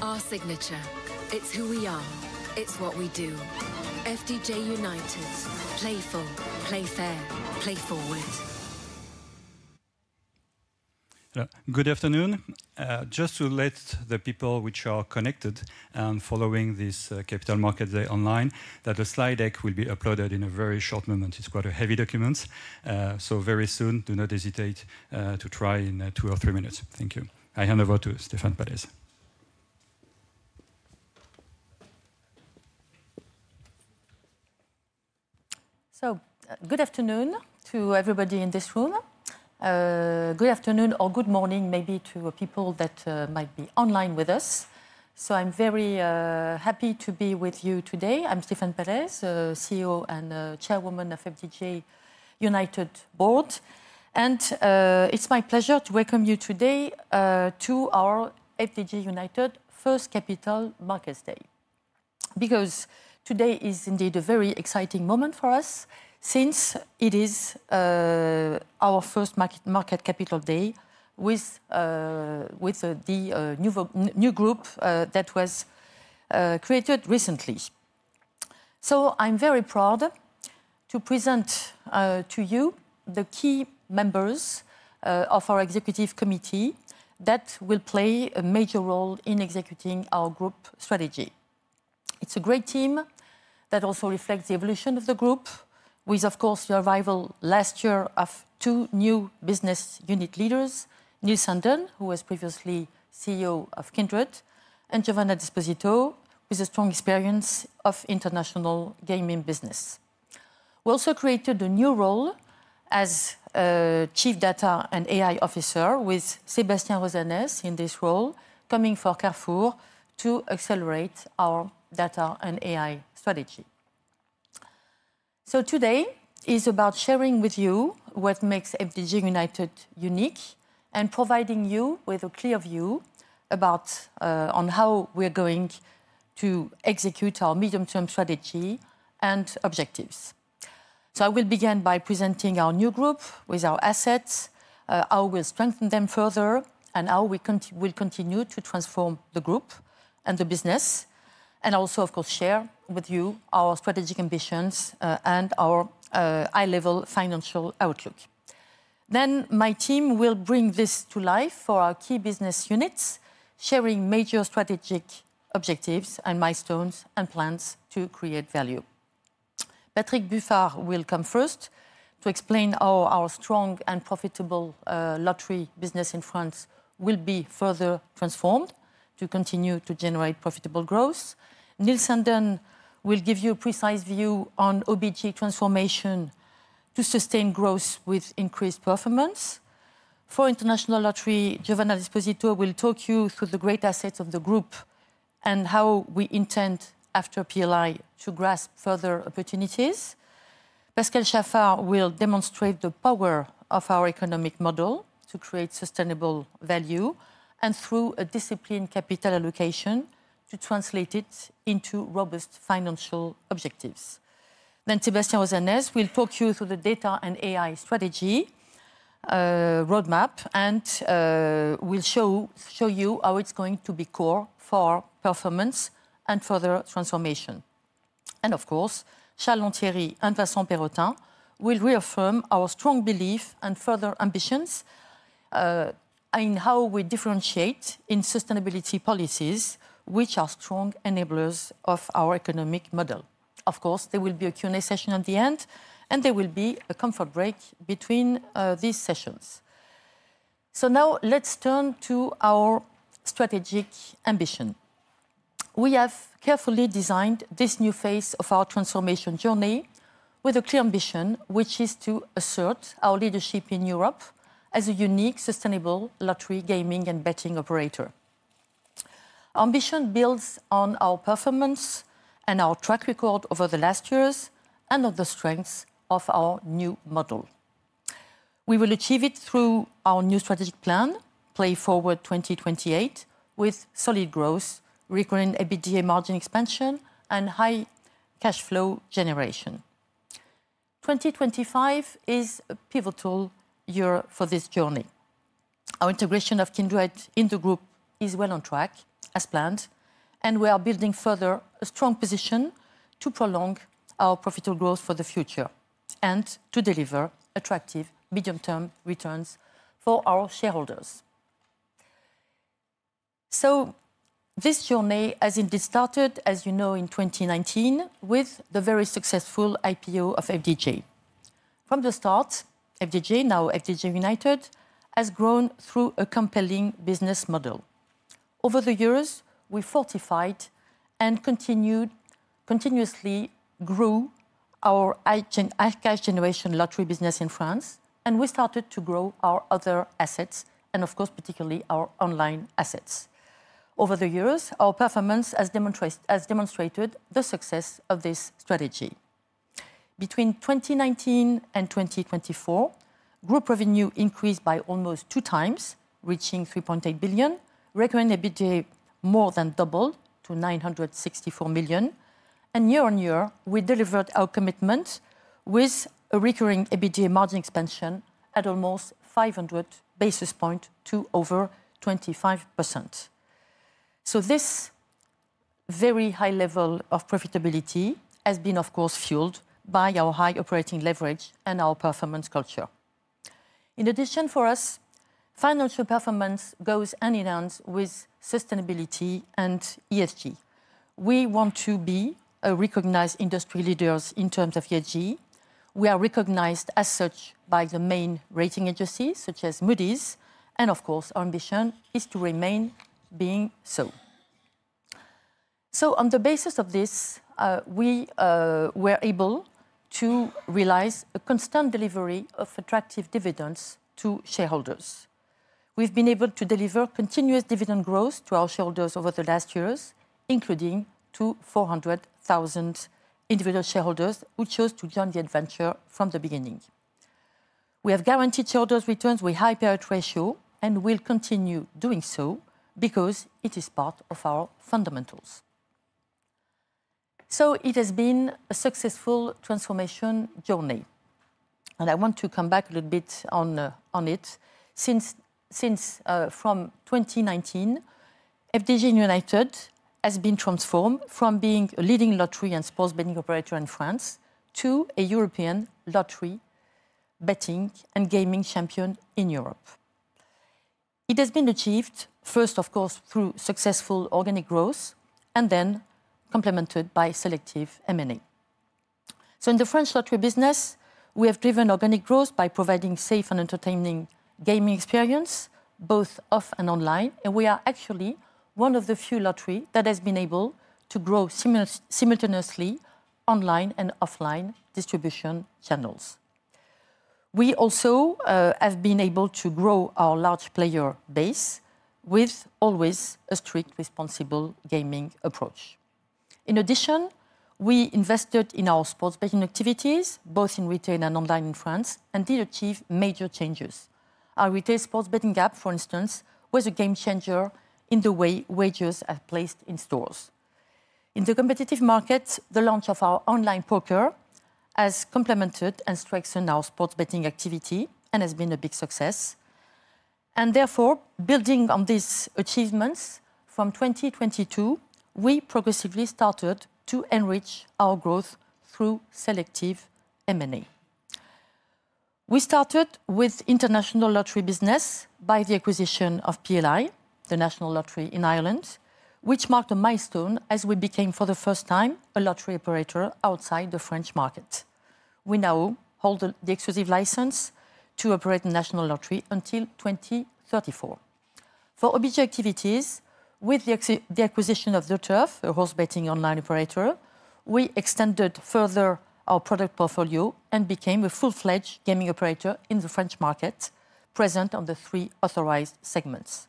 Good afternoon. Just to let the people who are connected and following this capital markets day online know that the slide deck will be uploaded in a very short moment. It's quite a heavy document. Very soon, do not hesitate to try in two or three minutes. Thank you. I hand over to Stéphane Pallez. Good afternoon to everybody in this room. Good afternoon or good morning maybe to people that might be online with us. I'm very happy to be with you today. I'm Stéphane Pallez, CEO and Chairwoman of FDJ United Board. It's my pleasure to welcome you today to our FDJ United First Capital Markets Day. Today is indeed a very exciting moment for us since it is our first capital markets day with the new group that was created recently. I'm very proud to present to you the key members of our executive committee that will play a major role in executing our group strategy. It's a great team that also reflects the evolution of the group with, of course, the arrival last year of two new business unit leaders, Nils Anden, who was previously CEO of Kindred, and Giovanna Desposito, with a strong experience of international gaming business. We also created a new role as Chief Data and AI Officer with Sébastien Rosanes in this role coming from Carrefour to accelerate our data and AI strategy. Today is about sharing with you what makes FDJ United unique and providing you with a clear view on how we're going to execute our medium-term strategy and objectives. I will begin by presenting our new group with our assets, how we'll strengthen them further, and how we will continue to transform the group and the business. I will also, of course, share with you our strategic ambitions and our high-level financial outlook. My team will bring this to life for our key business units, sharing major strategic objectives and milestones and plans to create value. Patrick Bufard will come first to explain how our strong and profitable lottery business in France will be further transformed to continue to generate profitable growth. Nils Anden will give you a precise view on OBG transformation to sustain growth with increased performance. For international lottery, Giovanna Desposito will talk you through the great assets of the group and how we intend, after PLI, to grasp further opportunities. Pascal Chaffard will demonstrate the power of our economic model to create sustainable value and through a disciplined capital allocation to translate it into robust financial objectives. Sébastien Rosanes will talk you through the data and AI strategy roadmap and will show you how it's going to be core for performance and further transformation. Of course, Charles Lantieri and Vincent Perrottin will reaffirm our strong belief and further ambitions in how we differentiate in sustainability policies, which are strong enablers of our economic model. There will be a Q&A session at the end, and there will be a comfort break between these sessions. Now let's turn to our strategic ambition. We have carefully designed this new phase of our transformation journey with a clear ambition, which is to assert our leadership in Europe as a unique sustainable lottery gaming and betting operator. Our ambition builds on our performance and our track record over the last years and on the strengths of our new model. We will achieve it through our new strategic plan, Play Forward 2028, with solid growth, recurring EBITDA margin expansion, and high cash flow generation. 2025 is a pivotal year for this journey. Our integration of Kindred in the group is well on track, as planned, and we are building further a strong position to prolong our profitable growth for the future and to deliver attractive medium-term returns for our shareholders. This journey has indeed started, as you know, in 2019 with the very successful IPO of FDJ. From the start, FDJ, now FDJ United, has grown through a compelling business model. Over the years, we fortified and continuously grew our high cash generation lottery business in France, and we started to grow our other assets and, of course, particularly our online assets. Over the years, our performance has demonstrated the success of this strategy. Between 2019 and 2024, group revenue increased by almost two times, reaching 3.8 billion, recurring EBITDA more than doubled to 964 million, and year on year, we delivered our commitment with a recurring EBITDA margin expansion at almost 500 basis points to over 25%. This very high level of profitability has been, of course, fueled by our high operating leverage and our performance culture. In addition, for us, financial performance goes hand in hand with sustainability and ESG. We want to be recognized industry leaders in terms of ESG. We are recognized as such by the main rating agencies such as Moody's, and of course, our ambition is to remain being so. On the basis of this, we were able to realize a constant delivery of attractive dividends to shareholders. have been able to deliver continuous dividend growth to our shareholders over the last years, including to 400,000 individual shareholders who chose to join the adventure from the beginning. We have guaranteed shareholders' returns with a high payout ratio and will continue doing so because it is part of our fundamentals. It has been a successful transformation journey, and I want to come back a little bit on it. Since 2019, FDJ UNITED has been transformed from being a leading lottery and sports betting operator in France to a European lottery, betting, and gaming champion in Europe. It has been achieved, first, of course, through successful organic growth and then complemented by selective M&A. In the French lottery business, we have driven organic growth by providing a safe and entertaining gaming experience, both off and online, and we are actually one of the few lotteries that has been able to grow simultaneously online and offline distribution channels. We also have been able to grow our large player base with always a strict responsible gaming approach. In addition, we invested in our sports betting activities, both in retail and online in France, and did achieve major changes. Our retail sports betting gap, for instance, was a game changer in the way wagers are placed in stores. In the competitive market, the launch of our online poker has complemented and strengthened our sports betting activity and has been a big success. Therefore, building on these achievements, from 2022, we progressively started to enrich our growth through selective M&A. We started with international lottery business by the acquisition of PLI, the national lottery in Ireland, which marked a milestone as we became for the first time a lottery operator outside the French market. We now hold the exclusive license to operate the national lottery until 2034. For OBG activities, with the acquisition of The Turf, a horse betting online operator, we extended further our product portfolio and became a full-fledged gaming operator in the French market, present on the three authorized segments.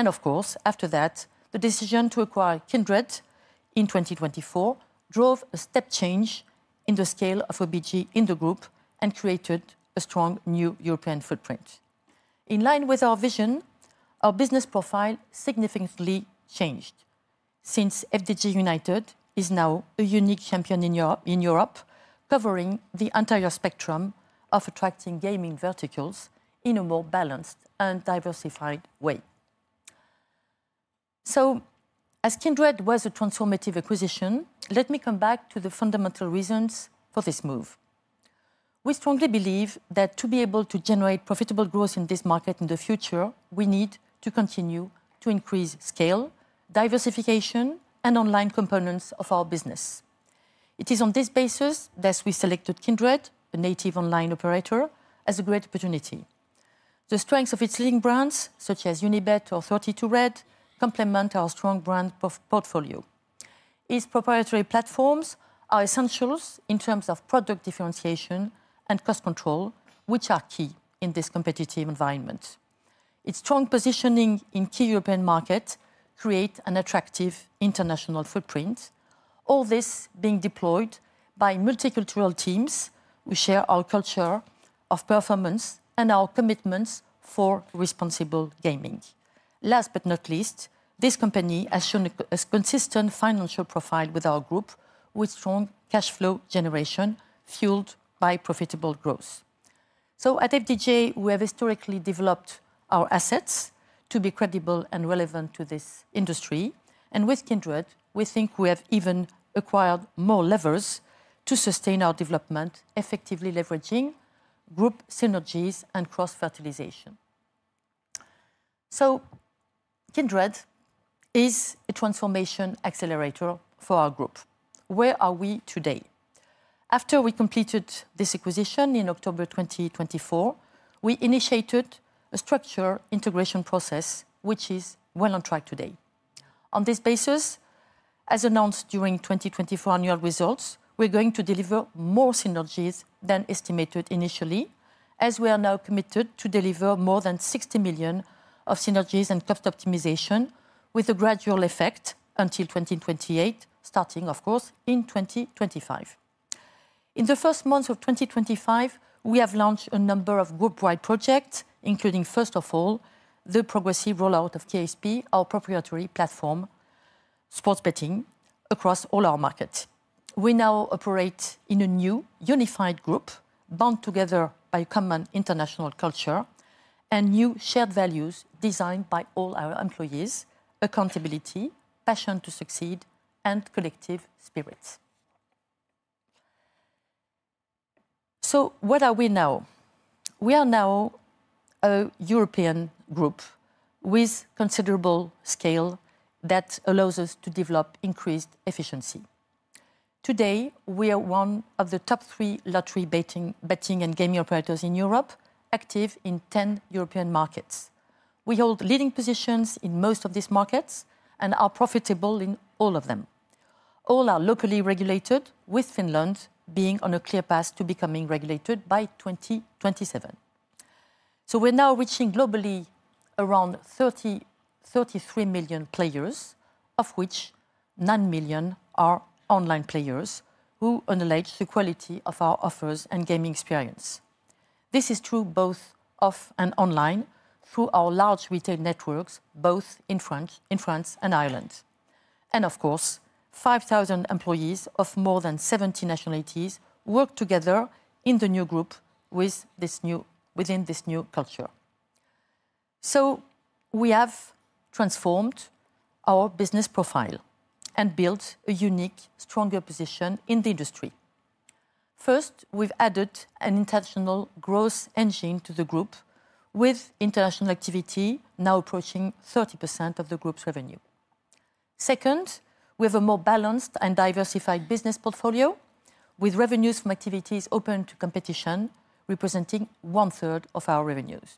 Of course, after that, the decision to acquire Kindred in 2024 drove a step change in the scale of OBG in the group and created a strong new European footprint. In line with our vision, our business profile significantly changed since FDJ UNITED is now a unique champion in Europe, covering the entire spectrum of attracting gaming verticals in a more balanced and diversified way. As Kindred was a transformative acquisition, let me come back to the fundamental reasons for this move. We strongly believe that to be able to generate profitable growth in this market in the future, we need to continue to increase scale, diversification, and online components of our business. It is on this basis that we selected Kindred, a native online operator, as a great opportunity. The strengths of its leading brands, such as Unibet or 32Red, complement our strong brand portfolio. Its proprietary platforms are essential in terms of product differentiation and cost control, which are key in this competitive environment. Its strong positioning in key European markets creates an attractive international footprint, all this being deployed by multicultural teams who share our culture of performance and our commitments for responsible gaming. Last but not least, this company has shown a consistent financial profile with our group, with strong cash flow generation fueled by profitable growth. At FDJ UNITED, we have historically developed our assets to be credible and relevant to this industry, and with Kindred, we think we have even acquired more levers to sustain our development, effectively leveraging group synergies and cross-fertilization. Kindred is a transformation accelerator for our group. Where are we today? After we completed this acquisition in October 2024, we initiated a structured integration process, which is well on track today. On this basis, as announced during 2024 annual results, we are going to deliver more synergies than estimated initially, as we are now committed to deliver more than 60 million of synergies and cost optimization, with a gradual effect until 2028, starting, of course, in 2025. In the first months of 2025, we have launched a number of group-wide projects, including, first of all, the progressive rollout of KSP, our proprietary platform, sports betting across all our markets. We now operate in a new unified group, bound together by a common international culture and new shared values designed by all our employees: accountability, passion to succeed, and collective spirit. What are we now? We are now a European group with considerable scale that allows us to develop increased efficiency. Today, we are one of the top three lottery betting and gaming operators in Europe, active in 10 European markets. We hold leading positions in most of these markets and are profitable in all of them. All are locally regulated, with Finland being on a clear path to becoming regulated by 2027. We're now reaching globally around 33 million players, of which 9 million are online players who enlighten the quality of our offers and gaming experience. This is true both off and online through our large retail networks, both in France and Ireland. Of course, 5,000 employees of more than 70 nationalities work together in the new group within this new culture. We have transformed our business profile and built a unique, stronger position in the industry. First, we've added an international growth engine to the group, with international activity now approaching 30% of the group's revenue. Second, we have a more balanced and diversified business portfolio, with revenues from activities open to competition representing one-third of our revenues.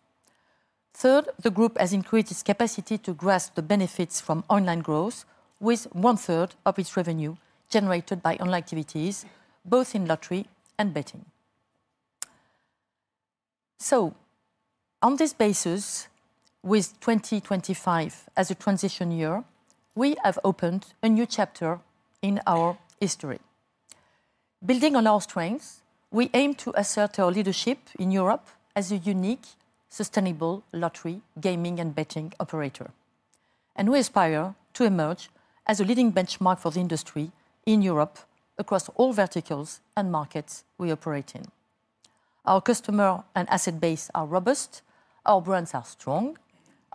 Third, the group has increased its capacity to grasp the benefits from online growth, with one-third of its revenue generated by online activities, both in lottery and betting. On this basis, with 2025 as a transition year, we have opened a new chapter in our history. Building on our strengths, we aim to assert our leadership in Europe as a unique sustainable lottery, gaming, and betting operator. We aspire to emerge as a leading benchmark for the industry in Europe across all verticals and markets we operate in. Our customer and asset base are robust, our brands are strong,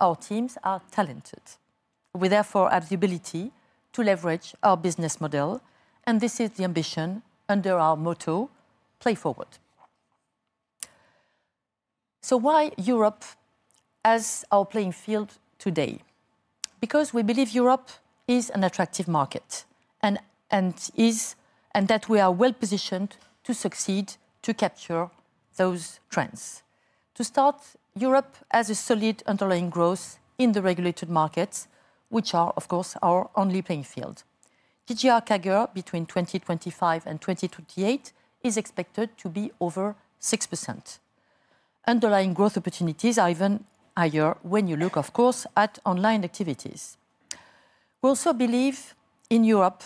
our teams are talented. We therefore have the ability to leverage our business model, and this is the ambition under our motto, Play Forward. Why Europe as our playing field today? Because we believe Europe is an attractive market and that we are well positioned to succeed, to capture those trends. To start, Europe has a solid underlying growth in the regulated markets, which are, of course, our only playing field. GGR CAGR, between 2025 and 2028, is expected to be over 6%. Underlying growth opportunities are even higher when you look, of course, at online activities. We also believe in Europe,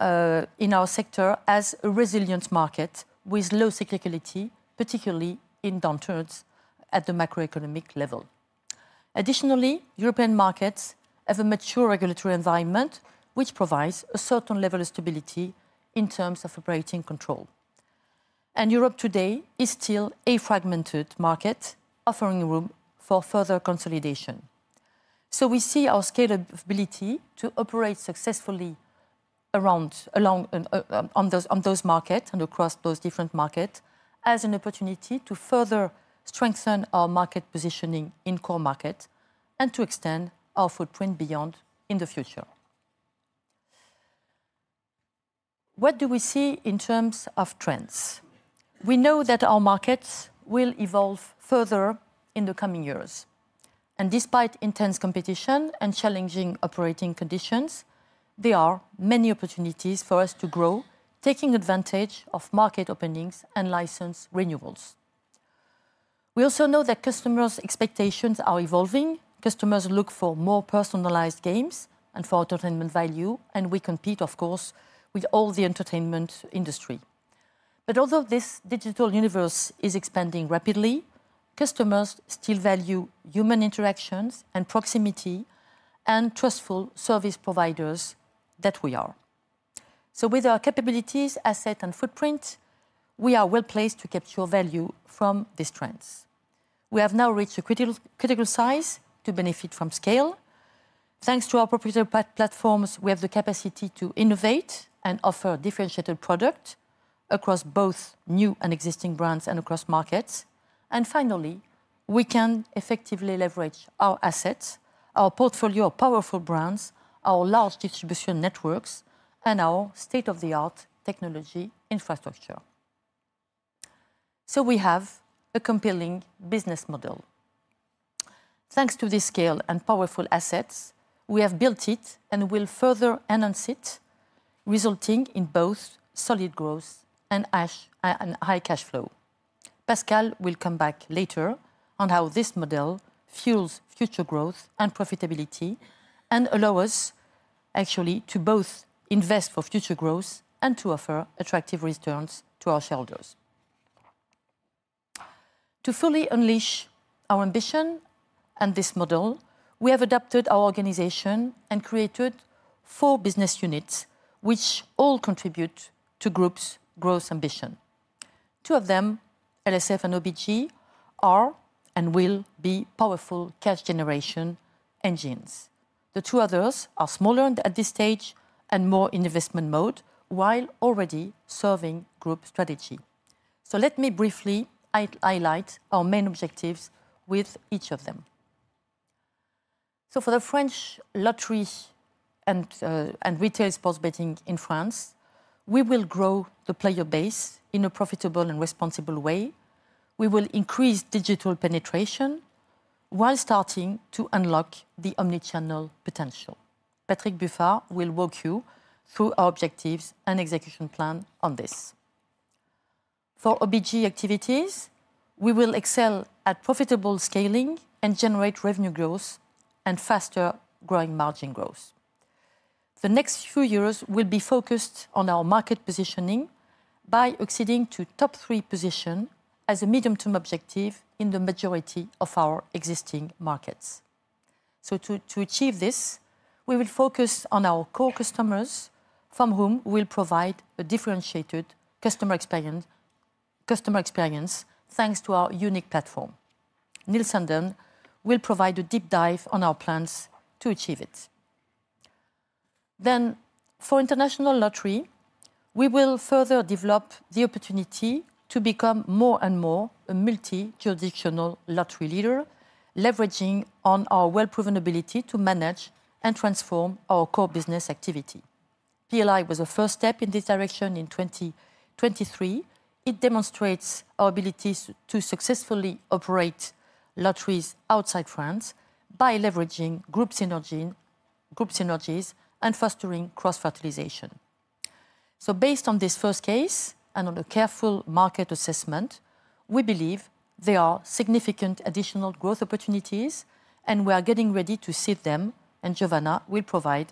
in our sector, as a resilient market with low cyclicality, particularly in downturns at the macroeconomic level. Additionally, European markets have a mature regulatory environment, which provides a certain level of stability in terms of operating control. Europe today is still a fragmented market, offering room for further consolidation. We see our scalability to operate successfully around, along, on those markets and across those different markets as an opportunity to further strengthen our market positioning in core markets and to extend our footprint beyond in the future. What do we see in terms of trends? We know that our markets will evolve further in the coming years. Despite intense competition and challenging operating conditions, there are many opportunities for us to grow, taking advantage of market openings and license renewals. We also know that customers' expectations are evolving. Customers look for more personalized games and for entertainment value, and we compete, of course, with all the entertainment industry. Although this digital universe is expanding rapidly, customers still value human interactions and proximity and trustful service providers that we are. With our capabilities, assets, and footprint, we are well placed to capture value from these trends. We have now reached a critical size to benefit from scale. Thanks to our proprietary platforms, we have the capacity to innovate and offer differentiated products across both new and existing brands and across markets. Finally, we can effectively leverage our assets, our portfolio of powerful brands, our large distribution networks, and our state-of-the-art technology infrastructure. We have a compelling business model. Thanks to this scale and powerful assets, we have built it and will further enhance it, resulting in both solid growth and high cash flow. Pascal will come back later on how this model fuels future growth and profitability and allows us actually to both invest for future growth and to offer attractive returns to our shareholders. To fully unleash our ambition and this model, we have adapted our organization and created four business units, which all contribute to the group's growth ambition. Two of them, LSF and OBG, are and will be powerful cash generation engines. The two others are smaller at this stage and more in investment mode, while already serving group strategy. Let me briefly highlight our main objectives with each of them. For the French lottery and retail sports betting in France, we will grow the player base in a profitable and responsible way. We will increase digital penetration while starting to unlock the omnichannel potential. Patrick Bufard will walk you through our objectives and execution plan on this. For OBG activities, we will excel at profitable scaling and generate revenue growth and faster growing margin growth. The next few years will be focused on our market positioning by exceeding to top three position as a medium-term objective in the majority of our existing markets. To achieve this, we will focus on our core customers from whom we will provide a differentiated customer experience thanks to our unique platform. Nils Anden will provide a deep dive on our plans to achieve it. For international lottery, we will further develop the opportunity to become more and more a multi-jurisdictional lottery leader, leveraging our well-proven ability to manage and transform our core business activity. PLI was a first step in this direction in 2023. It demonstrates our ability to successfully operate lotteries outside France by leveraging group synergies and fostering cross-fertilization. Based on this first case and on a careful market assessment, we believe there are significant additional growth opportunities, and we are getting ready to see them, and Giovanna will provide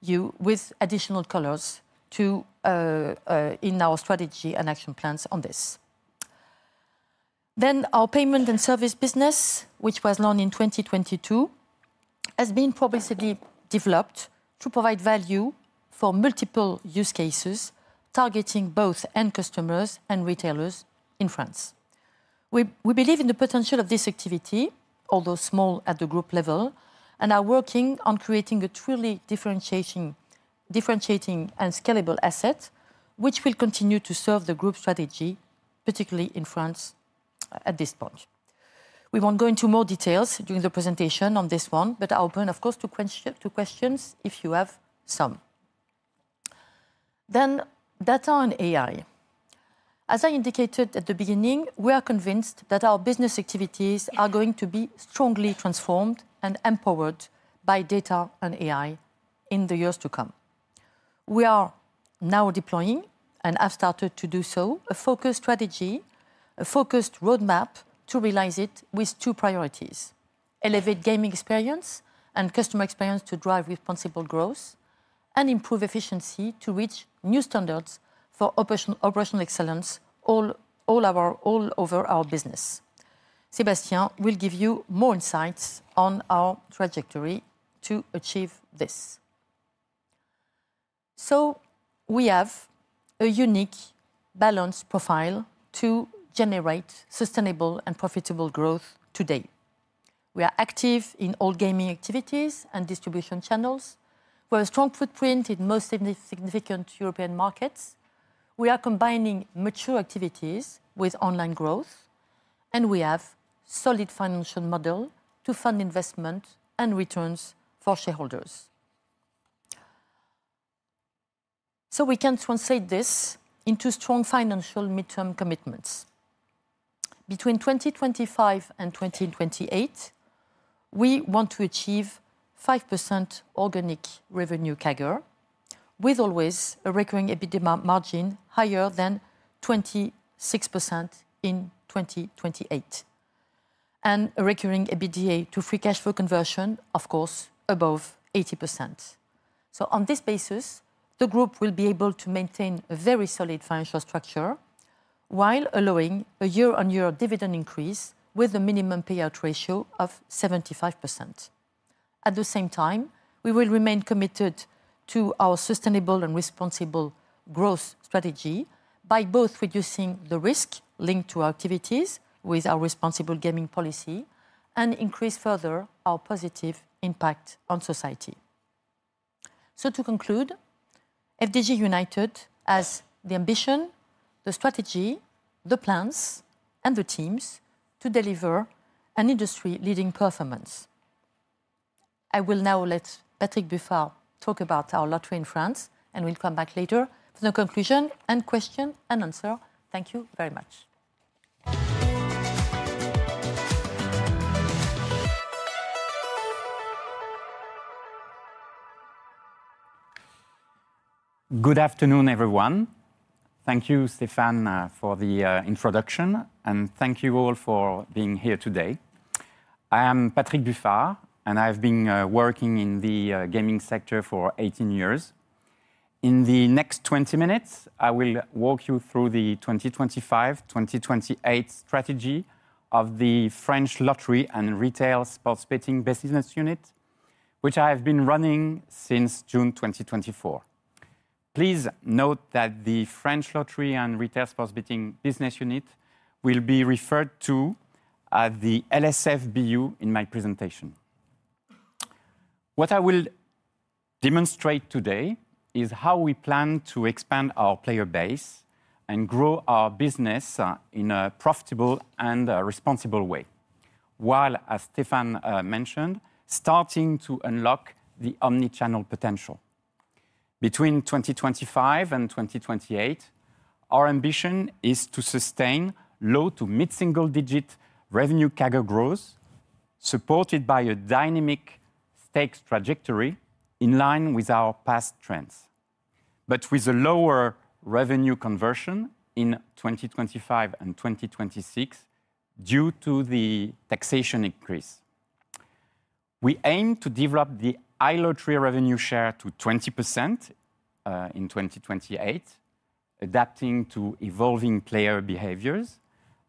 you with additional colors in our strategy and action plans on this. Our payment and service business, which was launched in 2022, has been progressively developed to provide value for multiple use cases, targeting both end customers and retailers in France. We believe in the potential of this activity, although small at the group level, and are working on creating a truly differentiating and scalable asset, which will continue to serve the group strategy, particularly in France at this point. We will not go into more details during the presentation on this one, but I am open, of course, to questions if you have some. Data and AI. As I indicated at the beginning, we are convinced that our business activities are going to be strongly transformed and empowered by data and AI in the years to come. We are now deploying and have started to do so, a focused strategy, a focused roadmap to realize it with two priorities: elevate gaming experience and customer experience to drive responsible growth and improve efficiency to reach new standards for operational excellence all over our business. Sébastien will give you more insights on our trajectory to achieve this. We have a unique balance profile to generate sustainable and profitable growth today. We are active in all gaming activities and distribution channels. We have a strong footprint in most significant European markets. We are combining mature activities with online growth, and we have a solid financial model to fund investment and returns for shareholders. We can translate this into strong financial midterm commitments. Between 2025 and 2028, we want to achieve 5% organic revenue CAGR, with always a recurring EBITDA margin higher than 26% in 2028, and a recurring EBITDA to free cash flow conversion, of course, above 80%. On this basis, the group will be able to maintain a very solid financial structure while allowing a year-on-year dividend increase with a minimum payout ratio of 75%. At the same time, we will remain committed to our sustainable and responsible growth strategy by both reducing the risk linked to our activities with our responsible gaming policy and increase further our positive impact on society. To conclude, FDJ UNITED has the ambition, the strategy, the plans, and the teams to deliver an industry-leading performance. I will now let Patrick Bufard talk about our lottery in France, and we will come back later for the conclusion and question and answer. Thank you very much. Good afternoon, everyone. Thank you, Stéphane, for the introduction, and thank you all for being here today. I am Patrick Bufard, and I have been working in the gaming sector for 18 years. In the next 20 minutes, I will walk you through the 2025-2028 strategy of the French Lottery and Retail Sports Betting Business Unit, which I have been running since June 2024. Please note that the French Lottery and Retail Sports Betting Business Unit will be referred to as the LSF BU in my presentation. What I will demonstrate today is how we plan to expand our player base and grow our business in a profitable and responsible way, while, as Stéphane mentioned, starting to unlock the omnichannel potential. Between 2025 and 2028, our ambition is to sustain low to mid-single-digit revenue CAGR growth, supported by a dynamic stakes trajectory in line with our past trends, but with a lower revenue conversion in 2025 and 2026 due to the taxation increase. We aim to develop the iLottery revenue share to 20% in 2028, adapting to evolving player behaviors,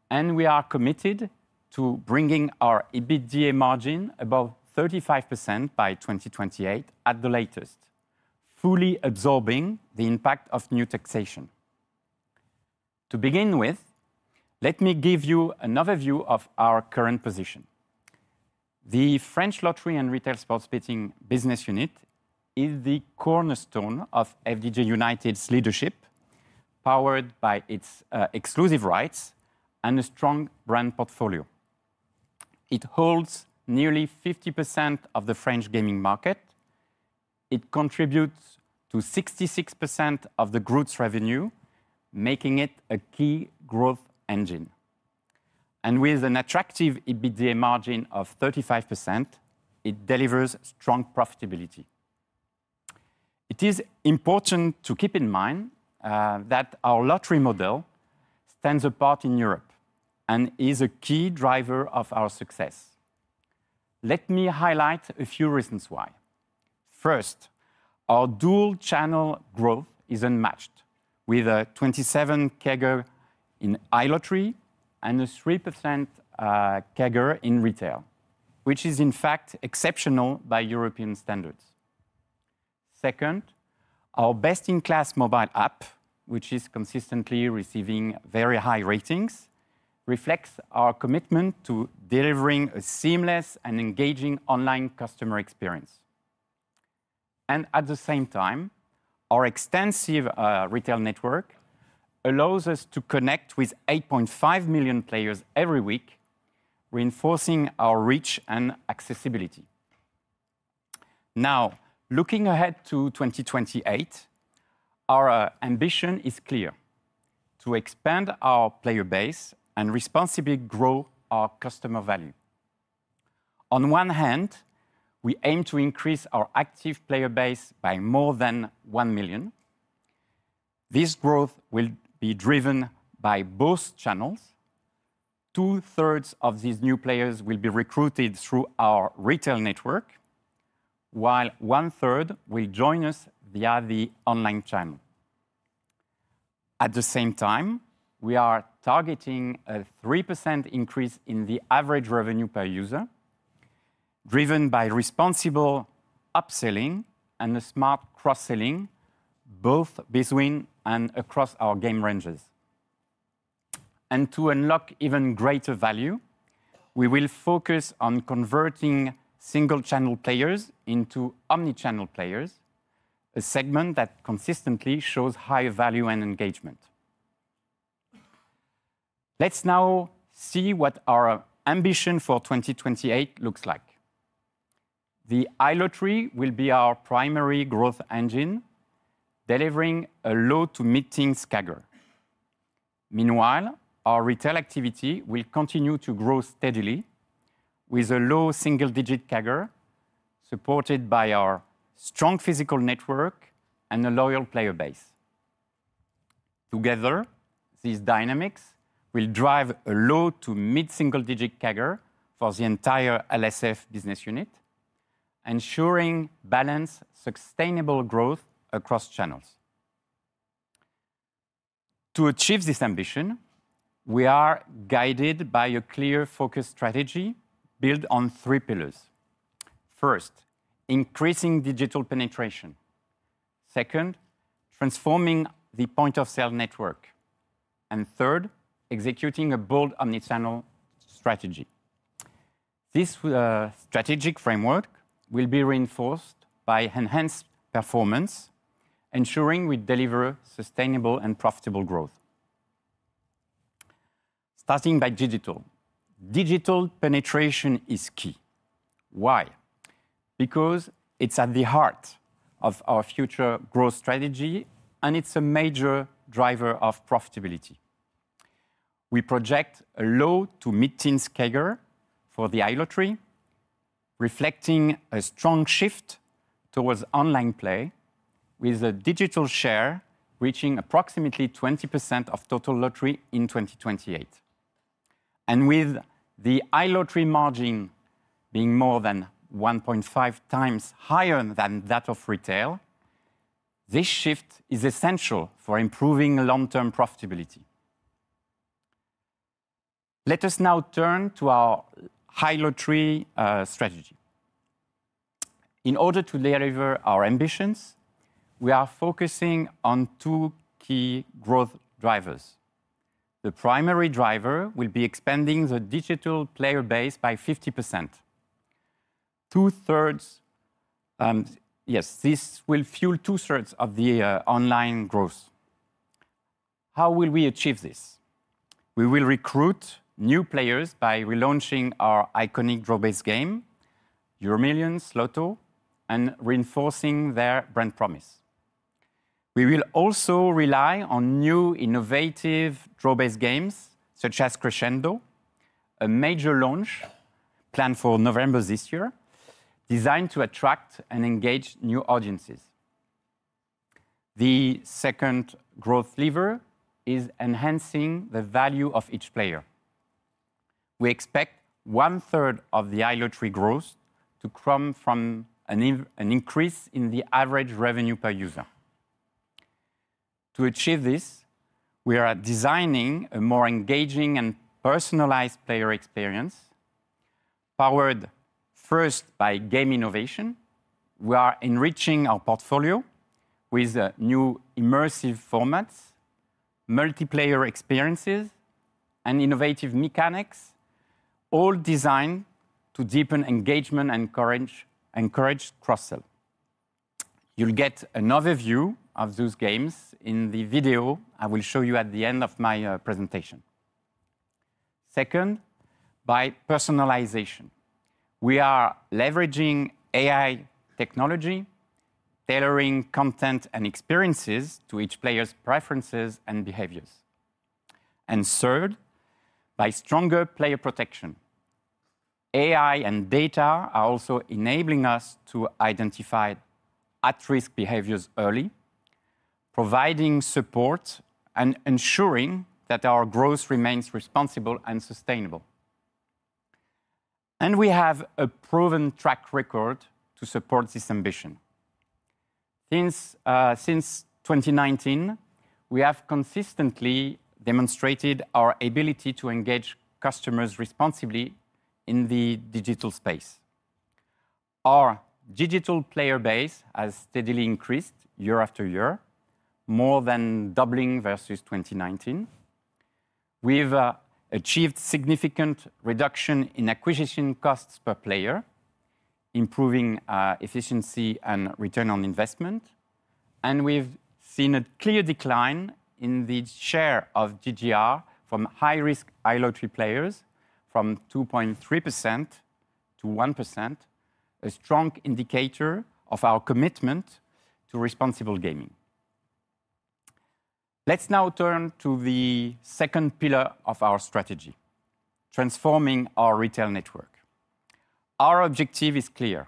and we are committed to bringing our EBITDA margin above 35% by 2028 at the latest, fully absorbing the impact of new taxation. To begin with, let me give you an overview of our current position. The French Lottery and Retail Sports Betting Business Unit is the cornerstone of FDJ UNITED leadership, powered by its exclusive rights and a strong brand portfolio. It holds nearly 50% of the French gaming market. It contributes to 66% of the group's revenue, making it a key growth engine. With an attractive EBITDA margin of 35%, it delivers strong profitability. It is important to keep in mind that our lottery model stands apart in Europe and is a key driver of our success. Let me highlight a few reasons why. First, our dual-channel growth is unmatched, with a 27% CAGR in iLottery and a 3% CAGR in retail, which is, in fact, exceptional by European standards. Second, our best-in-class mobile app, which is consistently receiving very high ratings, reflects our commitment to delivering a seamless and engaging online customer experience. At the same time, our extensive retail network allows us to connect with 8.5 million players every week, reinforcing our reach and accessibility. Now, looking ahead to 2028, our ambition is clear: to expand our player base and responsibly grow our customer value. On one hand, we aim to increase our active player base by more than 1 million. This growth will be driven by both channels. Two-thirds of these new players will be recruited through our retail network, while one-third will join us via the online channel. At the same time, we are targeting a 3% increase in the average revenue per user, driven by responsible upselling and a smart cross-selling both between and across our game ranges. To unlock even greater value, we will focus on converting single-channel players into omnichannel players, a segment that consistently shows high value and engagement. Let's now see what our ambition for 2028 looks like. The iLottery will be our primary growth engine, delivering a low to mid-teens CAGR. Meanwhile, our retail activity will continue to grow steadily with a low single-digit CAGR, supported by our strong physical network and a loyal player base. Together, these dynamics will drive a low to mid-single-digit CAGR for the entire LSF business unit, ensuring balanced, sustainable growth across channels. To achieve this ambition, we are guided by a clear focus strategy built on three pillars. First, increasing digital penetration. Second, transforming the point-of-sale network. Third, executing a bold omnichannel strategy. This strategic framework will be reinforced by enhanced performance, ensuring we deliver sustainable and profitable growth. Starting by digital, digital penetration is key. Why? Because it's at the heart of our future growth strategy, and it's a major driver of profitability. We project a low to mid-teens CAGR for the iLottery, reflecting a strong shift towards online play, with a digital share reaching approximately 20% of total lottery in 2028. With the iLottery margin being more than 1.5 times higher than that of retail, this shift is essential for improving long-term profitability. Let us now turn to our iLottery strategy. In order to deliver our ambitions, we are focusing on two key growth drivers. The primary driver will be expanding the digital player base by 50%. Two-thirds, yes, this will fuel two-thirds of the online growth. How will we achieve this? We will recruit new players by relaunching our iconic draw-based game, Euromillions Lotto, and reinforcing their brand promise. We will also rely on new innovative draw-based games such as Crescendo, a major launch planned for November this year, designed to attract and engage new audiences. The second growth lever is enhancing the value of each player. We expect one-third of the iLottery growth to come from an increase in the average revenue per user. To achieve this, we are designing a more engaging and personalized player experience, powered first by game innovation. We are enriching our portfolio with new immersive formats, multiplayer experiences, and innovative mechanics, all designed to deepen engagement and encourage cross-sell. You'll get an overview of those games in the video I will show you at the end of my presentation. Second, by personalization, we are leveraging AI technology, tailoring content and experiences to each player's preferences and behaviors. Third, by stronger player protection. AI and data are also enabling us to identify at-risk behaviors early, providing support and ensuring that our growth remains responsible and sustainable. We have a proven track record to support this ambition. Since 2019, we have consistently demonstrated our ability to engage customers responsibly in the digital space. Our digital player base has steadily increased year after year, more than doubling versus 2019. We have achieved significant reduction in acquisition costs per player, improving efficiency and return on investment. We have seen a clear decline in the share of GGR from high-risk iLottery players from 2.3%-1%, a strong indicator of our commitment to responsible gaming. Let's now turn to the second pillar of our strategy, transforming our retail network. Our objective is clear: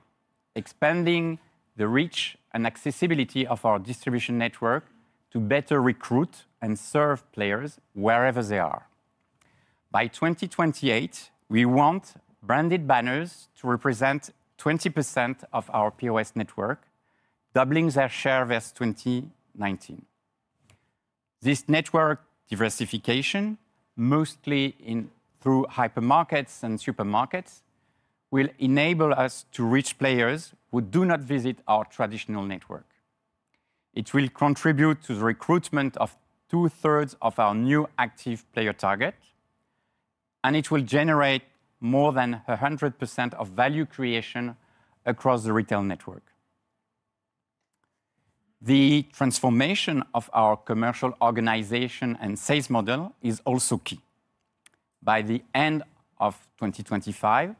expanding the reach and accessibility of our distribution network to better recruit and serve players wherever they are. By 2028, we want branded banners to represent 20% of our POS network, doubling their share versus 2019. This network diversification, mostly through hypermarkets and supermarkets, will enable us to reach players who do not visit our traditional network. It will contribute to the recruitment of two-thirds of our new active player target, and it will generate more than 100% of value creation across the retail network. The transformation of our commercial organization and sales model is also key. By the end of 2025,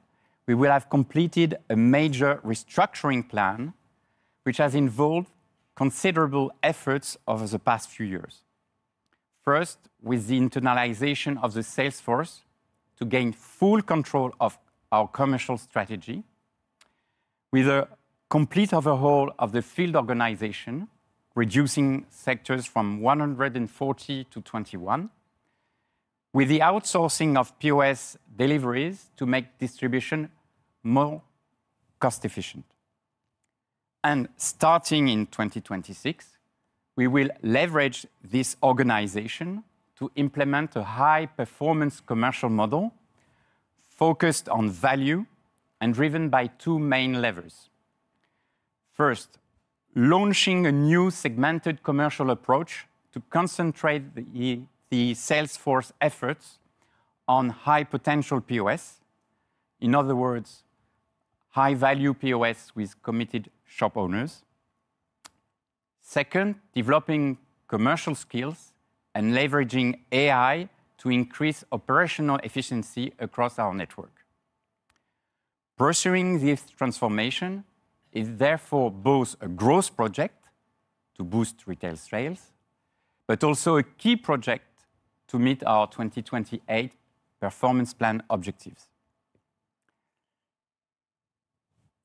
we will have completed a major restructuring plan, which has involved considerable efforts over the past few years. First, with the internalization of the sales force to gain full control of our commercial strategy, with a complete overhaul of the field organization, reducing sectors from 140- 21, with the outsourcing of POS deliveries to make distribution more cost-efficient. Starting in 2026, we will leverage this organization to implement a high-performance commercial model focused on value and driven by two main levers. First, launching a new segmented commercial approach to concentrate the sales force efforts on high-potential POS, in other words, high-value POS with committed shop owners. Second, developing commercial skills and leveraging AI to increase operational efficiency across our network. Pursuing this transformation is therefore both a growth project to boost retail sales, but also a key project to meet our 2028 performance plan objectives.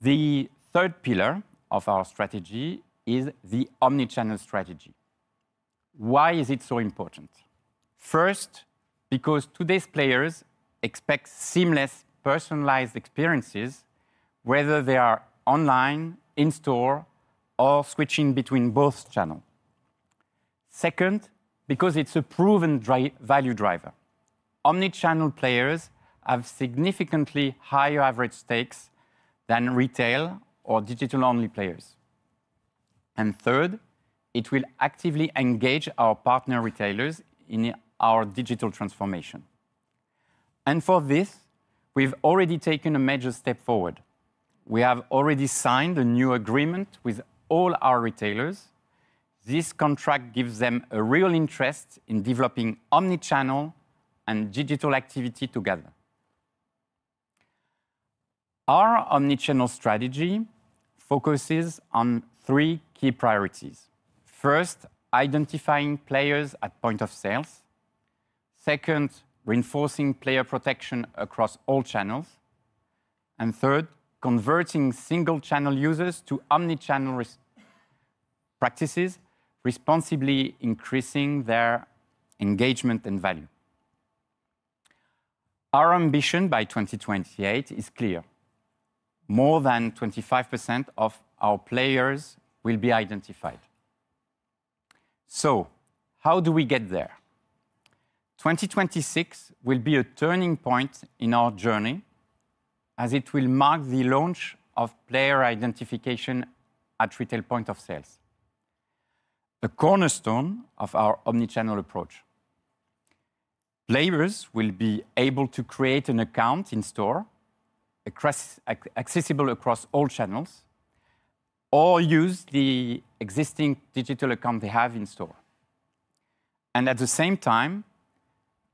The third pillar of our strategy is the omnichannel strategy. Why is it so important? First, because today's players expect seamless personalized experiences, whether they are online, in-store, or switching between both channels. Second, because it is a proven value driver. Omnichannel players have significantly higher average stakes than retail or digital-only players. It will actively engage our partner retailers in our digital transformation. For this, we have already taken a major step forward. We have already signed a new agreement with all our retailers. This contract gives them a real interest in developing omnichannel and digital activity together. Our omnichannel strategy focuses on three key priorities. First, identifying players at point of sales. Second, reinforcing player protection across all channels. Third, converting single-channel users to omnichannel practices, responsibly increasing their engagement and value. Our ambition by 2028 is clear. More than 25% of our players will be identified. How do we get there? 2026 will be a turning point in our journey as it will mark the launch of player identification at retail point of sales, a cornerstone of our omnichannel approach. Players will be able to create an account in-store, accessible across all channels, or use the existing digital account they have in-store. At the same time,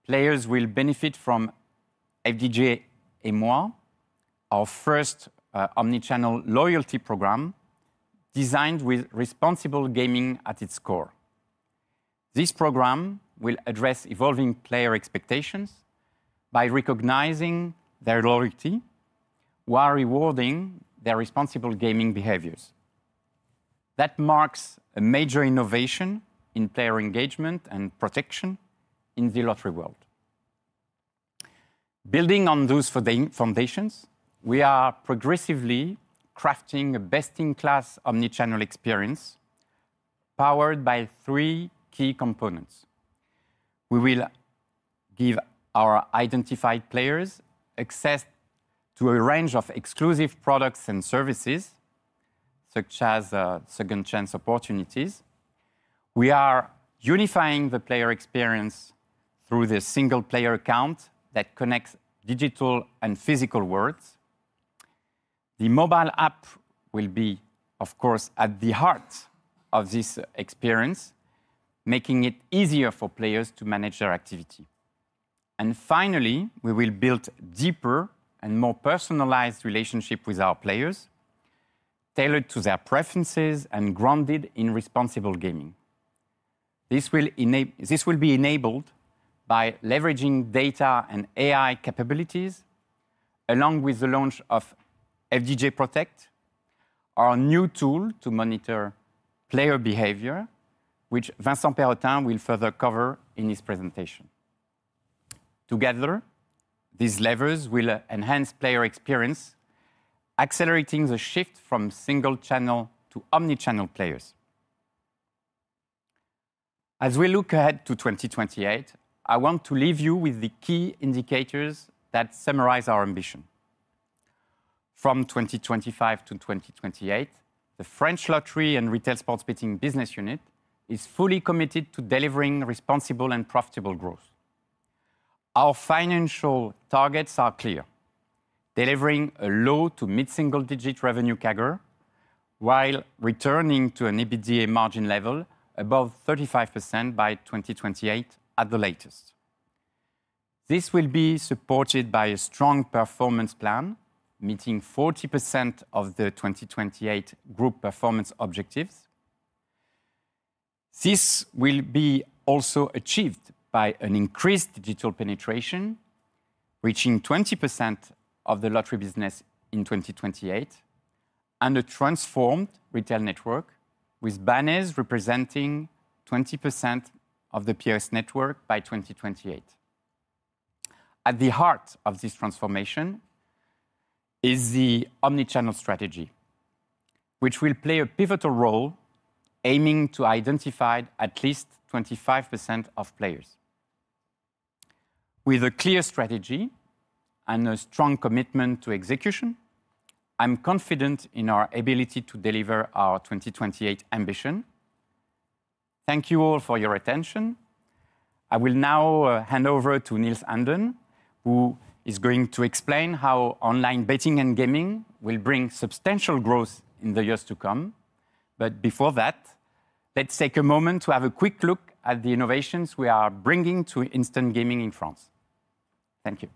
players will benefit from FDJ & Moi, our first omnichannel loyalty program designed with responsible gaming at its core. This program will address evolving player expectations by recognizing their loyalty while rewarding their responsible gaming behaviors. That marks a major innovation in player engagement and protection in the lottery world. Building on those foundations, we are progressively crafting a best-in-class omnichannel experience powered by three key components. We will give our identified players access to a range of exclusive products and services, such as second-chance opportunities. We are unifying the player experience through the single-player account that connects digital and physical worlds. The mobile app will be, of course, at the heart of this experience, making it easier for players to manage their activity. Finally, we will build deeper and more personalized relationships with our players, tailored to their preferences and grounded in responsible gaming. This will be enabled by leveraging data and AI capabilities, along with the launch of FDJ Protect, our new tool to monitor player behavior, which Vincent Perrottin will further cover in his presentation. Together, these levers will enhance player experience, accelerating the shift from single-channel to omnichannel players. As we look ahead to 2028, I want to leave you with the key indicators that summarize our ambition. From 2025-2028, the French Lottery and Retail Sports Betting Business Unit is fully committed to delivering responsible and profitable growth. Our financial targets are clear: delivering a low to mid-single-digit revenue CAGR while returning to an EBITDA margin level above 35% by 2028 at the latest. This will be supported by a strong performance plan meeting 40% of the 2028 group performance objectives. This will be also achieved by an increased digital penetration, reaching 20% of the lottery business in 2028, and a transformed retail network with banners representing 20% of the POS network by 2028. At the heart of this transformation is the omnichannel strategy, which will play a pivotal role aiming to identify at least 25% of players. With a clear strategy and a strong commitment to execution, I'm confident in our ability to deliver our 2028 ambition. Thank you all for your attention. I will now hand over to Nils Anden, who is going to explain how online betting and gaming will bring substantial growth in the years to come. Before that, let's take a moment to have a quick look at the innovations we are bringing to instant gaming in France. Thank you.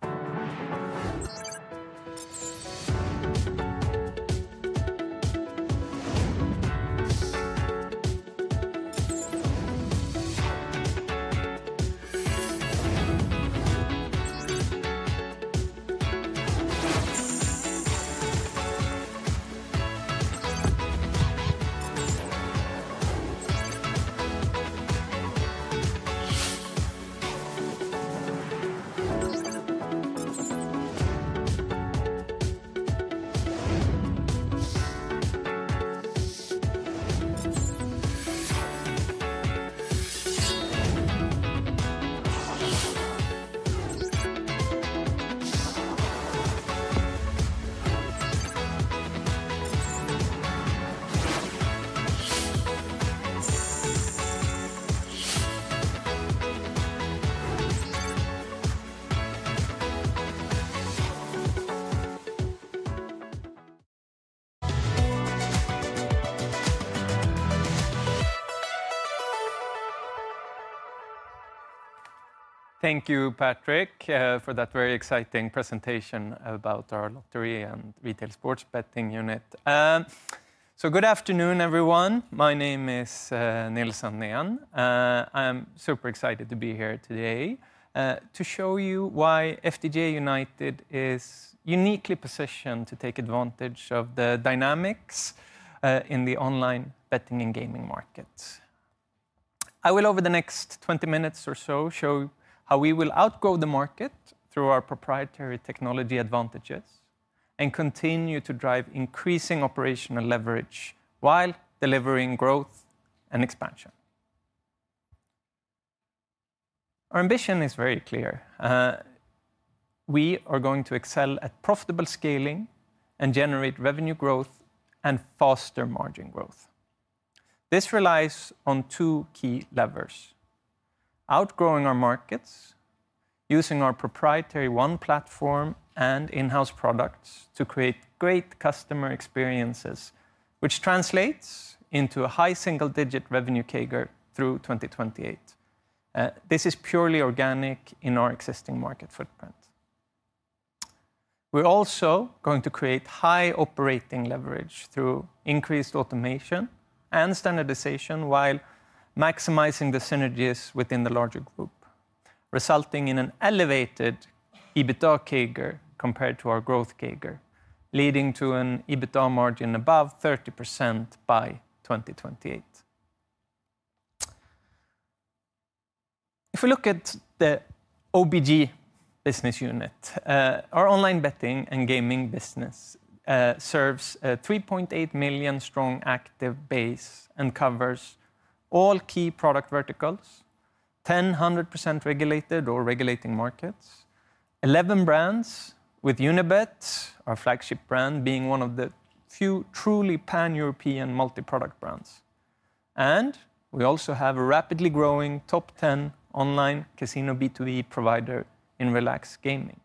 Thank you, Patrick, for that very exciting presentation about our lottery and retail sports betting unit. Good afternoon, everyone. My name is Nils Anden. I'm super excited to be here today to show you why FDJ UNIITED is uniquely positioned to take advantage of the dynamics in the online betting and gaming markets. I will, over the next 20 minutes or so, show how we will outgrow the market through our proprietary technology advantages and continue to drive increasing operational leverage while delivering growth and expansion. Our ambition is very clear. We are going to excel at profitable scaling and generate revenue growth and foster margin growth. This relies on two key levers: outgrowing our markets, using our proprietary One Platform and in-house products to create great customer experiences, which translates into a high single-digit revenue CAGR through 2028. This is purely organic in our existing market footprint. We're also going to create high operating leverage through increased automation and standardization while maximizing the synergies within the larger group, resulting in an elevated EBITDA CAGR compared to our growth CAGR, leading to an EBITDA margin above 30% by 2028. If we look at the OBG business unit, our online betting and gaming business serves a 3.8 million strong active base and covers all key product verticals, 10 100% regulated or regulating markets, 11 brands with Unibet, our flagship brand, being one of the few truly pan-European multi-product brands. We also have a rapidly growing top 10 online casino B2B provider in Relax Gaming.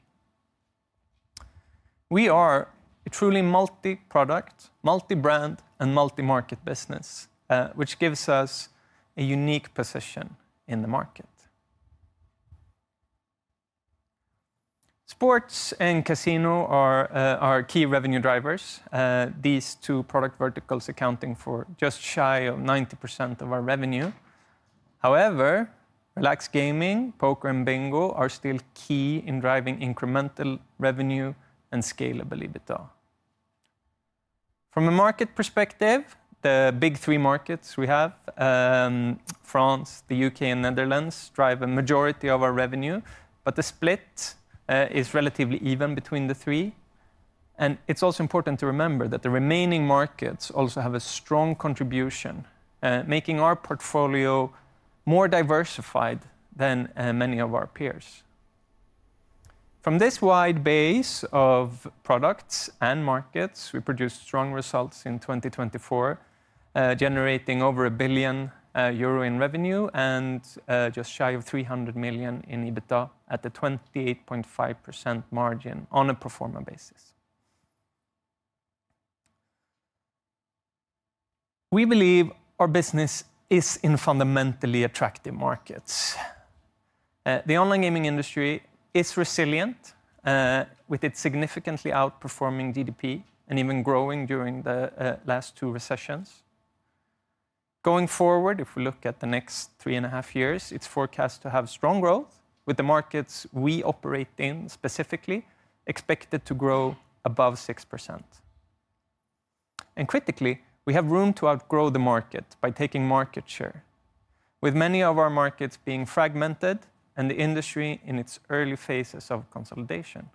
We are a truly multi-product, multi-brand, and multi-market business, which gives us a unique position in the market. Sports and casino are our key revenue drivers, these two product verticals accounting for just shy of 90% of our revenue. However, Relax Gaming, poker, and bingo are still key in driving incremental revenue and scalable EBITDA. From a market perspective, the big three markets we have, France, the U.K., and Netherlands, drive a majority of our revenue, but the split is relatively even between the three. It is also important to remember that the remaining markets also have a strong contribution, making our portfolio more diversified than many of our peers. From this wide base of products and markets, we produced strong results in 2024, generating over 1 billion euro in revenue and just shy of 300 million in EBITDA at a 28.5% margin on a pro forma basis. We believe our business is in fundamentally attractive markets. The online gaming industry is resilient, with its significantly outperforming GDP and even growing during the last two recessions. Going forward, if we look at the next three and a half years, it is forecast to have strong growth with the markets we operate in specifically expected to grow above 6%. Critically, we have room to outgrow the market by taking market share, with many of our markets being fragmented and the industry in its early phases of consolidation.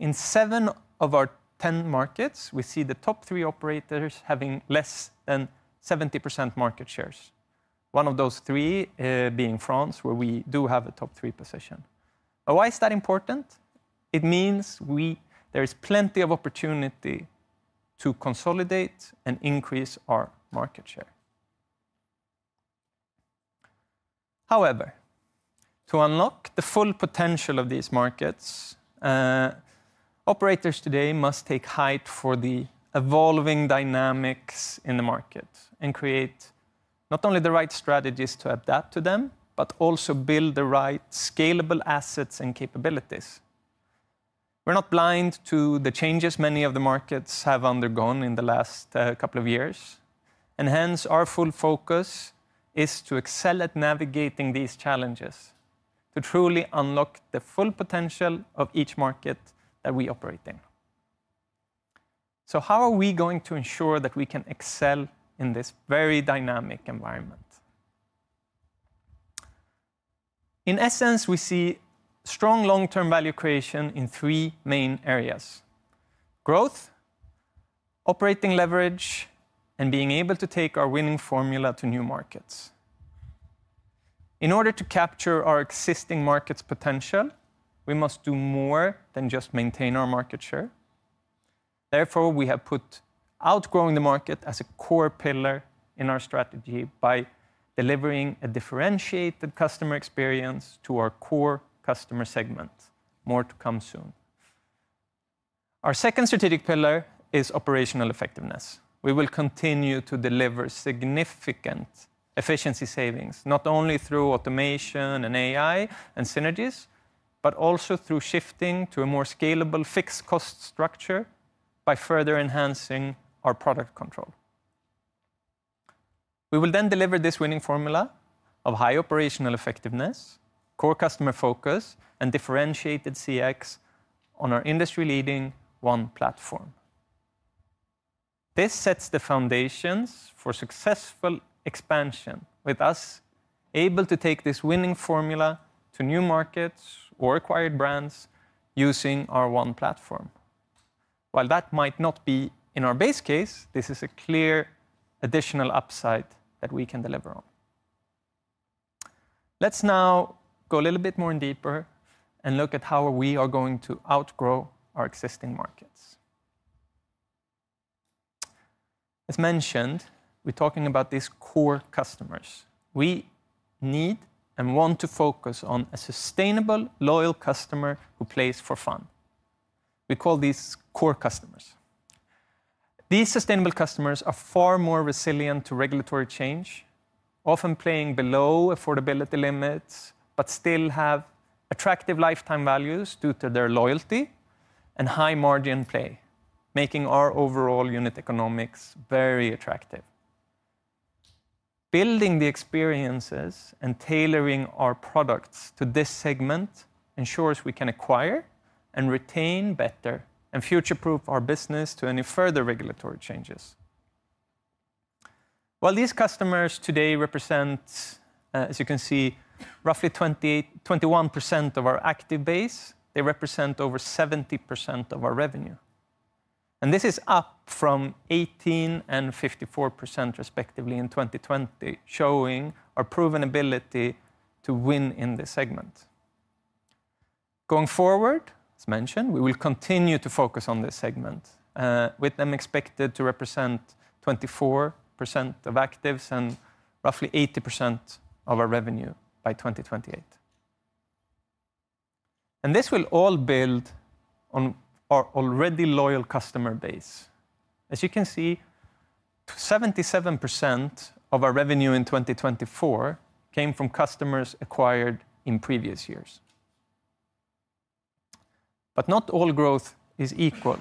In seven of our 10 markets, we see the top three operators having less than 70% market shares, one of those three being France, where we do have a top three position. Why is that important? It means there is plenty of opportunity to consolidate and increase our market share. However, to unlock the full potential of these markets, operators today must take heed of the evolving dynamics in the market and create not only the right strategies to adapt to them, but also build the right scalable assets and capabilities. We're not blind to the changes many of the markets have undergone in the last couple of years. Hence, our full focus is to excel at navigating these challenges to truly unlock the full potential of each market that we operate in. How are we going to ensure that we can excel in this very dynamic environment? In essence, we see strong long-term value creation in three main areas: growth, operating leverage, and being able to take our winning formula to new markets. In order to capture our existing market's potential, we must do more than just maintain our market share. Therefore, we have put outgrowing the market as a core pillar in our strategy by delivering a differentiated customer experience to our core customer segment. More to come soon. Our second strategic pillar is operational effectiveness. We will continue to deliver significant efficiency savings not only through automation and AI and synergies, but also through shifting to a more scalable fixed cost structure by further enhancing our product control. We will then deliver this winning formula of high operational effectiveness, core customer focus, and differentiated CX on our industry-leading One Platform. This sets the foundations for successful expansion, with us able to take this winning formula to new markets or acquired brands using our One Platform. While that might not be in our base case, this is a clear additional upside that we can deliver on. Let's now go a little bit more in deeper and look at how we are going to outgrow our existing markets. As mentioned, we're talking about these core customers. We need and want to focus on a sustainable, loyal customer who plays for fun. We call these core customers. These sustainable customers are far more resilient to regulatory change, often playing below affordability limits, but still have attractive lifetime values due to their loyalty and high margin play, making our overall unit economics very attractive. Building the experiences and tailoring our products to this segment ensures we can acquire and retain better and future-proof our business to any further regulatory changes. While these customers today represent, as you can see, roughly 21% of our active base, they represent over 70% of our revenue. This is up from 18% and 54% respectively in 2020, showing our proven ability to win in this segment. Going forward, as mentioned, we will continue to focus on this segment, with them expected to represent 24% of actives and roughly 80% of our revenue by 2028. This will all build on our already loyal customer base. As you can see, 77% of our revenue in 2024 came from customers acquired in previous years. Not all growth is equal.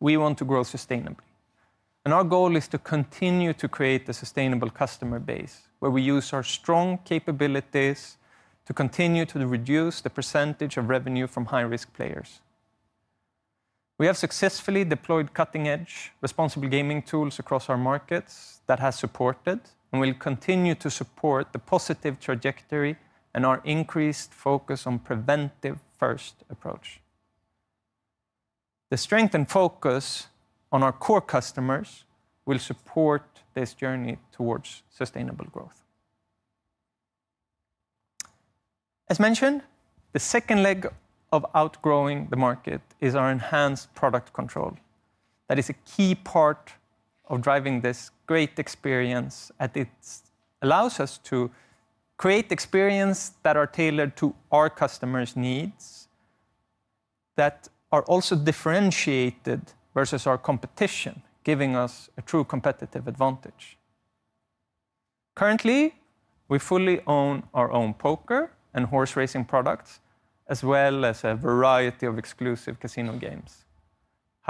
We want to grow sustainably. Our goal is to continue to create a sustainable customer base where we use our strong capabilities to continue to reduce the percentage of revenue from high-risk players. We have successfully deployed cutting-edge responsible gaming tools across our markets that have supported and will continue to support the positive trajectory and our increased focus on preventive-first approach. The strength and focus on our core customers will support this journey towards sustainable growth. As mentioned, the second leg of outgrowing the market is our enhanced product control. That is a key part of driving this great experience as it allows us to create experiences that are tailored to our customers' needs that are also differentiated versus our competition, giving us a true competitive advantage. Currently, we fully own our own poker and horse racing products, as well as a variety of exclusive casino games.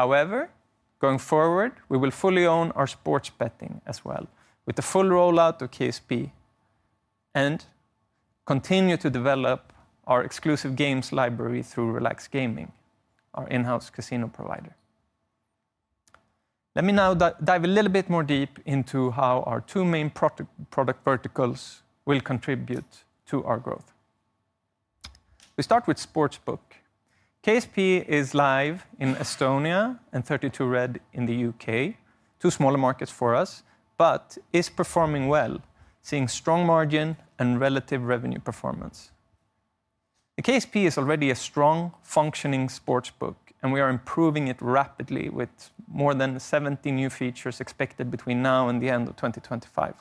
However, going forward, we will fully own our sports betting as well, with the full rollout of KSP and continue to develop our exclusive games library through Relax Gaming, our in-house casino provider. Let me now dive a little bit more deep into how our two main product verticals will contribute to our growth. We start with sportsbook. KSP is live in Estonia and 32Red in the U.K., two smaller markets for us, but is performing well, seeing strong margin and relative revenue performance. The KSP is already a strong, functioning sportsbook, and we are improving it rapidly with more than 70 new features expected between now and the end of 2025.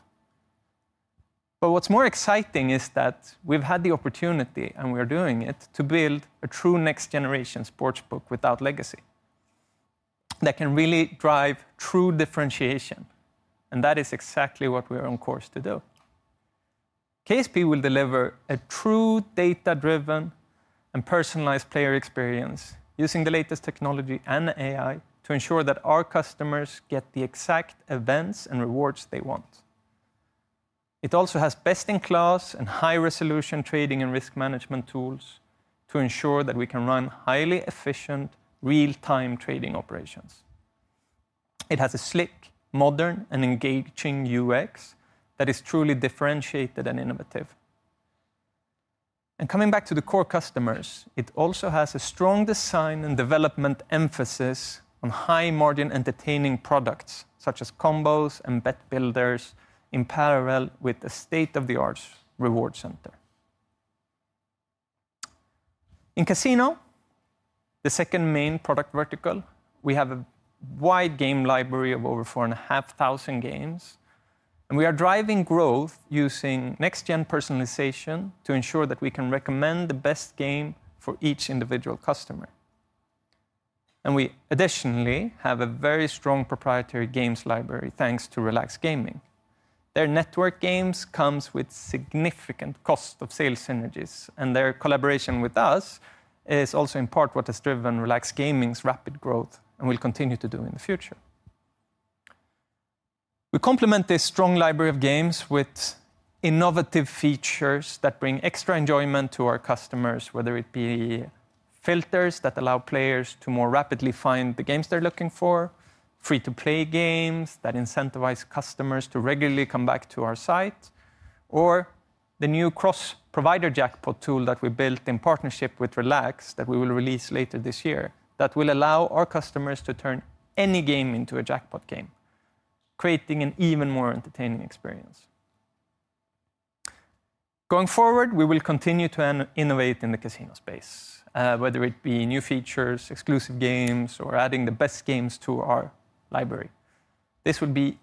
What is more exciting is that we've had the opportunity, and we are doing it, to build a true next-generation sportsbook without legacy that can really drive true differentiation. That is exactly what we are on course to do. KSP will deliver a true data-driven and personalized player experience using the latest technology and AI to ensure that our customers get the exact events and rewards they want. It also has best-in-class and high-resolution trading and risk management tools to ensure that we can run highly efficient, real-time trading operations. It has a slick, modern, and engaging UX that is truly differentiated and innovative. Coming back to the core customers, it also has a strong design and development emphasis on high-margin entertaining products such as combos and bet builders in parallel with the state-of-the-art reward center. In casino, the second main product vertical, we have a wide game library of over 4,500 games. We are driving growth using next-gen personalization to ensure that we can recommend the best game for each individual customer. We additionally have a very strong proprietary games library thanks to Relax Gaming. Their network games come with significant cost of sales synergies, and their collaboration with us is also in part what has driven Relax Gaming's rapid growth and will continue to do in the future. We complement this strong library of games with innovative features that bring extra enjoyment to our customers, whether it be filters that allow players to more rapidly find the games they're looking for, free-to-play games that incentivize customers to regularly come back to our site, or the new cross-provider jackpot tool that we built in partnership with Relax Gaming that we will release later this year that will allow our customers to turn any game into a jackpot game, creating an even more entertaining experience. Going forward, we will continue to innovate in the casino space, whether it be new features, exclusive games, or adding the best games to our library. This will be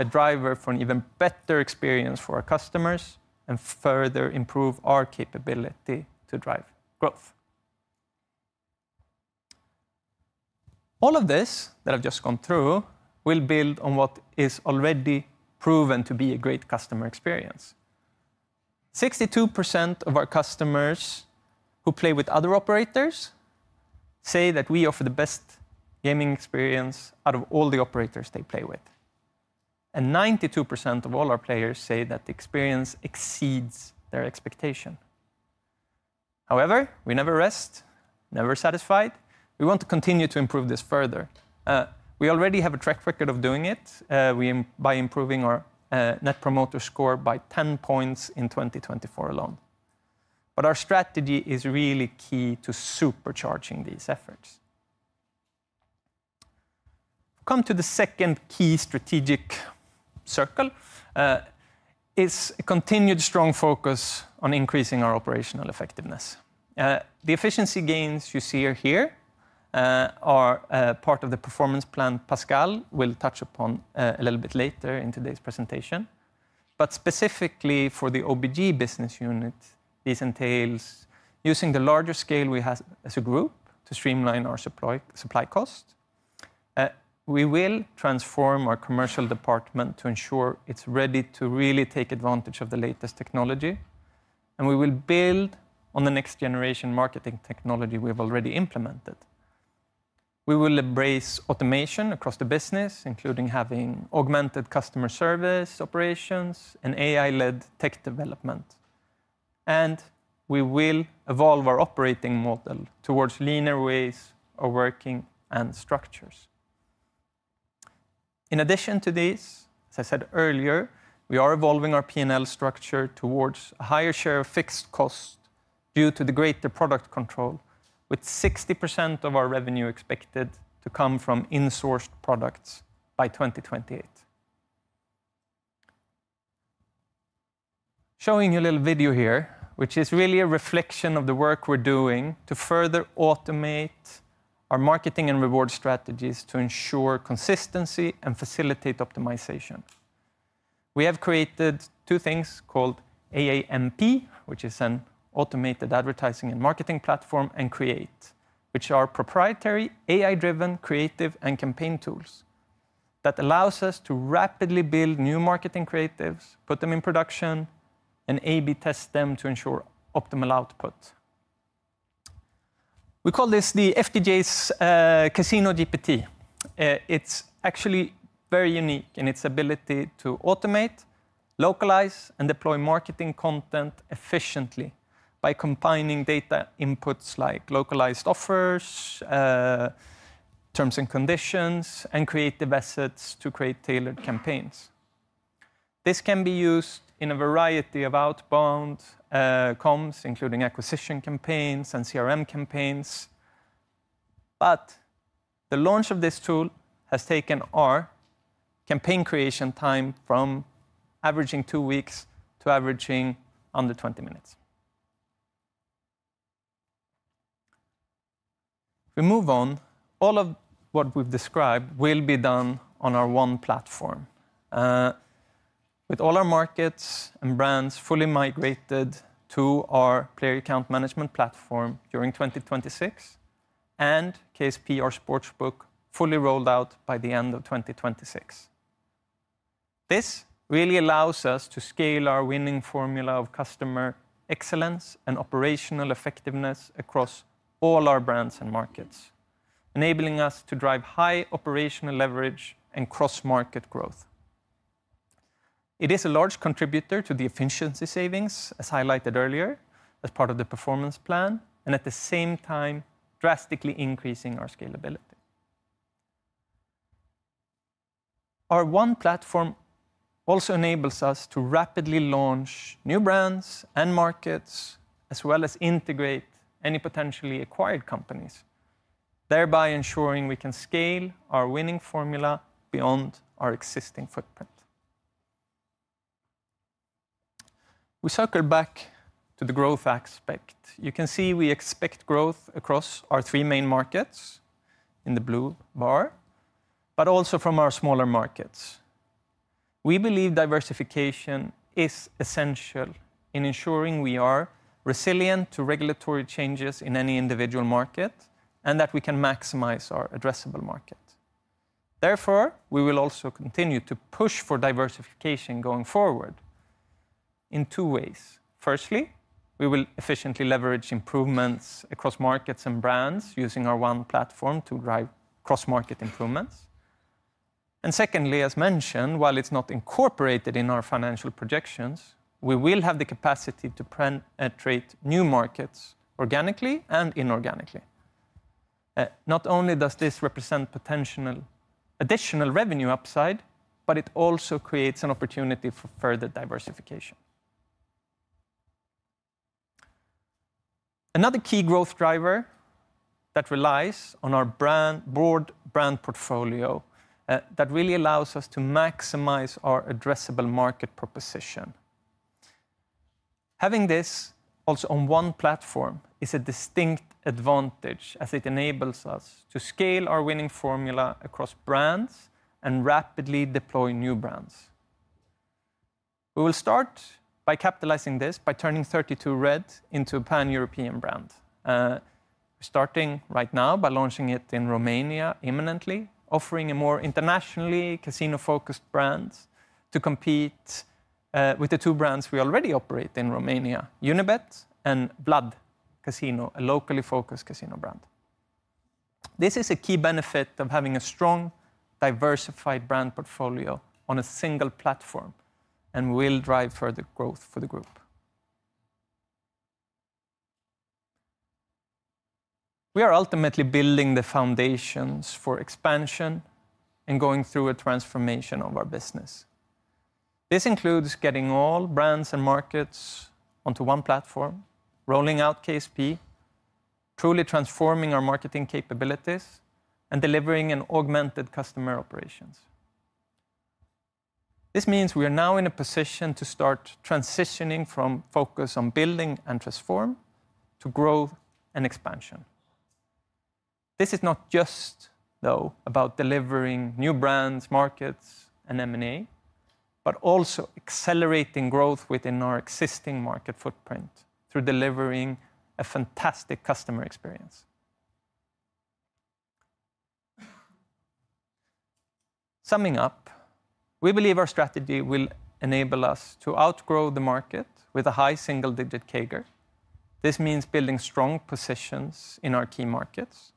a driver for an even better experience for our customers and further improve our capability to drive growth. All of this that I've just gone through will build on what is already proven to be a great customer experience. 62% of our customers who play with other operators say that we offer the best gaming experience out of all the operators they play with. 92% of all our players say that the experience exceeds their expectation. However, we never rest, never are satisfied. We want to continue to improve this further. We already have a track record of doing it by improving our net promoter score by 10% points in 2024 alone. Our strategy is really key to supercharging these efforts. We have come to the second key strategic circle. It is a continued strong focus on increasing our operational effectiveness. The efficiency gains you see here are part of the performance plan Pascal will touch upon a little bit later in today's presentation. Specifically for the OBG business unit, this entails using the larger scale we have as a group to streamline our supply cost. We will transform our commercial department to ensure it's ready to really take advantage of the latest technology. We will build on the next-generation marketing technology we have already implemented. We will embrace automation across the business, including having augmented customer service operations and AI-led tech development. We will evolve our operating model towards leaner ways of working and structures. In addition to these, as I said earlier, we are evolving our P&L structure towards a higher share of fixed cost due to the greater product control, with 60% of our revenue expected to come from insourced products by 2028. Showing you a little video here, which is really a reflection of the work we're doing to further automate our marketing and reward strategies to ensure consistency and facilitate optimization. We have created two things called AAMP, which is an automated advertising and marketing platform, and Create, which are proprietary AI-driven creative and campaign tools that allow us to rapidly build new marketing creatives, put them in production, and A/B test them to ensure optimal output. We call this the FDJ United's Casino GPT. It's actually very unique in its ability to automate, localize, and deploy marketing content efficiently by combining data inputs like localized offers, terms and conditions, and creative assets to create tailored campaigns. This can be used in a variety of outbound comms, including acquisition campaigns and CRM campaigns. The launch of this tool has taken our campaign creation time from averaging two weeks to averaging under 20 minutes. If we move on, all of what we've described will be done on our one platform, with all our markets and brands fully migrated to our player account management platform during 2026, and KSP, our sportsbook, fully rolled out by the end of 2026. This really allows us to scale our winning formula of customer excellence and operational effectiveness across all our brands and markets, enabling us to drive high operational leverage and cross-market growth. It is a large contributor to the efficiency savings, as highlighted earlier, as part of the performance plan, and at the same time, drastically increasing our scalability. Our one platform also enables us to rapidly launch new brands and markets, as well as integrate any potentially acquired companies, thereby ensuring we can scale our winning formula beyond our existing footprint. We circle back to the growth aspect. You can see we expect growth across our three main markets in the blue bar, but also from our smaller markets. We believe diversification is essential in ensuring we are resilient to regulatory changes in any individual market and that we can maximize our addressable market. Therefore, we will also continue to push for diversification going forward in two ways. Firstly, we will efficiently leverage improvements across markets and brands using our one platform to drive cross-market improvements. Secondly, as mentioned, while it's not incorporated in our financial projections, we will have the capacity to penetrate new markets organically and inorganically. Not only does this represent potential additional revenue upside, but it also creates an opportunity for further diversification. Another key growth driver that relies on our broad brand portfolio that really allows us to maximize our addressable market proposition. Having this also on one platform is a distinct advantage as it enables us to scale our winning formula across brands and rapidly deploy new brands. We will start by capitalizing this by turning 32Red into a pan-European brand. We're starting right now by launching it in Romania imminently, offering a more internationally casino-focused brand to compete with the two brands we already operate in Romania, Unibet and Blood Casino, a locally focused casino brand. This is a key benefit of having a strong, diversified brand portfolio on a single platform, and we will drive further growth for the group. We are ultimately building the foundations for expansion and going through a transformation of our business. This includes getting all brands and markets onto one platform, rolling out KSP, truly transforming our marketing capabilities, and delivering an augmented customer operations. This means we are now in a position to start transitioning from focus on building and transform to growth and expansion. This is not just, though, about delivering new brands, markets, and M&A, but also accelerating growth within our existing market footprint through delivering a fantastic customer experience. Summing up, we believe our strategy will enable us to outgrow the market with a high single-digit CAGR. This means building strong positions in our key markets.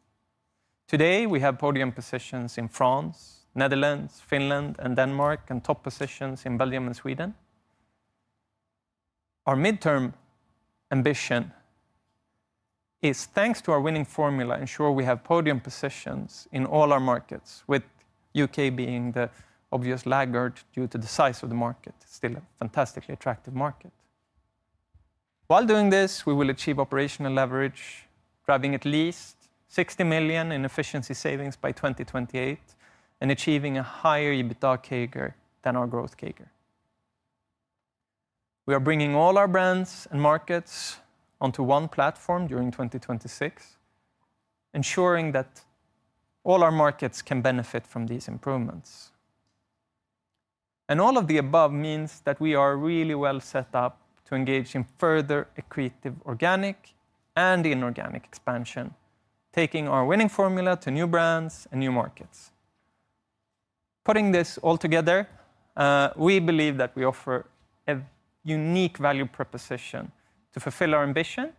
Today, we have podium positions in France, Netherlands, Finland, and Denmark, and top positions in Belgium and Sweden. Our midterm ambition is, thanks to our winning formula, ensure we have podium positions in all our markets, with the U.K. being the obvious laggard due to the size of the market. It is still a fantastically attractive market. While doing this, we will achieve operational leverage, driving at least 60 million in efficiency savings by 2028 and achieving a higher EBITDA CAGR than our growth CAGR. We are bringing all our brands and markets onto one platform during 2026, ensuring that all our markets can benefit from these improvements. All of the above means that we are really well set up to engage in further creative organic and inorganic expansion, taking our winning formula to new brands and new markets. Putting this all together, we believe that we offer a unique value proposition to fulfill our ambition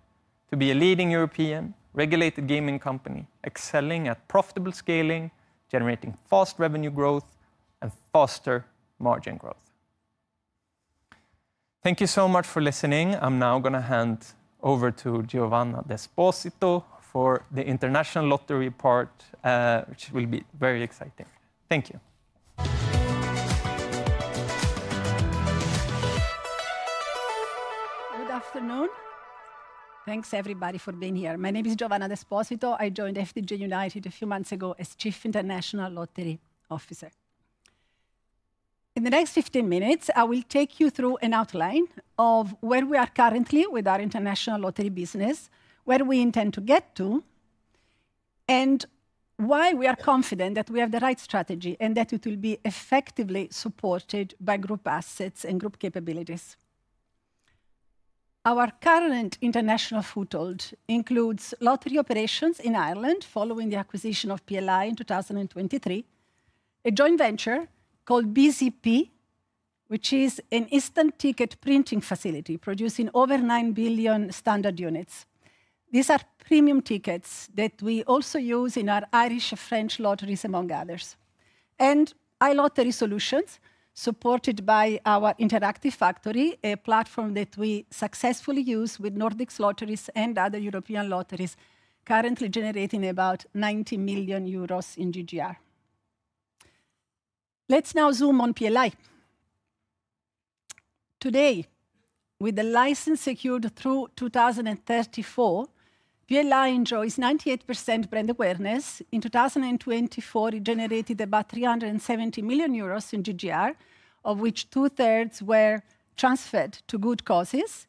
to be a leading European regulated gaming company excelling at profitable scaling, generating fast revenue growth, and faster margin growth. Thank you so much for listening. I'm now going to hand over to Giovanna Desposito for the international lottery part, which will be very exciting. Thank you. Good afternoon. Thanks, everybody, for being here. My name is Giovanna Desposito. I joined FDJ United a few months ago as Chief International Lottery Officer. In the next 15 minutes, I will take you through an outline of where we are currently with our international lottery business, where we intend to get to, and why we are confident that we have the right strategy and that it will be effectively supported by group assets and group capabilities. Our current international foothold includes lottery operations in Ireland following the acquisition of PLI in 2023, a joint venture called BZP, which is an instant ticket printing facility producing over 9 billion standard units. These are premium tickets that we also use in our Irish, French lotteries, among others, and iLottery Solutions, supported by our Interactive Factory, a platform that we successfully use with Nordics lotteries and other European lotteries, currently generating about 90 million euros in GGR. Let's now zoom on PLI. Today, with the license secured through 2034, PLI enjoys 98% brand awareness. In 2024, it generated about 370 million euros in GGR, of which two-thirds were transferred to good causes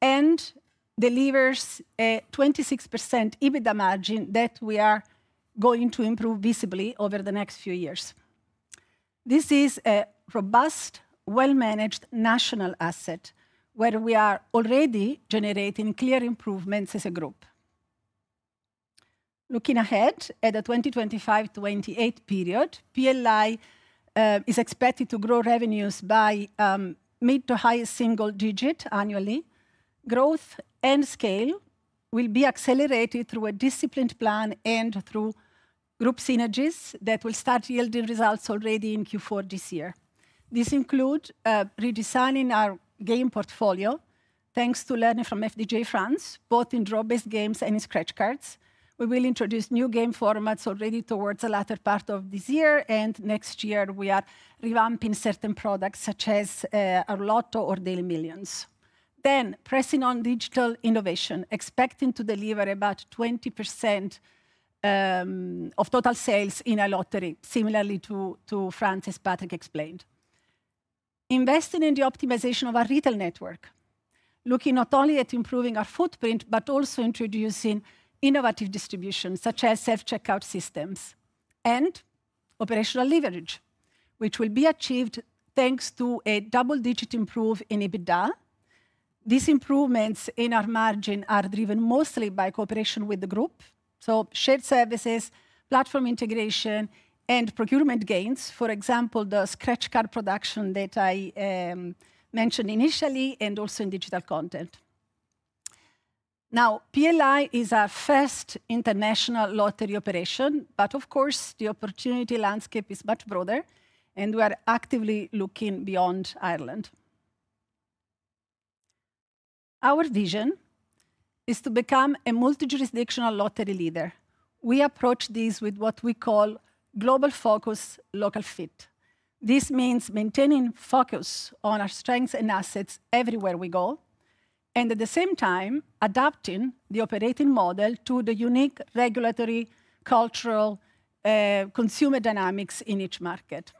and delivers a 26% EBITDA margin that we are going to improve visibly over the next few years. This is a robust, well-managed national asset where we are already generating clear improvements as a group. Looking ahead at the 2025-2028 period, PLI is expected to grow revenues by mid to high single digit annually. Growth and scale will be accelerated through a disciplined plan and through group synergies that will start yielding results already in Q4 this year. This includes redesigning our game portfolio thanks to learning from FDJ France, both in draw-based games and in scratch cards. We will introduce new game formats already towards the latter part of this year, and next year, we are revamping certain products such as our Lotto or Daily Millions. Pressing on digital innovation, expecting to deliver about 20% of total sales in iLottery, similarly to what France's Patrick explained. Investing in the optimization of our retail network, looking not only at improving our footprint, but also introducing innovative distributions such as self-checkout systems and operational leverage, which will be achieved thanks to a double-digit improvement in EBITDA. These improvements in our margin are driven mostly by cooperation with the group, so shared services, platform integration, and procurement gains, for example, the scratch card production that I mentioned initially, and also in digital content. Now, PLI is our first international lottery operation, but of course, the opportunity landscape is much broader, and we are actively looking beyond Ireland. Our vision is to become a multi-jurisdictional lottery leader. We approach this with what we call global focus local fit. This means maintaining focus on our strengths and assets everywhere we go, and at the same time, adapting the operating model to the unique regulatory, cultural, consumer dynamics in each market.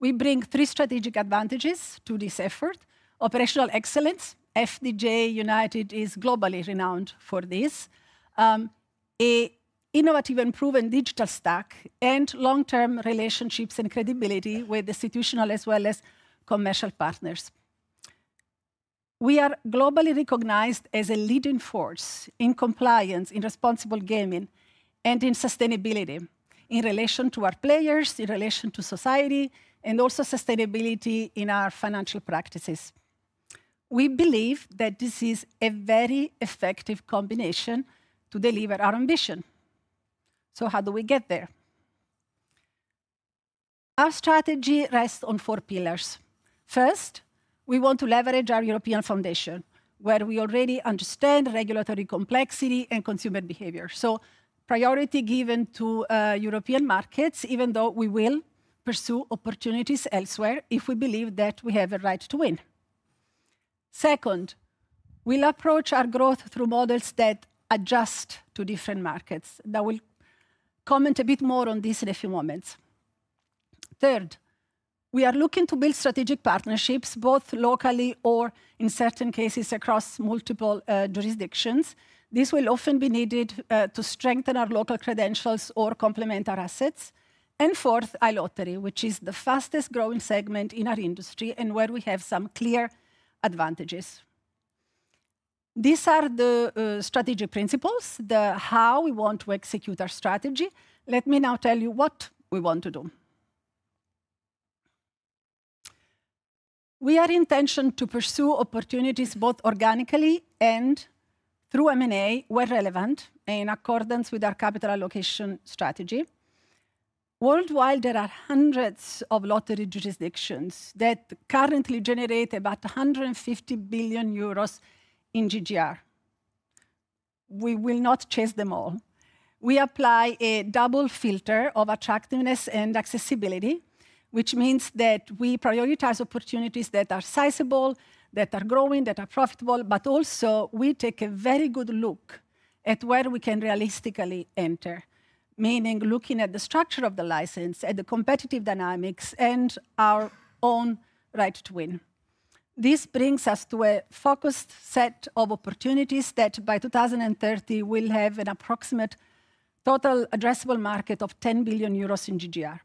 We bring three strategic advantages to this effort: operational excellence. FDJ UNITED is globally renowned for this, an innovative and proven digital stack, and long-term relationships and credibility with institutional as well as commercial partners. We are globally recognized as a leading force in compliance, in responsible gaming, and in sustainability in relation to our players, in relation to society, and also sustainability in our financial practices. We believe that this is a very effective combination to deliver our ambition. How do we get there? Our strategy rests on four pillars. First, we want to leverage our European foundation, where we already understand regulatory complexity and consumer behavior. Priority is given to European markets, even though we will pursue opportunities elsewhere if we believe that we have a right to win. Second, we'll approach our growth through models that adjust to different markets. I will comment a bit more on this in a few moments. Third, we are looking to build strategic partnerships, both locally or in certain cases across multiple jurisdictions. This will often be needed to strengthen our local credentials or complement our assets. Fourth, iLottery, which is the fastest-growing segment in our industry and where we have some clear advantages. These are the strategy principles, how we want to execute our strategy. Let me now tell you what we want to do. We are intentioned to pursue opportunities both organically and through M&A where relevant and in accordance with our capital allocation strategy. Worldwide, there are hundreds of lottery jurisdictions that currently generate about 150 billion euros in GGR. We will not chase them all. We apply a double filter of attractiveness and accessibility, which means that we prioritize opportunities that are sizable, that are growing, that are profitable, but also we take a very good look at where we can realistically enter, meaning looking at the structure of the license, at the competitive dynamics, and our own right to win. This brings us to a focused set of opportunities that by 2030 will have an approximate total addressable market of 10 billion euros in GGR.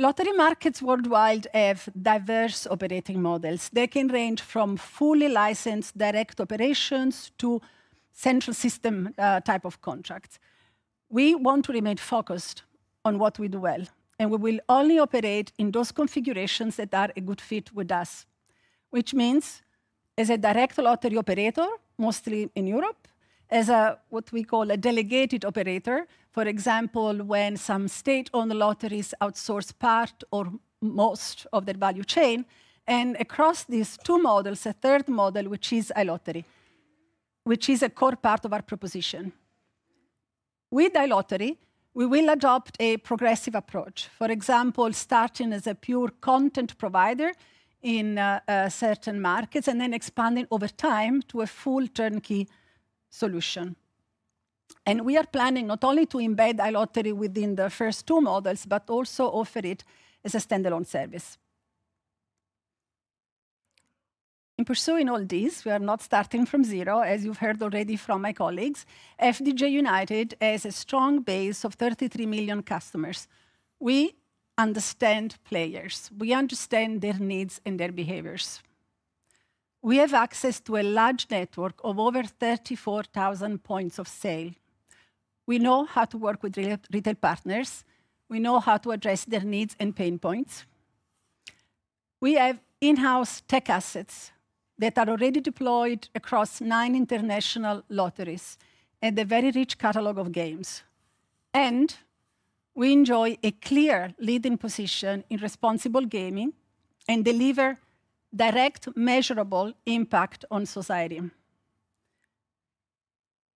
Lottery markets worldwide have diverse operating models. They can range from fully licensed direct operations to central system type of contracts. We want to remain focused on what we do well, and we will only operate in those configurations that are a good fit with us, which means as a direct lottery operator, mostly in Europe, as what we call a delegated operator, for example, when some state-owned lotteries outsource part or most of their value chain. Across these two models, a third model, which is iLottery, is a core part of our proposition. With iLottery, we will adopt a progressive approach, for example, starting as a pure content provider in certain markets and then expanding over time to a full turnkey solution. We are planning not only to embed iLottery within the first two models, but also offer it as a standalone service. In pursuing all these, we are not starting from zero, as you've heard already from my colleagues. FDJ United has a strong base of 33 million customers. We understand players. We understand their needs and their behaviors. We have access to a large network of over 34,000 points of sale. We know how to work with retail partners. We know how to address their needs and pain points. We have in-house tech assets that are already deployed across nine international lotteries and a very rich catalog of games. We enjoy a clear leading position in responsible gaming and deliver direct measurable impact on society.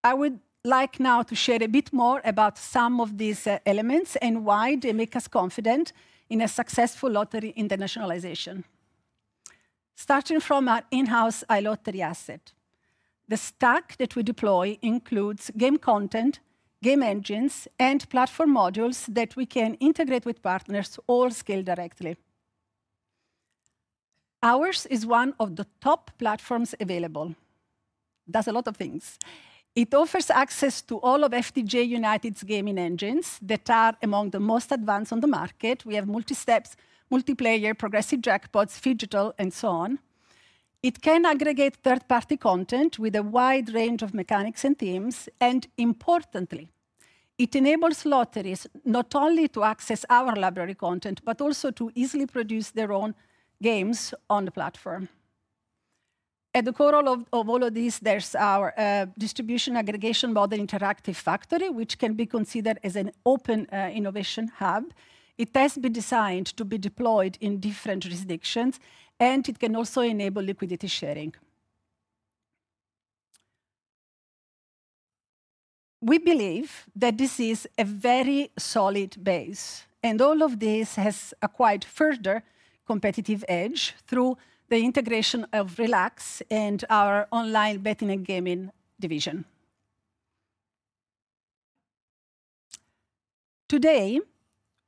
I would like now to share a bit more about some of these elements and why they make us confident in a successful lottery internationalization. Starting from our in-house iLottery asset, the stack that we deploy includes game content, game engines, and platform modules that we can integrate with partners or scale directly. Ours is one of the top platforms available. It does a lot of things. It offers access to all of FDJ UNITED's gaming engines that are among the most advanced on the market. We have multi-steps, multiplayer, progressive jackpots, phygital, and so on. It can aggregate third-party content with a wide range of mechanics and themes. Importantly, it enables lotteries not only to access our library content, but also to easily produce their own games on the platform. At the core of all of this, there is our distribution aggregation model interactive factory, which can be considered as an open innovation hub. It has been designed to be deployed in different jurisdictions, and it can also enable liquidity sharing. We believe that this is a very solid base, and all of this has acquired further competitive edge through the integration of Relax and our online betting and gaming division. Today,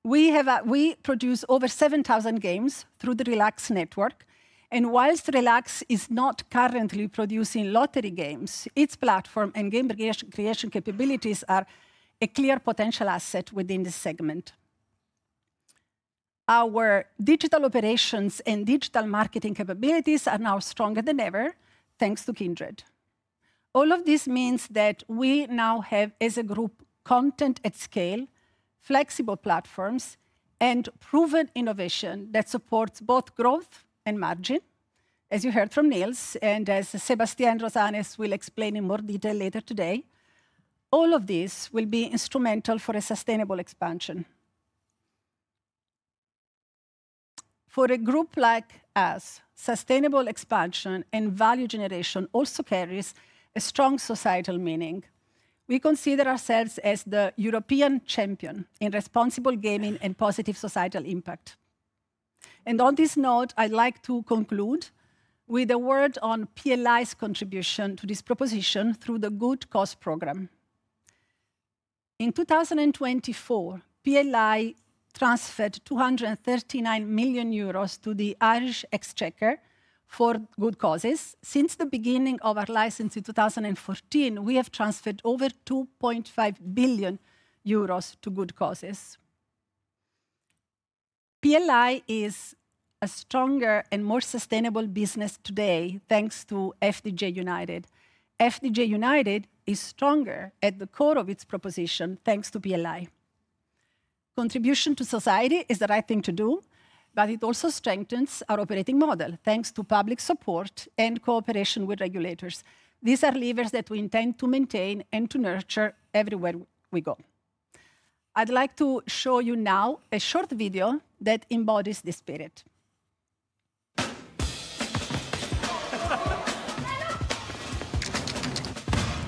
we produce over 7,000 games through the Relax network. Whilst Relax is not currently producing lottery games, its platform and game creation capabilities are a clear potential asset within this segment. Our digital operations and digital marketing capabilities are now stronger than ever, thanks to Kindred. All of this means that we now have, as a group, content at scale, flexible platforms, and proven innovation that supports both growth and margin, as you heard from Nils and as Sébastien Rosanes will explain in more detail later today. All of this will be instrumental for a sustainable expansion. For a group like us, sustainable expansion and value generation also carries a strong societal meaning. We consider ourselves as the European champion in responsible gaming and positive societal impact. On this note, I'd like to conclude with a word on PLI's contribution to this proposition through the Good Cause Program. In 2024, PLI transferred 239 million euros to the Irish exchanger for good causes. Since the beginning of our license in 2014, we have transferred over 2.5 billion euros to good causes. PLI is a stronger and more sustainable business today thanks to FDJ UNITED. FDJ UNITED is stronger at the core of its proposition thanks to PLI. Contribution to society is the right thing to do, but it also strengthens our operating model thanks to public support and cooperation with regulators. These are levers that we intend to maintain and to nurture everywhere we go. I'd like to show you now a short video that embodies this spirit.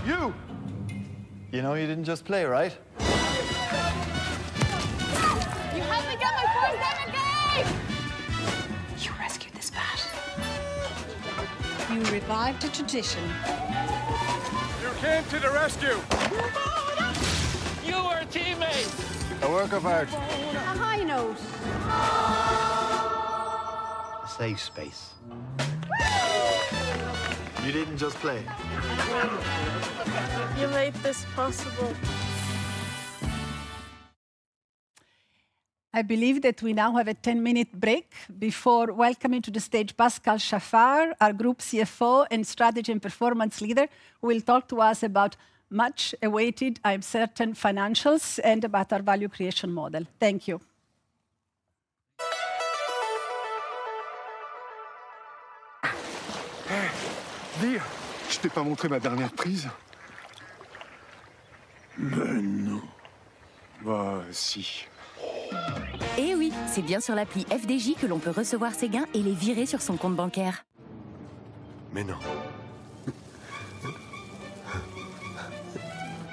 You. You know you didn't just play, right? You helped me get my first time in the game! You rescued this bat. You revived a tradition. You came to the rescue. You were a teammate. A work of art. A high nose. A safe space. You did not just play. You made this possible. I believe that we now have a 10-minute break before welcoming to the stage Pascal Chaffard, our Group CFO and Strategy and Performance Leader, who will talk to us about much-awaited, I am certain, financials and about our value creation model. Thank you. Je ne t'ai pas montré ma dernière prise. Mais non. Bah si. Oui, c'est bien sur l'appli FDJ que l'on peut recevoir ses gains et les virer sur son compte bancaire. Mais non.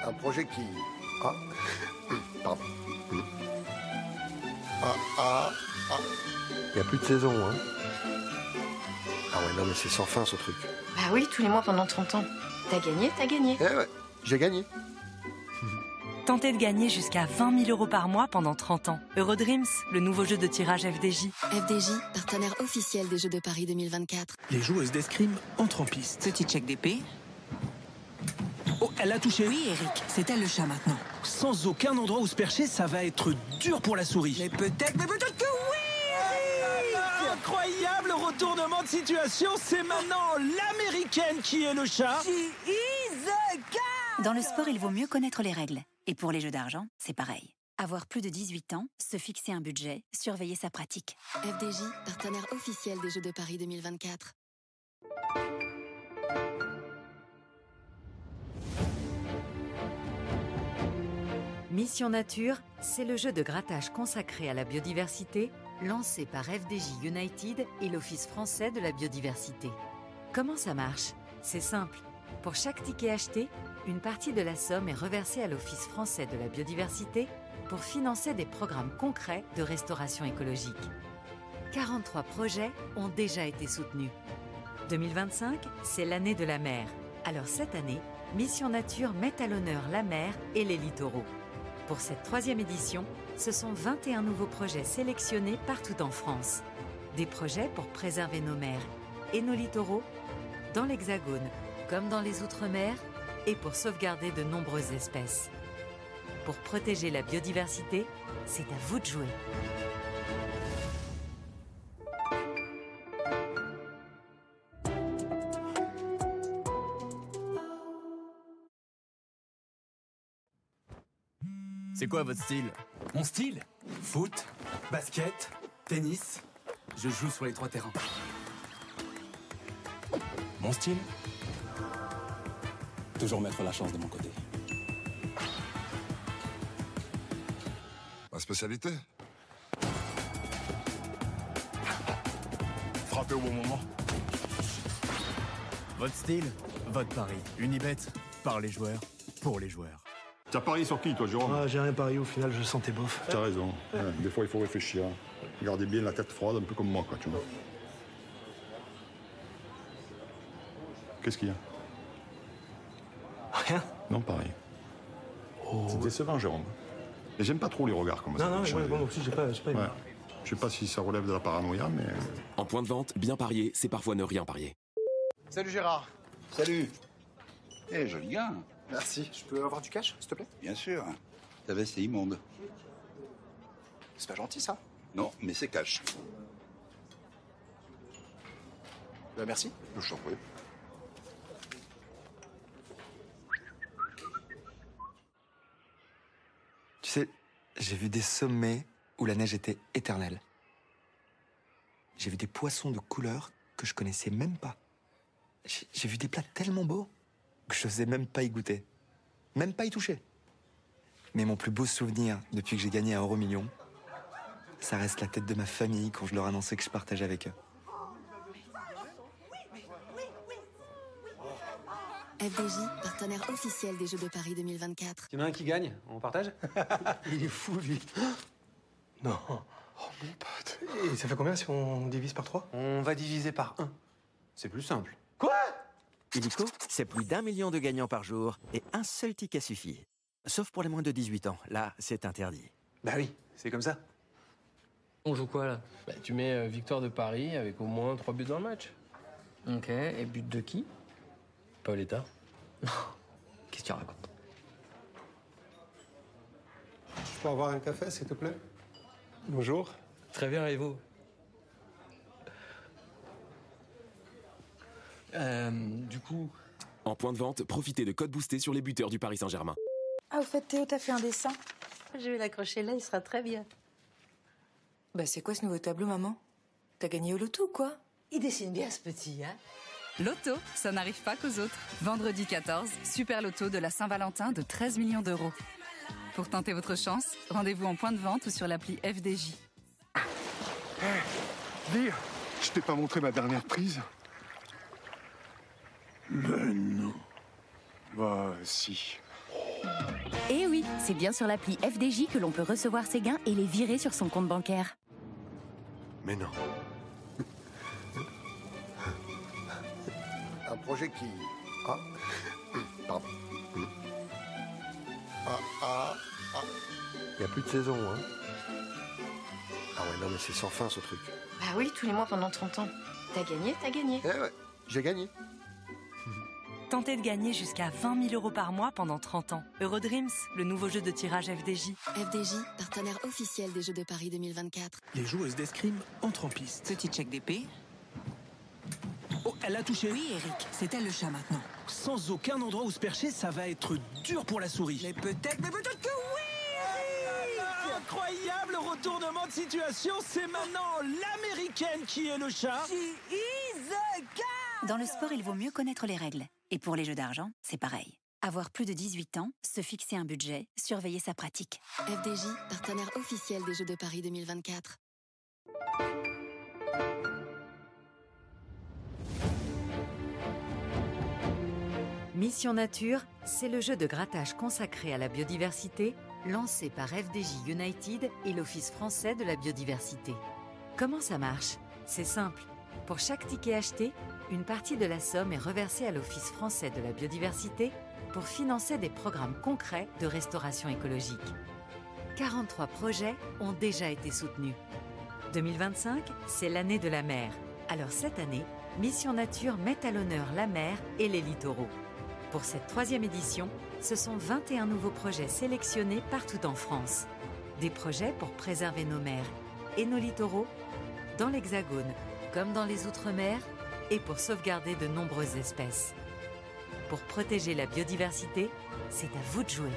Un projet qui... Pardon. Il n'y a plus de saison. Ouais, non, mais c'est sans fin, ce truc. Bah oui, tous les mois pendant 30 ans. T'as gagné, t'as gagné. Ouais, j'ai gagné. Tentez de gagner jusqu'à 20,000 euros par mois pendant 30 ans. Eurodreams, le nouveau jeu de tirage FDJ. FDJ, partenaire officiel des Jeux de Paris 2024. Les joueuses d'escrime entrent en piste. Petit check d'épée. Oh, elle a touché. Oui, Éric, c'est elle le chat maintenant. Sans aucun endroit où se percher, ça va être dur pour la souris. Mais peut-être, mais peut-être que oui, Éric! Incroyable retournement de situation, c'est maintenant l'Américaine qui est le chat. She is a cat! Dans le sport, il vaut mieux connaître les règles. Et pour les jeux d'argent, c'est pareil. Avoir plus de 18 ans, se fixer un budget, surveiller sa pratique. FDJ, partenaire officiel des Jeux de Paris 2024. Mission Nature, c'est le jeu de grattage consacré à la biodiversité lancé par FDJ United et l'Office français de la biodiversité. Comment ça marche? C'est simple. Pour chaque ticket acheté, une partie de la somme est reversée à l'Office français de la biodiversité pour financer des programmes concrets de restauration écologique. 43 projets ont déjà été soutenus. 2025, c'est l'année de la mer. Alors cette année, Mission Nature met à l'honneur la mer et les littoraux. Pour cette troisième édition, ce sont 21 nouveaux projets sélectionnés partout en France. Des projets pour préserver nos mers et nos littoraux, dans l'Hexagone comme dans les outre-mer, et pour sauvegarder de nombreuses espèces. Pour protéger la biodiversité, c'est à vous de jouer. C'est quoi votre style? Mon style? Foot, basket, tennis. Je joue sur les trois terrains. Mon style? Toujours mettre la chance de mon côté. Ma spécialité? Frappé au bon moment. Votre style? Votre pari. Unibet, par les joueurs, pour les joueurs. T'as parié sur qui, toi, Jérôme? J'ai rien parié, au final, je le sentais bof. T'as raison. Des fois, il faut réfléchir. Garder bien la tête froide, un peu comme moi, quoi, tu vois. Qu'est-ce qu'il y a? Rien. Non, pari. C'est décevant, Jérôme. Mais j'aime pas trop les regards comme ça. Non, non, mais moi non plus, j'ai pas aimé. Je sais pas si ça relève de la paranoïa, mais... En point de vente, bien parier, c'est parfois ne rien parier. Salut, Gérard. Salut. Joli gant. Merci. Je peux avoir du cash, s'il te plaît? Bien sûr. Ta veste est immonde. C'est pas gentil, ça. Non, mais c'est cash. Bah merci. Je FDJ, partenaire officiel des Jeux de Paris 2024. Tu mets un qui gagne, on partage? Il est fou, lui. Non. Oh mon pote. Et ça fait combien si on divise par trois? On va diviser par un. C'est plus simple. Quoi? Il dit quoi? C'est plus d'un million de gagnants par jour et un seul ticket suffit. Sauf pour les moins de 18 ans. Là, c'est interdit. Bah oui, c'est comme ça. On joue quoi, là? Tu mets victoire de Paris avec au moins trois buts dans le match. Ok, et but de qui? Paul État? Non. Qu'est-ce qu'il raconte? Je peux avoir un café, s'il te plaît? Bonjour. Très bien, et vous? Du coup. En point de vente, profitez de codes boostés sur les buteurs du Paris Saint-Germain. Au fait, Théo, t'as fait un dessin? J'ai vu l'accrocher là, il sera très bien. Bah, c'est quoi ce nouveau tableau, maman? T'as gagné au Loto, ou quoi? Il dessine bien, ce petit, hein? Loto, ça n'arrive pas qu'aux autres. Vendredi 14, Super Loto de la Saint-Valentin de 13 million. Pour tenter votre chance, rendez-vous en point de vente ou sur l'appli FDJ. Dis, je t'ai pas montré ma dernière prise. Mais non. Bah si. Oui, c'est bien sur l'appli FDJ que l'on peut recevoir ses gains et les virer sur son compte bancaire. Mais non. Un projet qui... Pardon. Il n'y a plus de saison. Ouais, non, mais c'est sans fin, ce truc. Bah oui, tous les mois pendant 30 ans. T'as gagné, t'as gagné. Ouais, j'ai gagné. Tentez de gagner jusqu'à 20,000 euros par mois pendant 30 ans. Eurodreams, le nouveau jeu de tirage FDJ. FDJ, partenaire officiel des Jeux de Paris 2024. Les joueuses d'escrime entrent en piste. Petit check d'épée. Oh, elle a touché. Oui, Éric, c'est elle le chat maintenant. Sans aucun endroit où se percher, ça va être dur pour la souris. Mais peut-être, mais peut-être que oui, Éric! Incroyable retournement de situation, c'est maintenant l'Américaine qui est le chat. She is a cat! Dans le sport, il vaut mieux connaître les règles. Et pour les jeux d'argent, c'est pareil. Avoir plus de 18 ans, se fixer un budget, surveiller sa pratique. FDJ, partenaire officiel des Jeux de Paris 2024. Mission Nature, c'est le jeu de grattage consacré à la biodiversité lancé par FDJ United et l'Office français de la biodiversité. Comment ça marche? C'est simple. Pour chaque ticket acheté, une partie de la somme est reversée à l'Office français de la biodiversité pour financer des programmes concrets de restauration écologique. 43 projets ont déjà été soutenus. 2025, c'est l'année de la mer. Alors cette année, Mission Nature met à l'honneur la mer et les littoraux. Pour cette troisième édition, ce sont 21 nouveaux projets sélectionnés partout en France. Des projets pour préserver nos mers et nos littoraux, dans l'Hexagone comme dans les outre-mer, et pour sauvegarder de nombreuses espèces. Pour protéger la biodiversité, c'est à vous de jouer.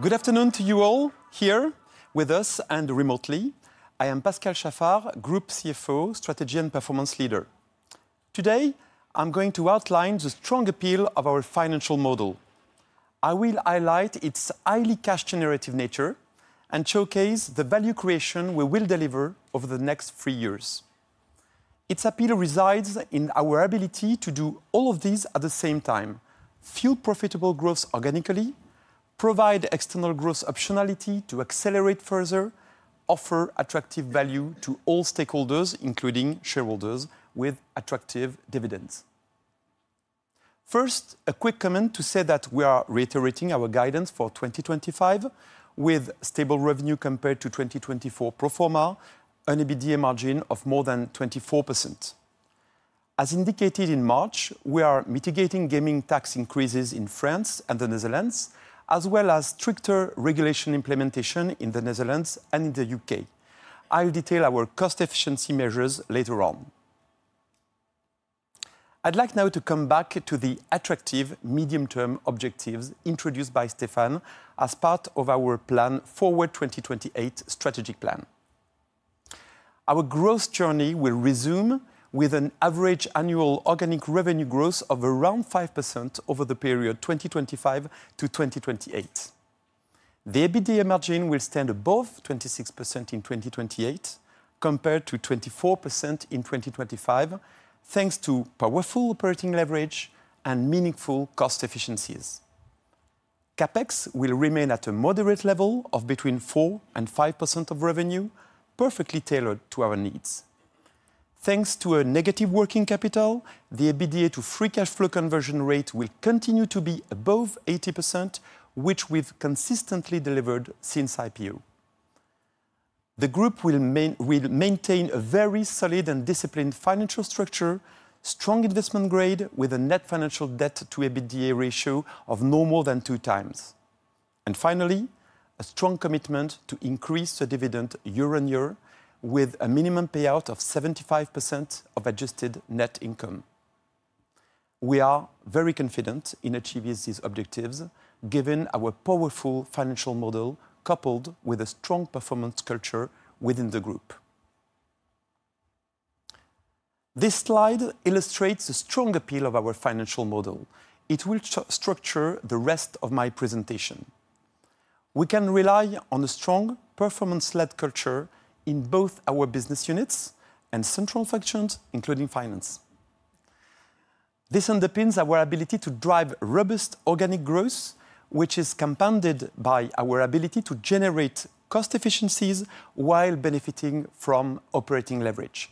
Good afternoon to you all, here, with us and remotely. I am Pascal Chaffard, Group CFO, Strategy and Performance Leader. Today, I'm going to outline the strong appeal of our financial model. I will highlight its highly cash-generative nature and showcase the value creation we will deliver over the next three years. Its appeal resides in our ability to do all of these at the same time, fuel profitable growth organically, provide external growth optionality to accelerate further, and offer attractive value to all stakeholders, including shareholders, with attractive dividends. First, a quick comment to say that we are reiterating our guidance for 2025, with stable revenue compared to 2024 pro forma, an EBITDA margin of more than 24%. As indicated in March, we are mitigating gaming tax increases in France and the Netherlands, as well as stricter regulation implementation in the Netherlands and in the U.K. I'll detail our cost efficiency measures later on. I'd like now to come back to the attractive medium-term objectives introduced by Stéphane as part of our Plan Forward 2028 Strategic Plan. Our growth journey will resume with an average annual organic revenue growth of around 5% over the period 2025 to 2028. The EBITDA margin will stand above 26% in 2028, compared to 24% in 2025, thanks to powerful operating leverage and meaningful cost efficiencies. CapEx will remain at a moderate level of between 4%-5% of revenue, perfectly tailored to our needs. Thanks to a negative working capital, the EBITDA to free cash flow conversion rate will continue to be above 80%, which we've consistently delivered since IPO. The group will maintain a very solid and disciplined financial structure, strong investment grade with a net financial debt to EBITDA ratio of no more than two times. Finally, a strong commitment to increase the dividend year on year with a minimum payout of 75% of adjusted net income. We are very confident in achieving these objectives given our powerful financial model coupled with a strong performance culture within the group. This slide illustrates the strong appeal of our financial model. It will structure the rest of my presentation. We can rely on a strong performance-led culture in both our business units and central functions, including finance. This underpins our ability to drive robust organic growth, which is compounded by our ability to generate cost efficiencies while benefiting from operating leverage.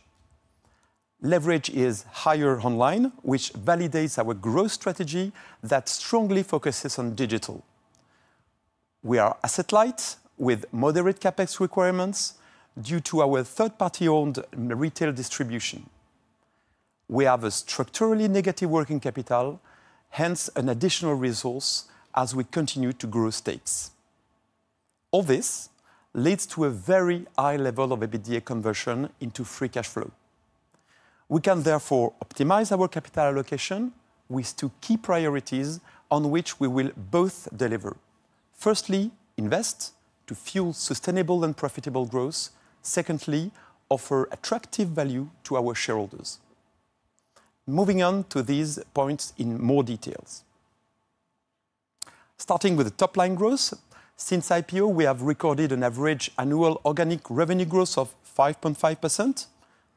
Leverage is higher online, which validates our growth strategy that strongly focuses on digital. We are asset-light with moderate CapEx requirements due to our third-party-owned retail distribution. We have a structurally negative working capital, hence an additional resource as we continue to grow states. All this leads to a very high level of EBITDA conversion into free cash flow. We can therefore optimize our capital allocation with two key priorities on which we will both deliver. Firstly, invest to fuel sustainable and profitable growth. Secondly, offer attractive value to our shareholders. Moving on to these points in more detail. Starting with the top-line growth, since IPO, we have recorded an average annual organic revenue growth of 5.5%.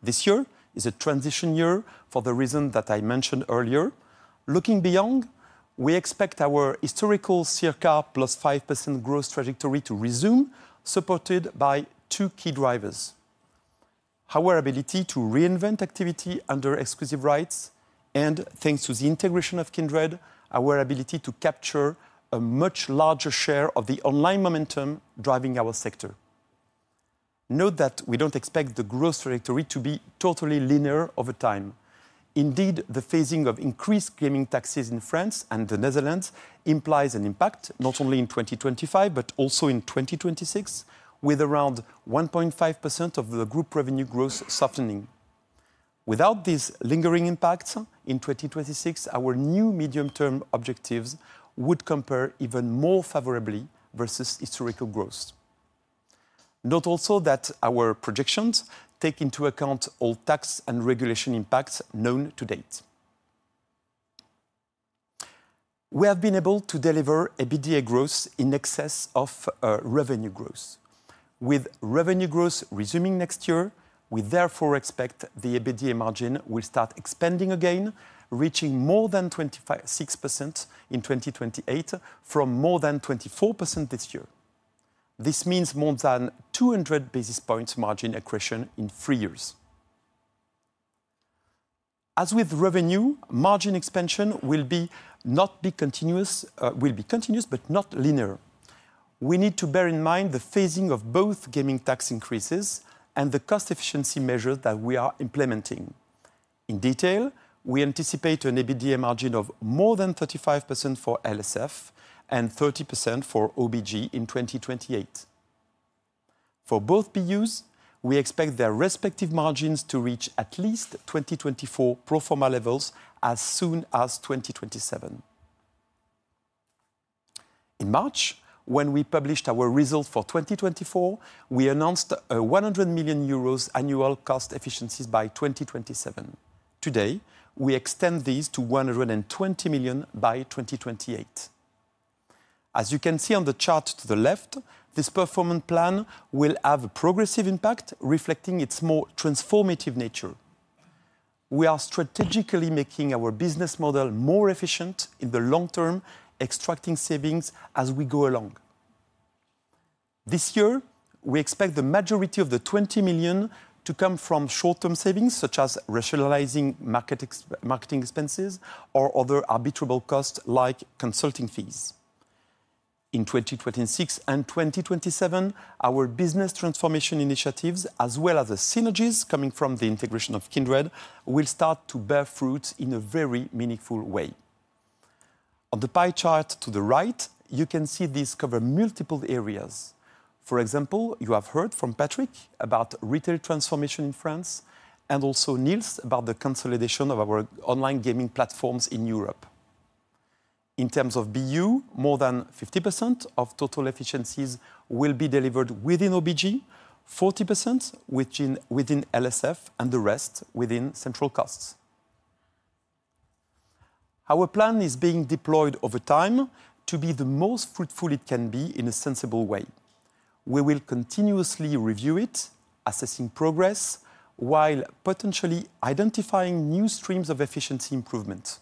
This year is a transition year for the reason that I mentioned earlier. Looking beyond, we expect our historical circa plus 5% growth trajectory to resume, supported by two key drivers: our ability to reinvent activity under exclusive rights, and thanks to the integration of Kindred, our ability to capture a much larger share of the online momentum driving our sector. Note that we do not expect the growth trajectory to be totally linear over time. Indeed, the phasing of increased gaming taxes in France and the Netherlands implies an impact not only in 2025 but also in 2026, with around 1.5% of the group revenue growth softening. Without these lingering impacts, in 2026, our new medium-term objectives would compare even more favorably versus historical growth. Note also that our projections take into account all tax and regulation impacts known to date. We have been able to deliver EBITDA growth in excess of revenue growth. With revenue growth resuming next year, we therefore expect the EBITDA margin will start expanding again, reaching more than 26% in 2028 from more than 24% this year. This means more than 200 basis points margin accretion in three years. As with revenue, margin expansion will be continuous but not linear. We need to bear in mind the phasing of both gaming tax increases and the cost efficiency measures that we are implementing. In detail, we anticipate an EBITDA margin of more than 35% for LSF and 30% for OBG in 2028. For both PUs, we expect their respective margins to reach at least 2024 pro forma levels as soon as 2027. In March, when we published our results for 2024, we announced a 100 million euros annual cost efficiencies by 2027. Today, we extend these to 120 million by 2028. As you can see on the chart to the left, this performance plan will have a progressive impact reflecting its more transformative nature. We are strategically making our business model more efficient in the long term, extracting savings as we go along. This year, we expect the majority of the 20 million to come from short-term savings, such as rationalizing marketing expenses or other arbitrable costs like consulting fees. In 2026 and 2027, our business transformation initiatives, as well as the synergies coming from the integration of Kindred, will start to bear fruit in a very meaningful way. On the pie chart to the right, you can see these cover multiple areas. For example, you have heard from Patrick about retail transformation in France and also Nils about the consolidation of our online gaming platforms in Europe. In terms of BU, more than 50% of total efficiencies will be delivered within OBG, 40% within LSF, and the rest within central costs. Our plan is being deployed over time to be the most fruitful it can be in a sensible way. We will continuously review it, assessing progress while potentially identifying new streams of efficiency improvement.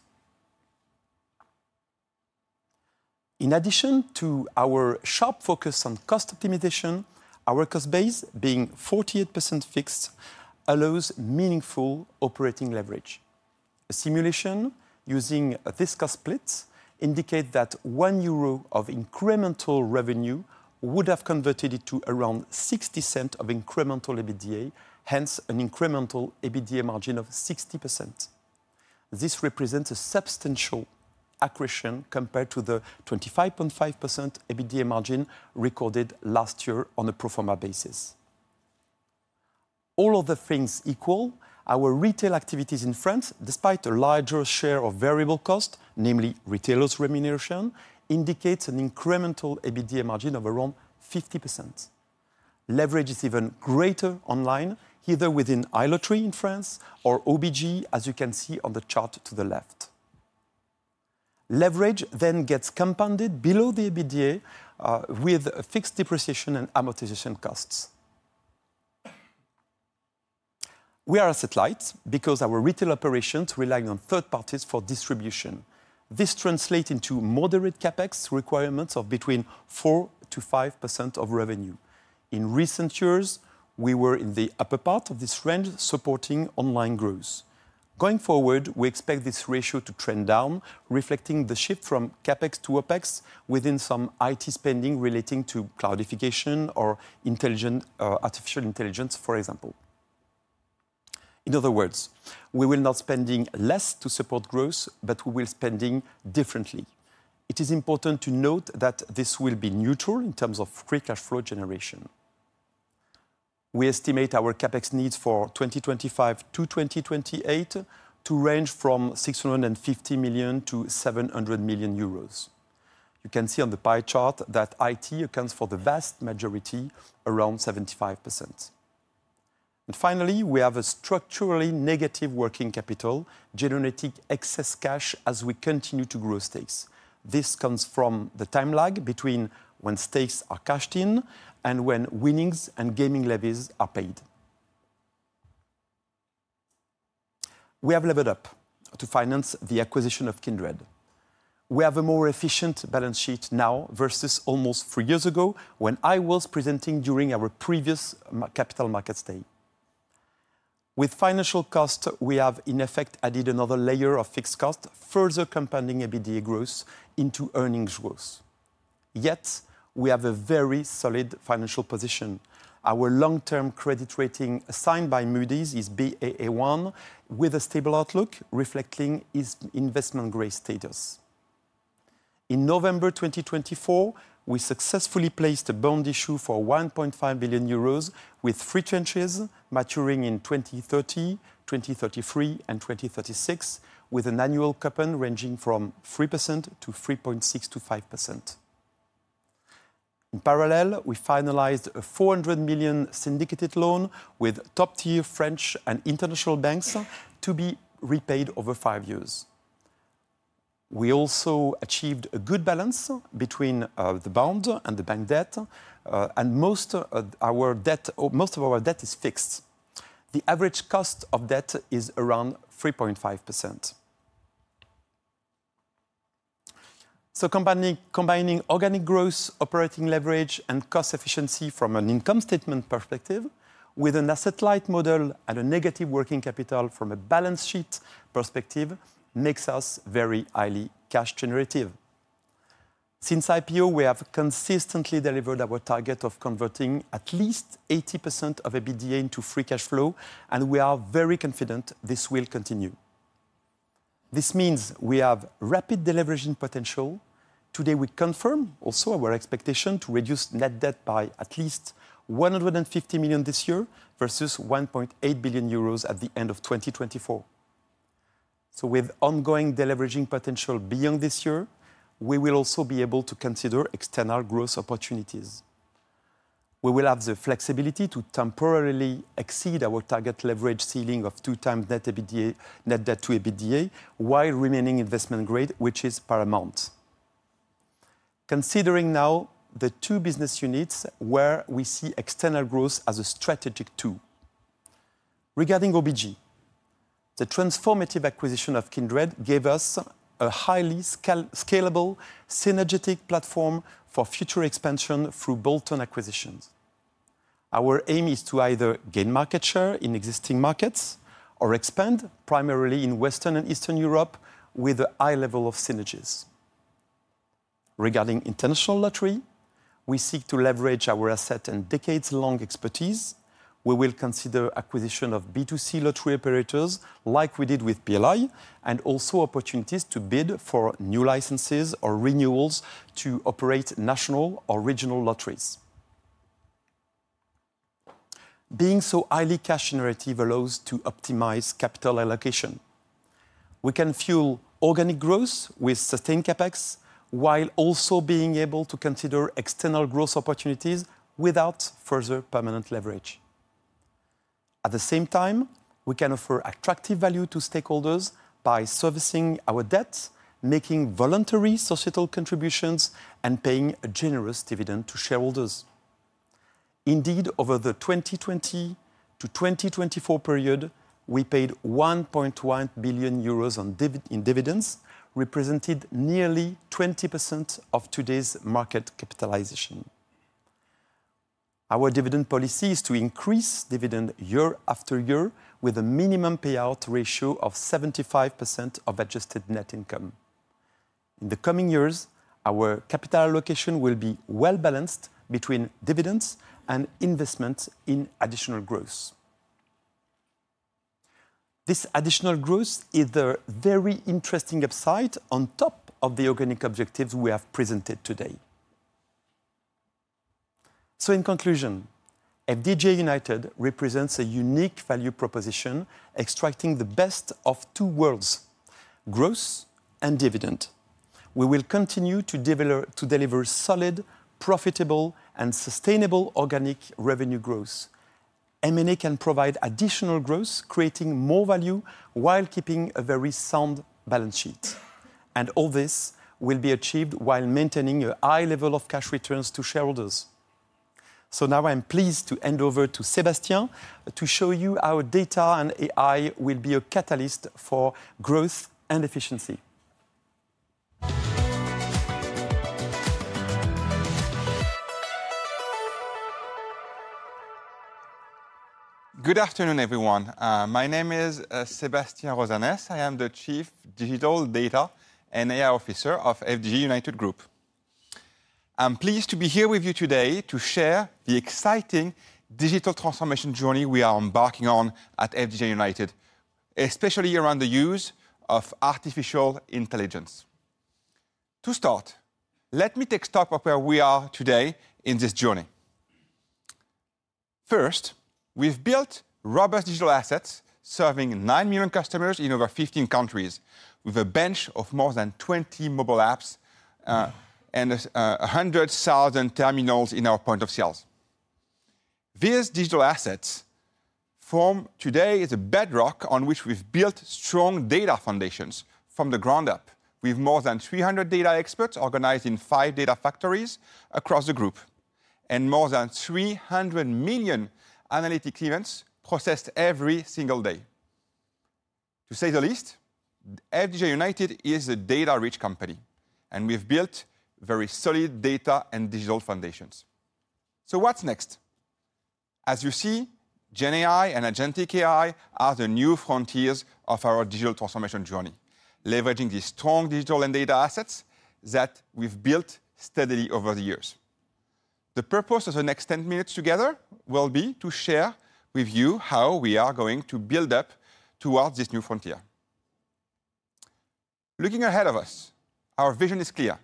In addition to our sharp focus on cost optimization, our cost base, being 48% fixed, allows meaningful operating leverage. A simulation using this cost split indicates that 1 euro of incremental revenue would have converted it to around 60% of incremental EBITDA, hence an incremental EBITDA margin of 60%. This represents a substantial accretion compared to the 25.5% EBITDA margin recorded last year on a pro forma basis. All of the things equal, our retail activities in France, despite a larger share of variable cost, namely retailers' remuneration, indicate an incremental EBITDA margin of around 50%. Leverage is even greater online, either within iLottery in France or OBG, as you can see on the chart to the left. Leverage then gets compounded below the EBITDA with fixed depreciation and amortization costs. We are asset-light because our retail operations rely on third parties for distribution. This translates into moderate CapEx requirements of between 4%-5% of revenue. In recent years, we were in the upper part of this range, supporting online growth. Going forward, we expect this ratio to trend down, reflecting the shift from CapEx to OpEx within some IT spending relating to cloudification or artificial intelligence, for example. In other words, we will not be spending less to support growth, but we will be spending differently. It is important to note that this will be neutral in terms of free cash flow generation. We estimate our CapEx needs for 2025-2028 to range from 650 million-700 million euros. You can see on the pie chart that IT accounts for the vast majority, around 75%. Finally, we have a structurally negative working capital generating excess cash as we continue to grow stakes. This comes from the time lag between when stakes are cashed in and when winnings and gaming levies are paid. We have levered up to finance the acquisition of Kindred. We have a more efficient balance sheet now versus almost three years ago when I was presenting during our previous capital markets day. With financial costs, we have in effect added another layer of fixed cost, further compounding EBITDA growth into earnings growth. Yet, we have a very solid financial position. Our long-term credit rating assigned by Moody's is Baa1, with a stable outlook reflecting its investment-grade status. In November 2024, we successfully placed a bond issue for 1.5 billion euros with three tranches maturing in 2030, 2033, and 2036, with an annual coupon ranging from 3%-3.6%-5%. In parallel, we finalized a 400 million syndicated loan with top-tier French and international banks to be repaid over five years. We also achieved a good balance between the bond and the bank debt, and most of our debt is fixed. The average cost of debt is around 3.5%. Combining organic growth, operating leverage, and cost efficiency from an income statement perspective with an asset-light model and a negative working capital from a balance sheet perspective makes us very highly cash generative. Since IPO, we have consistently delivered our target of converting at least 80% of EBITDA into free cash flow, and we are very confident this will continue. This means we have rapid delivery potential. Today, we confirm also our expectation to reduce net debt by at least 150 million this year versus 1.8 billion euros at the end of 2024. With ongoing delivery potential beyond this year, we will also be able to consider external growth opportunities. We will have the flexibility to temporarily exceed our target leverage ceiling of two times net debt to EBITDA while remaining investment grade, which is paramount. Considering now the two business units where we see external growth as a strategic two. Regarding OBG, the transformative acquisition of Kindred gave us a highly scalable synergetic platform for future expansion through bolt-on acquisitions. Our aim is to either gain market share in existing markets or expand primarily in Western and Eastern Europe with a high level of synergies. Regarding international lottery, we seek to leverage our asset and decades-long expertise. We will consider acquisition of B2C lottery operators like we did with PLI and also opportunities to bid for new licenses or renewals to operate national or regional lotteries. Being so highly cash generative allows us to optimize capital allocation. We can fuel organic growth with sustained CapEx while also being able to consider external growth opportunities without further permanent leverage. At the same time, we can offer attractive value to stakeholders by servicing our debt, making voluntary societal contributions, and paying a generous dividend to shareholders. Indeed, over the 2020 to 2024 period, we paid 1.1 billion euros in dividends, representing nearly 20% of today's market capitalization. Our dividend policy is to increase dividend year after year with a minimum payout ratio of 75% of adjusted net income. In the coming years, our capital allocation will be well balanced between dividends and investment in additional growth. This additional growth is a very interesting upside on top of the organic objectives we have presented today. In conclusion, FDJ UNITED represents a unique value proposition extracting the best of two worlds: growth and dividend. We will continue to deliver solid, profitable, and sustainable organic revenue growth. M&A can provide additional growth, creating more value while keeping a very sound balance sheet. All this will be achieved while maintaining a high level of cash returns to shareholders. Now I'm pleased to hand over to Sébastien to show you how data and AI will be a catalyst for growth and efficiency. Good afternoon, everyone. My name is Sébastien Rosanes. I am the Chief Data and AI Officer of FDJ UNITED Group. I'm pleased to be here with you today to share the exciting digital transformation journey we are embarking on at FDJ UNITED, especially around the use of artificial intelligence. To start, let me take stock of where we are today in this journey. First, we've built robust digital assets serving 9 million customers in over 15 countries, with a bench of more than 20 mobile apps and 100,000 terminals in our point of sales. These digital assets form today a bedrock on which we've built strong data foundations from the ground up. We have more than 300 data experts organized in five data factories across the group and more than 300 million analytic events processed every single day. To say the least, FDJ UNITED is a data-rich company, and we've built very solid data and digital foundations. What's next? As you see, GenAI and Agentic AI are the new frontiers of our digital transformation journey, leveraging these strong digital and data assets that we've built steadily over the years. The purpose of the next 10 minutes together will be to share with you how we are going to build up towards this new frontier. Looking ahead of us, our vision is clear: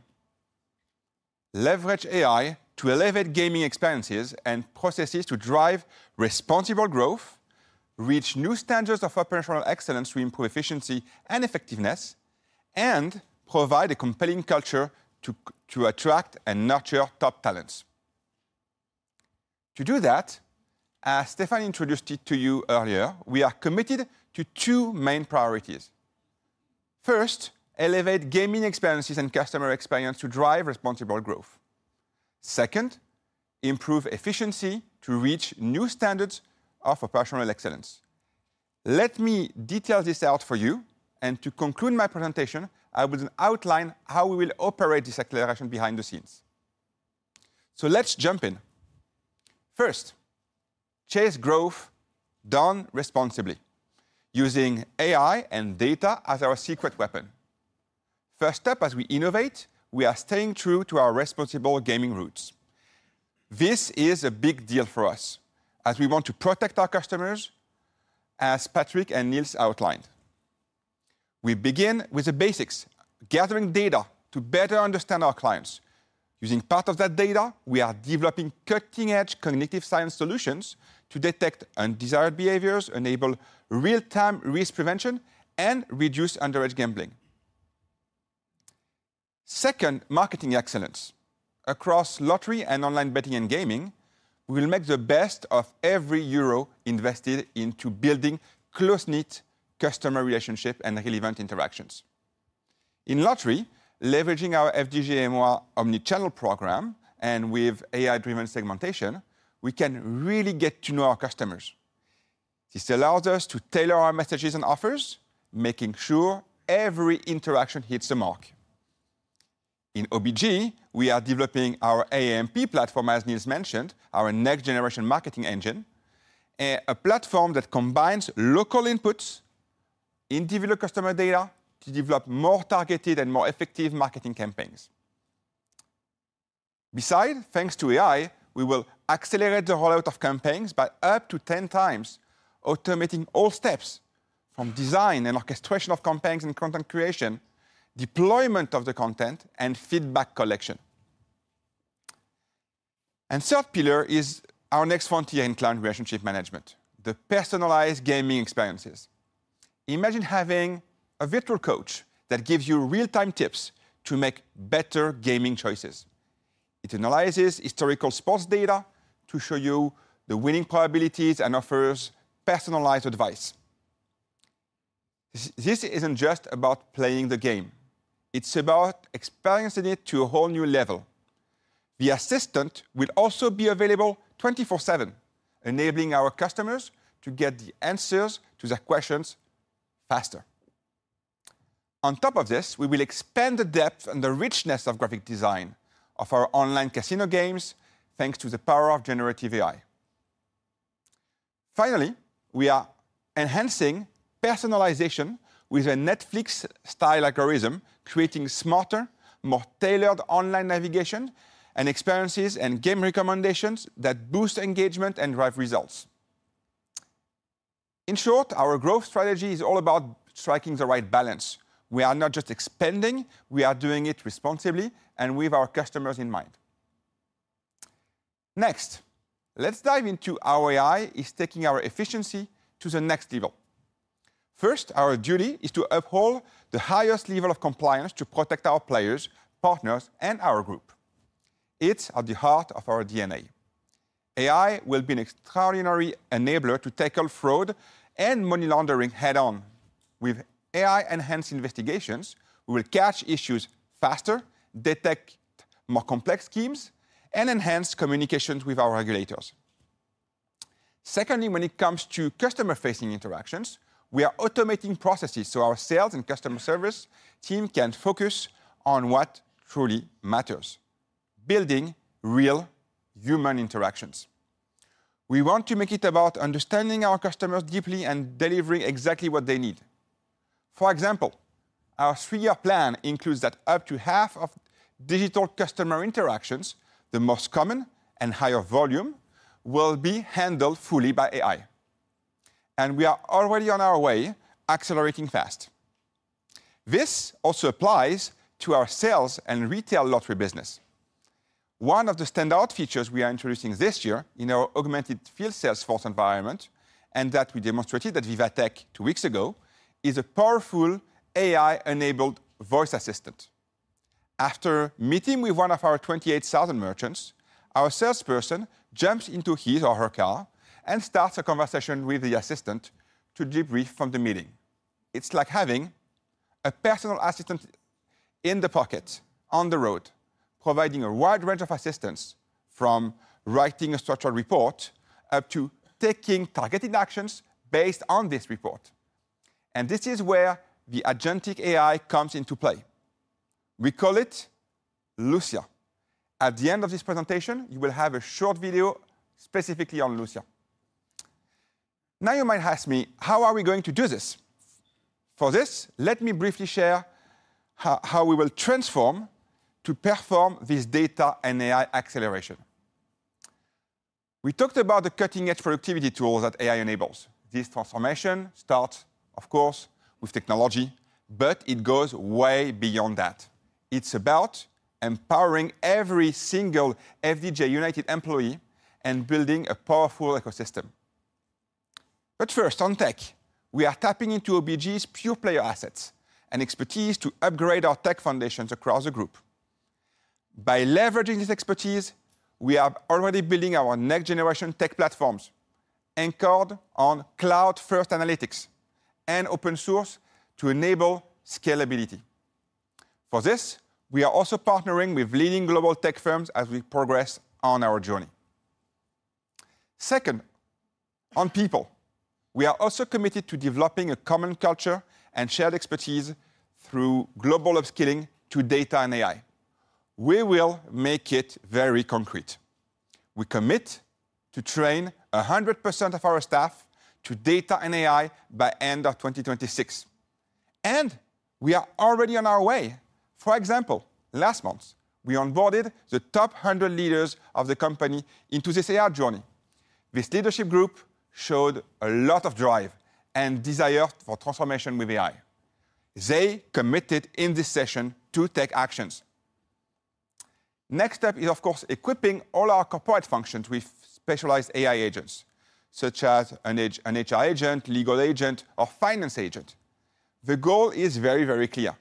leverage AI to elevate gaming experiences and processes to drive responsible growth, reach new standards of operational excellence to improve efficiency and effectiveness, and provide a compelling culture to attract and nurture top talents. To do that, as Stéphane introduced it to you earlier, we are committed to two main priorities. First, elevate gaming experiences and customer experience to drive responsible growth. Second, improve efficiency to reach new standards of operational excellence. Let me detail this out for you. To conclude my presentation, I will outline how we will operate this acceleration behind the scenes. Let's jump in. First, chase growth done responsibly, using AI and data as our secret weapon. First step, as we innovate, we are staying true to our responsible gaming roots. This is a big deal for us as we want to protect our customers, as Patrick and Nils outlined. We begin with the basics, gathering data to better understand our clients. Using part of that data, we are developing cutting-edge cognitive science solutions to detect undesired behaviors, enable real-time risk prevention, and reduce underage gambling. Second, marketing excellence. Across lottery and online betting and gaming, we will make the best of every euro invested into building close-knit customer relationships and relevant interactions. In lottery, leveraging our FDJ & Moi omnichannel program and with AI-driven segmentation, we can really get to know our customers. This allows us to tailor our messages and offers, making sure every interaction hits the mark. In OBG, we are developing our AMP platform, as Nils Anden mentioned, our next-generation marketing engine, a platform that combines local inputs in developer customer data to develop more targeted and more effective marketing campaigns. Besides, thanks to AI, we will accelerate the rollout of campaigns by up to 10 times, automating all steps from design and orchestration of campaigns and content creation, deployment of the content, and feedback collection. The third pillar is our next frontier in client relationship management: the personalized gaming experiences. Imagine having a virtual coach that gives you real-time tips to make better gaming choices. It analyzes historical sports data to show you the winning probabilities and offers personalized advice. This isn't just about playing the game. It's about experiencing it to a whole new level. The assistant will also be available 24/7, enabling our customers to get the answers to their questions faster. On top of this, we will expand the depth and the richness of graphic design of our online casino games thanks to the power of generative AI. Finally, we are enhancing personalization with a Netflix-style algorithm, creating smarter, more tailored online navigation and experiences and game recommendations that boost engagement and drive results. In short, our growth strategy is all about striking the right balance. We are not just expanding; we are doing it responsibly and with our customers in mind. Next, let's dive into how AI is taking our efficiency to the next level. First, our duty is to uphold the highest level of compliance to protect our players, partners, and our group. It is at the heart of our DNA. AI will be an extraordinary enabler to tackle fraud and money laundering head-on. With AI-enhanced investigations, we will catch issues faster, detect more complex schemes, and enhance communications with our regulators. Secondly, when it comes to customer-facing interactions, we are automating processes so our sales and customer service team can focus on what truly matters: building real human interactions. We want to make it about understanding our customers deeply and delivering exactly what they need. For example, our three-year plan includes that up to half of digital customer interactions, the most common and higher volume, will be handled fully by AI. We are already on our way, accelerating fast. This also applies to our sales and retail lottery business. One of the standout features we are introducing this year in our augmented field salesforce environment, and that we demonstrated at VivaTech two weeks ago, is a powerful AI-enabled voice assistant. After meeting with one of our 28,000 merchants, our salesperson jumps into his or her car and starts a conversation with the assistant to debrief from the meeting. It is like having a personal assistant in the pocket on the road, providing a wide range of assistance, from writing a structured report up to taking targeted actions based on this report. This is where the Agentic AI comes into play. We call it Lucia. At the end of this presentation, you will have a short video specifically on Lucia. Now you might ask me, how are we going to do this? For this, let me briefly share how we will transform to perform this data and AI acceleration. We talked about the cutting-edge productivity tools that AI enables. This transformation starts, of course, with technology, but it goes way beyond that. It is about empowering every single FDJ United employee and building a powerful ecosystem. First, on tech, we are tapping into OBG's pure player assets and expertise to upgrade our tech foundations across the group. By leveraging this expertise, we are already building our next-generation tech platforms anchored on cloud-first analytics and open source to enable scalability. For this, we are also partnering with leading global tech firms as we progress on our journey. Second, on people, we are also committed to developing a common culture and shared expertise through global upskilling to data and AI. We will make it very concrete. We commit to train 100% of our staff to data and AI by the end of 2026. We are already on our way. For example, last month, we onboarded the top 100 leaders of the company into this AI journey. This leadership group showed a lot of drive and desire for transformation with AI. They committed in this session to take actions. Next step is, of course, equipping all our corporate functions with specialized AI agents, such as an HR agent, legal agent, or finance agent. The goal is very, very clear: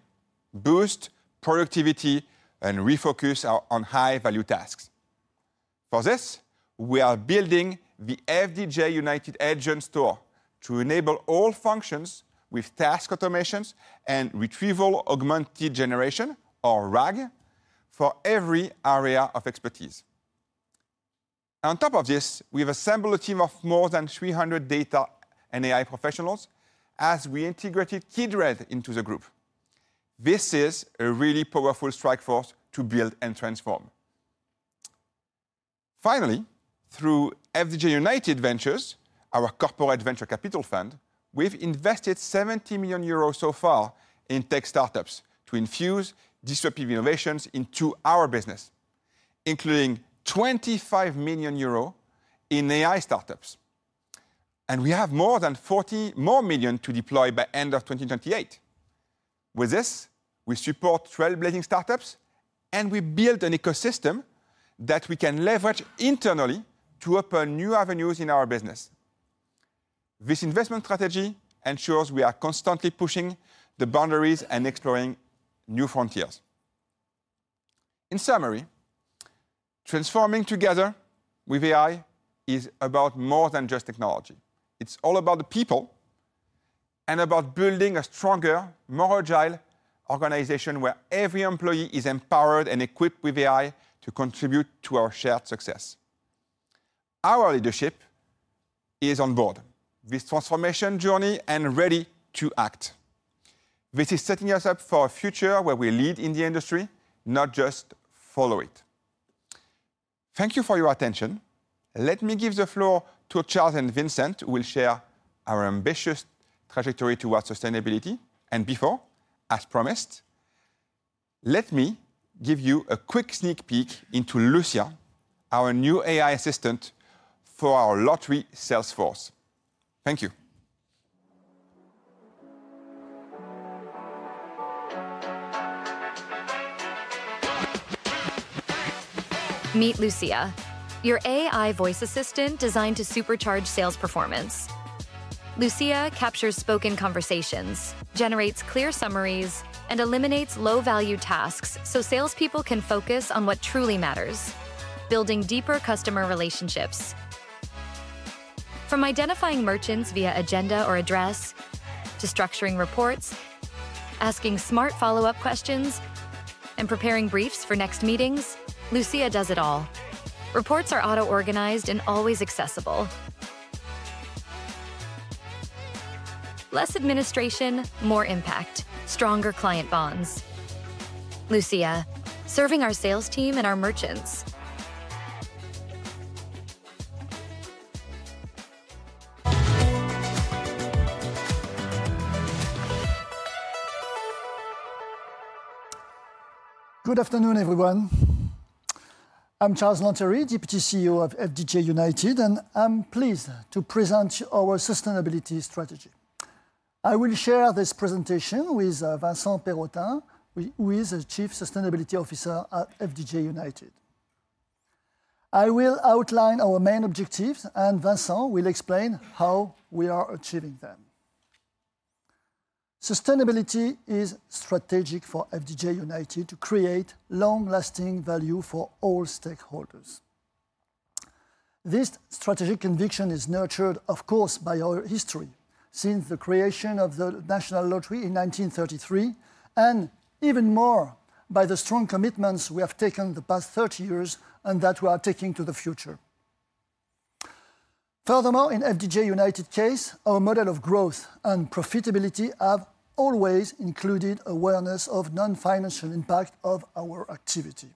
boost productivity and refocus on high-value tasks. For this, we are building the FDJ UNITED Agent Store to enable all functions with task automations and retrieval augmented generation, or RAG, for every area of expertise. On top of this, we've assembled a team of more than 300 data and AI professionals as we integrated Kindred into the group. This is a really powerful strike force to build and transform. Finally, through FDJ United Ventures, our corporate venture capital fund, we've invested 70 million euros so far in tech startups to infuse disruptive innovations into our business, including 25 million euro in AI startups. We have more than 40 million to deploy by the end of 2028. With this, we support trailblazing startups, and we build an ecosystem that we can leverage internally to open new avenues in our business. This investment strategy ensures we are constantly pushing the boundaries and exploring new frontiers. In summary, transforming together with AI is about more than just technology. It's all about the people and about building a stronger, more agile organization where every employee is empowered and equipped with AI to contribute to our shared success. Our leadership is on board with this transformation journey and ready to act. This is setting us up for a future where we lead in the industry, not just follow it. Thank you for your attention. Let me give the floor to Charles and Vincent, who will share our ambitious trajectory towards sustainability. Before, as promised, let me give you a quick sneak peek into Lucia, our new AI assistant for our lottery salesforce. Thank you. Meet Lucia, your AI voice assistant designed to supercharge sales performance. Lucia captures spoken conversations, generates clear summaries, and eliminates low-value tasks so salespeople can focus on what truly matters: building deeper customer relationships. From identifying merchants via agenda or address to structuring reports, asking smart follow-up questions, and preparing briefs for next meetings, Lucia does it all. Reports are auto-organized and always accessible. Less administration, more impact, stronger client bonds. Lucia, serving our sales team and our merchants. Good afternoon, everyone. I'm Charles Lantieri, Deputy CEO of FDJ UNITED, and I'm pleased to present our sustainability strategy. I will share this presentation with Vincent Perrottin, who is Chief Sustainability Officer at FDJ United. I will outline our main objectives, and Vincent will explain how we are achieving them. Sustainability is strategic for FDJ UNITED to create long-lasting value for all stakeholders. This strategic conviction is nurtured, of course, by our history since the creation of the national lottery in 1933, and even more by the strong commitments we have taken the past 30 years and that we are taking to the future. Furthermore, in FDJ UNITED's case, our model of growth and profitability has always included awareness of the non-financial impact of our activity.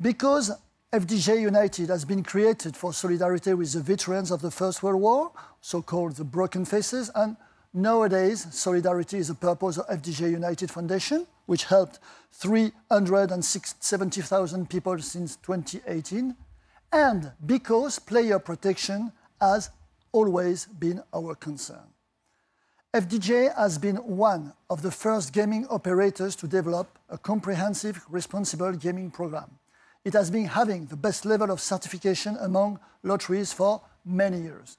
Because FDJ UNITED has been created for solidarity with the veterans of the First World War, so-called the Broken Faces, and nowadays, solidarity is the purpose of the FDJ UNITED Foundation, which helped 370,000 people since 2018, and because player protection has always been our concern. FDJ UNITED has been one of the first gaming operators to develop a comprehensive, responsible gaming program. It has been having the best level of certification among lotteries for many years.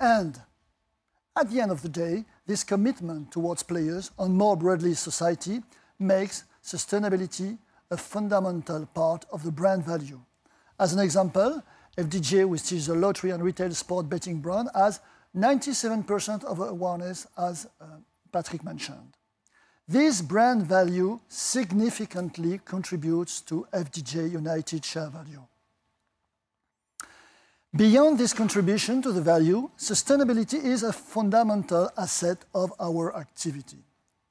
At the end of the day, this commitment towards players and more broadly society makes sustainability a fundamental part of the brand value. As an example, FDJ UNITED, which is a lottery and retail sports betting brand, has 97% of awareness, as Patrick mentioned. This brand value significantly contributes to FDJ UNITED share value. Beyond this contribution to the value, sustainability is a fundamental asset of our activity.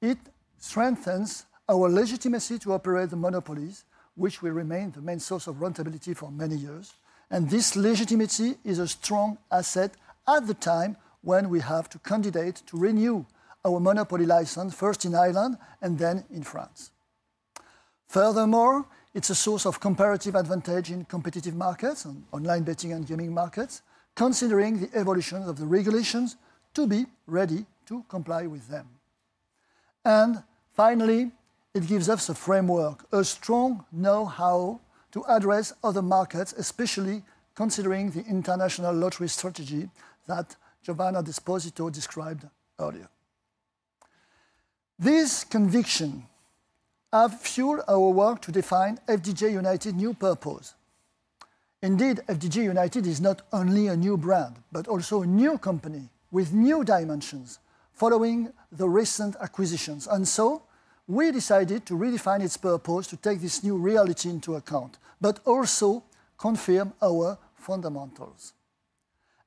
It strengthens our legitimacy to operate the monopolies, which will remain the main source of rentability for many years. This legitimacy is a strong asset at the time when we have to candidate to renew our monopoly license, first in Ireland and then in France. Furthermore, it is a source of comparative advantage in competitive markets, online betting and gaming markets, considering the evolution of the regulations to be ready to comply with them. Finally, it gives us a framework, a strong know-how to address other markets, especially considering the international lottery strategy that Giovanna Desposito described earlier. This conviction has fueled our work to define FDJ UNITED's new purpose. Indeed, FDJ UNITED is not only a new brand, but also a new company with new dimensions following the recent acquisitions. We decided to redefine its purpose to take this new reality into account, but also confirm our fundamentals.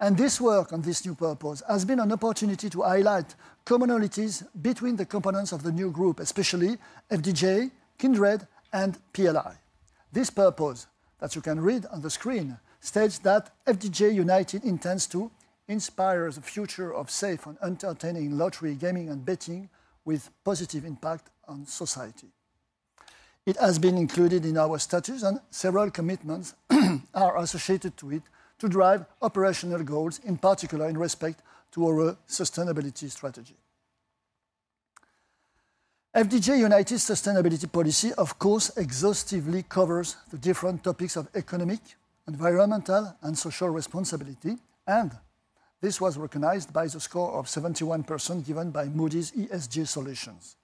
This work on this new purpose has been an opportunity to highlight commonalities between the components of the new group, especially FDJ, Kindred, and PLI. This purpose that you can read on the screen states that FDJ UNITED intends to inspire the future of safe and entertaining lottery, gaming, and betting with positive impact on society. It has been included in our status, and several commitments are associated with it to drive operational goals, in particular in respect to our sustainability strategy. FDJ UNITED's sustainability policy, of course, exhaustively covers the different topics of economic, environmental, and social responsibility. This was recognized by the score of 71% given by Moody's ESG Solutions.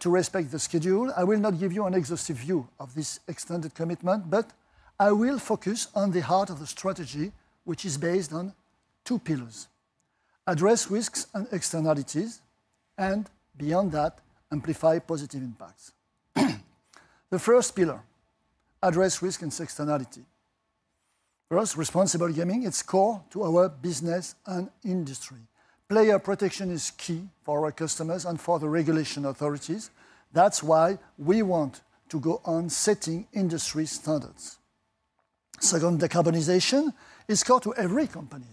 To respect the schedule, I will not give you an exhaustive view of this extended commitment, but I will focus on the heart of the strategy, which is based on two pillars: address risks and externalities, and beyond that, amplify positive impacts. The first pillar: address risks and externality. First, responsible gaming is core to our business and industry. Player protection is key for our customers and for the regulation authorities. That is why we want to go on setting industry standards. Second, decarbonization is core to every company.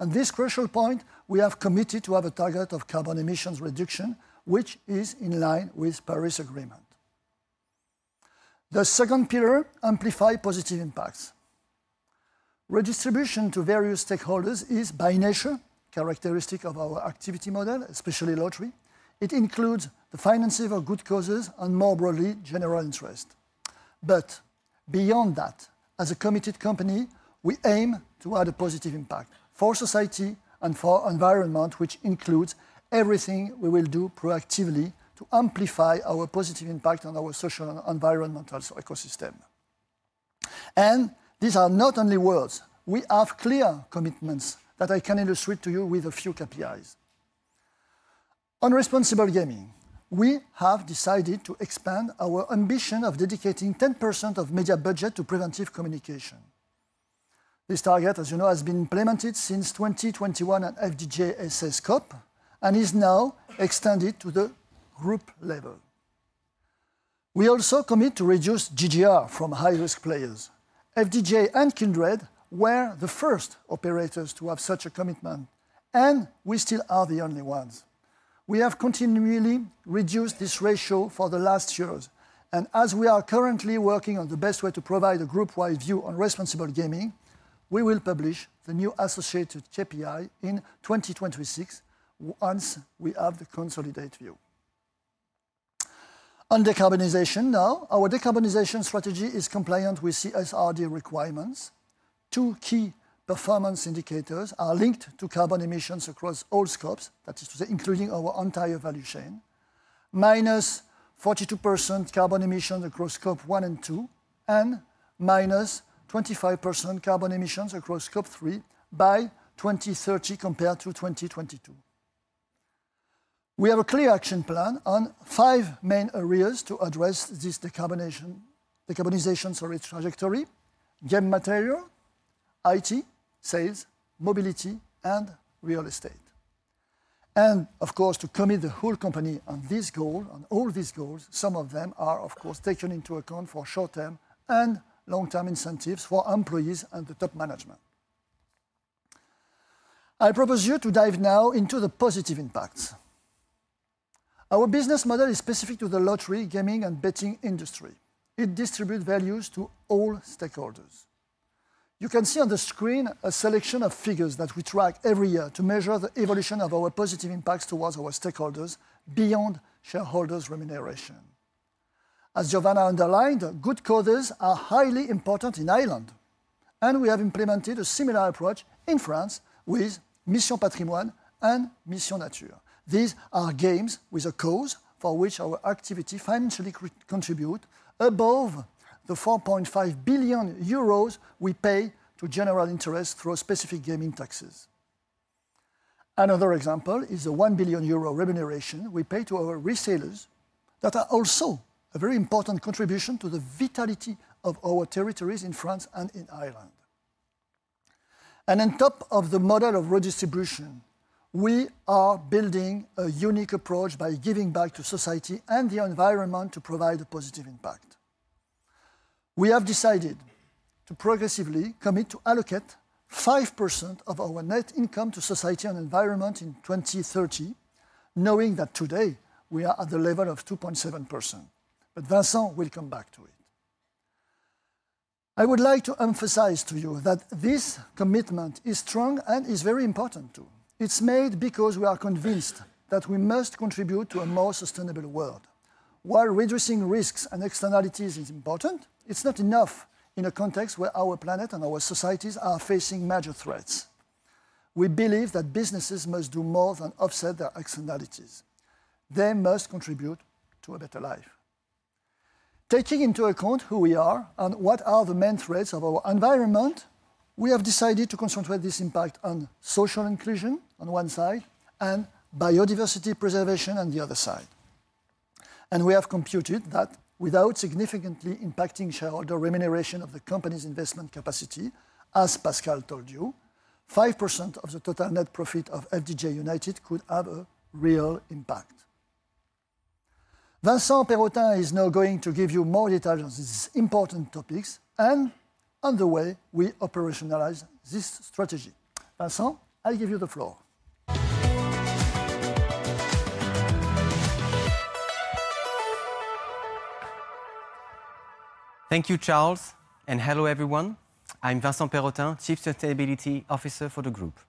On this crucial point, we have committed to have a target of carbon emissions reduction, which is in line with Paris Agreement. The second pillar: amplify positive impacts. Redistribution to various stakeholders is by nature a characteristic of our activity model, especially lottery. It includes the finances of good causes and, more broadly, general interest. Beyond that, as a committed company, we aim to add a positive impact for society and for the environment, which includes everything we will do proactively to amplify our positive impact on our social and environmental ecosystem. These are not only words. We have clear commitments that I can illustrate to you with a few KPIs. On responsible gaming, we have decided to expand our ambition of dedicating 10% of media budget to preventive communication. This target, as you know, has been implemented since 2021 at FDJ UNITED and is now extended to the group level. We also commit to reduce GGR from high-risk players. FDJ UNITED and Kindred were the first operators to have such a commitment, and we still are the only ones. We have continually reduced this ratio for the last years. As we are currently working on the best way to provide a group-wide view on responsible gaming, we will publish the new associated KPI in 2026 once we have the consolidated view. On decarbonization now, our decarbonization strategy is compliant with CSRD requirements. Two key performance indicators are linked to carbon emissions across all scopes, that is to say, including our entire value chain, minus 42% carbon emissions across scope one and two, and -25% carbon emissions across scope three by 2030 compared to 2022. We have a clear action plan on five main areas to address this decarbonization trajectory: game material, IT, sales, mobility, and real estate. Of course, to commit the whole company on this goal, on all these goals, some of them are, of course, taken into account for short-term and long-term incentives for employees and the top management. I propose you to dive now into the positive impacts. Our business model is specific to the lottery, gaming, and betting industry. It distributes values to all stakeholders. You can see on the screen a selection of figures that we track every year to measure the evolution of our positive impacts towards our stakeholders beyond shareholders' remuneration. As Giovanna underlined, good causes are highly important in Ireland, and we have implemented a similar approach in France with Mission Patrimoine and Mission Nature. These are games with a cause for which our activity financially contributes above the 4.5 billion euros we pay to general interest through specific gaming taxes. Another example is the 1 billion euro remuneration we pay to our resellers that are also a very important contribution to the vitality of our territories in France and in Ireland. On top of the model of redistribution, we are building a unique approach by giving back to society and the environment to provide a positive impact. We have decided to progressively commit to allocate 5% of our net income to society and environment in 2030, knowing that today we are at the level of 2.7%. Vincent will come back to it. I would like to emphasize to you that this commitment is strong and is very important too. It is made because we are convinced that we must contribute to a more sustainable world. While reducing risks and externalities is important, it is not enough in a context where our planet and our societies are facing major threats. We believe that businesses must do more than offset their externalities. They must contribute to a better life. Taking into account who we are and what are the main threats of our environment, we have decided to concentrate this impact on social inclusion on one side and biodiversity preservation on the other side. We have computed that without significantly impacting shareholder remuneration or the company's investment capacity, as Pascal told you, 5% of the total net profit of FDJ UNITED could have a real impact. Vincent Perrottin is now going to give you more details on these important topics, and on the way, we operationalize this strategy. Vincent, I'll give you the floor. Thank you, Charles, and hello everyone. I'm Vincent Perrottin, Chief Sustainability Officer for the group.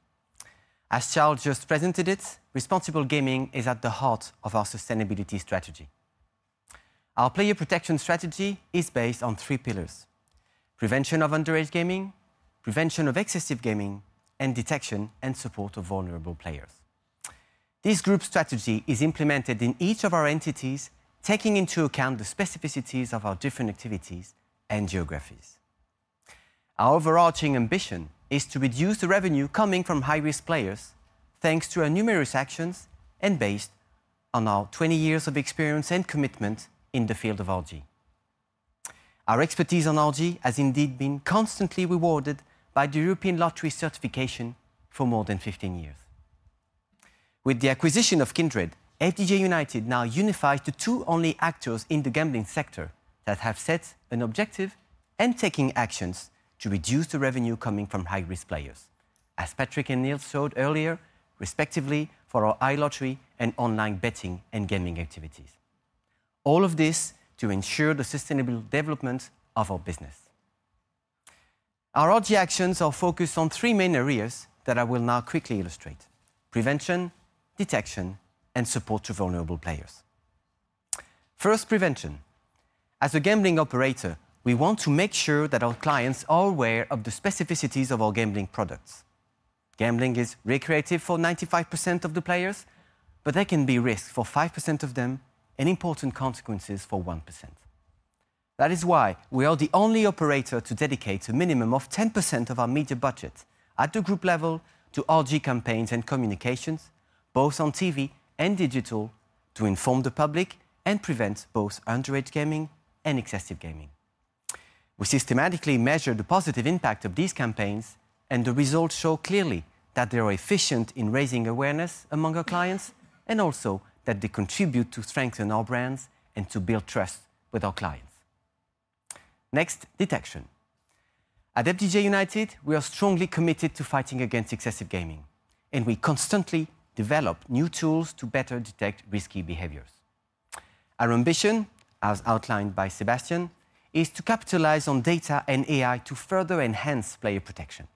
As Charles just presented it, responsible gaming is at the heart of our sustainability strategy. Our player protection strategy is based on three pillars: prevention of underage gaming, prevention of excessive gaming, and detection and support of vulnerable players. This group strategy is implemented in each of our entities, taking into account the specificities of our different activities and geographies. Our overarching ambition is to reduce the revenue coming from high-risk players thanks to our numerous actions and based on our 20 years of experience and commitment in the field of RG. Our expertise on RG has indeed been constantly rewarded by the European Lottery certification for more than 15 years. With the acquisition of Kindred, FDJ UNITED now unifies the two only actors in the gambling sector that have set an objective and taken actions to reduce the revenue coming from high-risk players, as Patrick and Nils showed earlier, respectively for our iLottery and online betting and gaming activities. All of this to ensure the sustainable development of our business. Our RG actions are focused on three main areas that I will now quickly illustrate: prevention, detection, and support to vulnerable players. First, prevention. As a gambling operator, we want to make sure that our clients are aware of the specificities of our gambling products. Gambling is recreative for 95% of the players, but there can be risk for 5% of them and important consequences for 1%. That is why we are the only operator to dedicate a minimum of 10% of our media budget at the group level to RG campaigns and communications, both on TV and digital, to inform the public and prevent both underage gaming and excessive gaming. We systematically measure the positive impact of these campaigns, and the results show clearly that they are efficient in raising awareness among our clients and also that they contribute to strengthen our brands and to build trust with our clients. Next, detection. At FDJ UNITED, we are strongly committed to fighting against excessive gaming, and we constantly develop new tools to better detect risky behaviors. Our ambition, as outlined by Sébastien, is to capitalize on data and AI to further enhance player protection.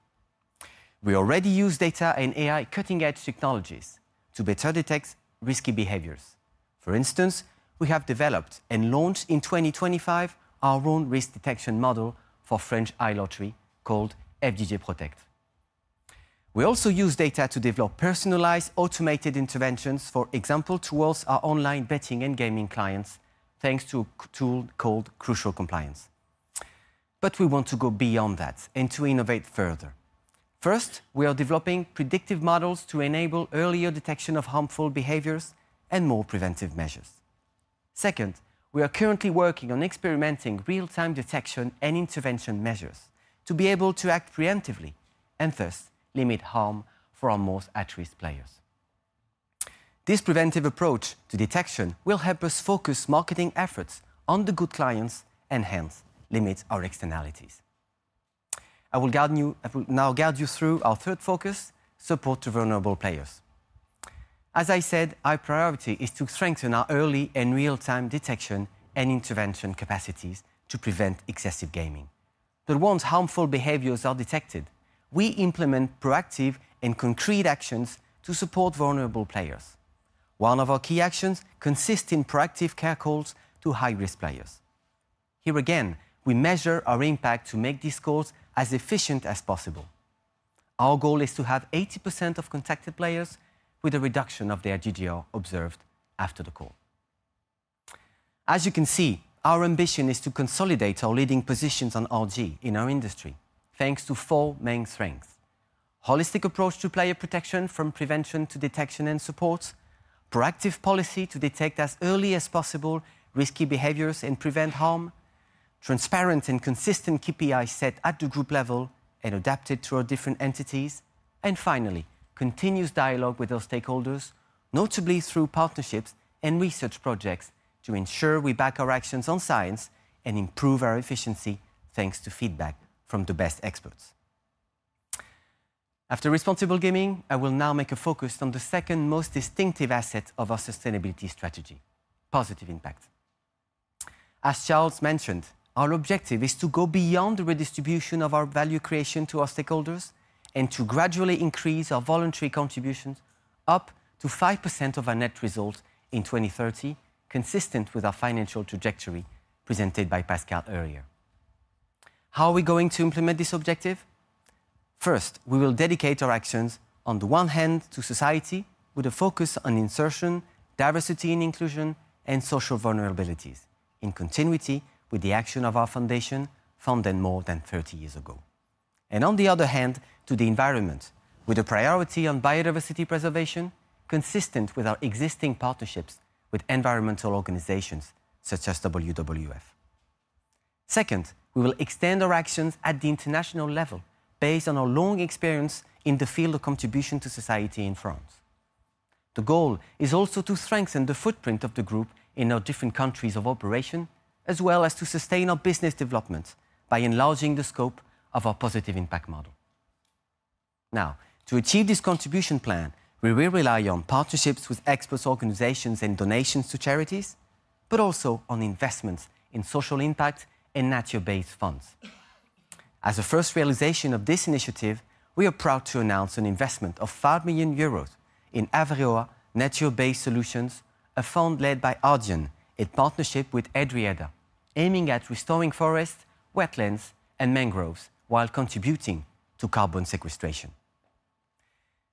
We already use data and AI cutting-edge technologies to better detect risky behaviors. For instance, we have developed and launched in 2025 our own risk detection model for French iLottery called FDJ Protect. We also use data to develop personalized automated interventions, for example, towards our online betting and gaming clients, thanks to a tool called Crucial Compliance. But we want to go beyond that and to innovate further. First, we are developing predictive models to enable earlier detection of harmful behaviors and more preventive measures. Second, we are currently working on experimenting real-time detection and intervention measures to be able to act preemptively and thus limit harm for our most at-risk players. This preventive approach to detection will help us focus marketing efforts on the good clients and hence limit our externalities. I will now guide you through our third focus, support to vulnerable players. As I said, our priority is to strengthen our early and real-time detection and intervention capacities to prevent excessive gaming. Once harmful behaviors are detected, we implement proactive and concrete actions to support vulnerable players. One of our key actions consists in proactive care calls to high-risk players. Here again, we measure our impact to make these calls as efficient as possible. Our goal is to have 80% of contacted players with a reduction of their GGR observed after the call. As you can see, our ambition is to consolidate our leading positions on RG in our industry thanks to four main strengths: a holistic approach to player protection from prevention to detection and support, a proactive policy to detect as early as possible risky behaviors and prevent harm, transparent and consistent KPIs set at the group level and adapted to our different entities, and finally, continuous dialogue with our stakeholders, notably through partnerships and research projects to ensure we back our actions on science and improve our efficiency thanks to feedback from the best experts. After responsible gaming, I will now make a focus on the second most distinctive asset of our sustainability strategy: positive impact. As Charles mentioned, our objective is to go beyond the redistribution of our value creation to our stakeholders and to gradually increase our voluntary contributions up to 5% of our net result in 2030, consistent with our financial trajectory presented by Pascal earlier. How are we going to implement this objective? First, we will dedicate our actions, on the one hand, to society with a focus on insertion, diversity and inclusion, and social vulnerabilities in continuity with the action of our foundation founded more than 30 years ago. On the other hand, to the environment with a priority on biodiversity preservation consistent with our existing partnerships with environmental organizations such as WWF. Second, we will extend our actions at the international level based on our long experience in the field of contribution to society in France. The goal is also to strengthen the footprint of the group in our different countries of operation, as well as to sustain our business development by enlarging the scope of our positive impact model. Now, to achieve this contribution plan, we will rely on partnerships with experts, organizations, and donations to charities, but also on investments in social impact and nature-based funds. As a first realization of this initiative, we are proud to announce an investment of 5 million euros in ARDIAN Natural Base Solutions, a fund led by ARDIAN in partnership with Edriada, aiming at restoring forests, wetlands, and mangroves while contributing to carbon sequestration.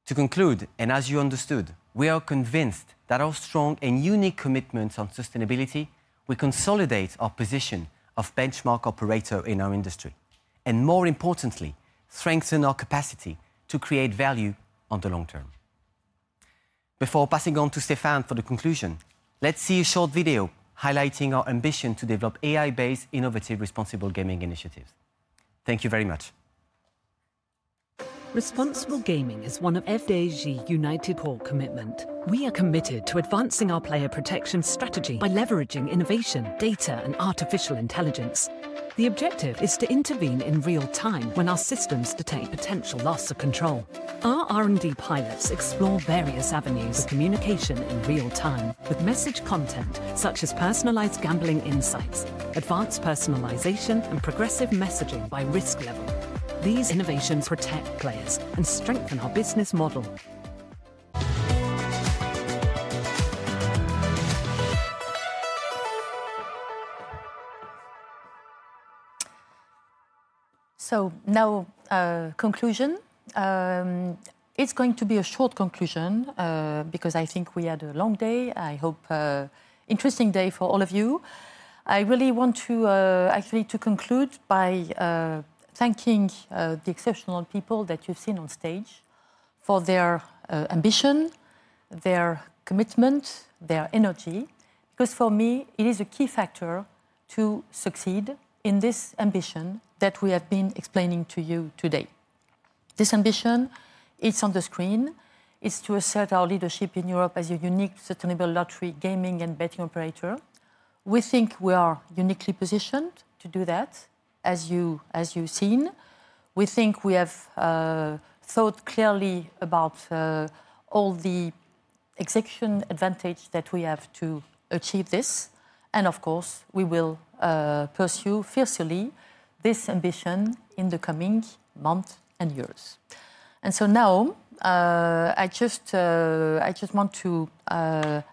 To conclude, and as you understood, we are convinced that our strong and unique commitments on sustainability will consolidate our position of benchmark operator in our industry and, more importantly, strengthen our capacity to create value on the long term. Before passing on to Stéphane for the conclusion, let's see a short video highlighting our ambition to develop AI-based innovative responsible gaming initiatives. Thank you very much. Responsible gaming is one of FDJ UNITED's core commitments. We are committed to advancing our player protection strategy by leveraging innovation, data, and artificial intelligence. The objective is to intervene in real time when our systems detect potential loss of control. Our R&D pilots explore various avenues for communication in real time with message content such as personalized gambling insights, advanced personalization, and progressive messaging by risk level. These innovations protect players and strengthen our business model. Now, conclusion. It is going to be a short conclusion because I think we had a long day. I hope an interesting day for all of you. I really want to actually conclude by thanking the exceptional people that you've seen on stage for their ambition, their commitment, their energy. For me, it is a key factor to succeed in this ambition that we have been explaining to you today. This ambition, it's on the screen, is to assert our leadership in Europe as a unique sustainable lottery gaming and betting operator. We think we are uniquely positioned to do that, as you've seen. We think we have thought clearly about all the execution advantage that we have to achieve this. Of course, we will pursue fiercely this ambition in the coming months and years. Now, I just want to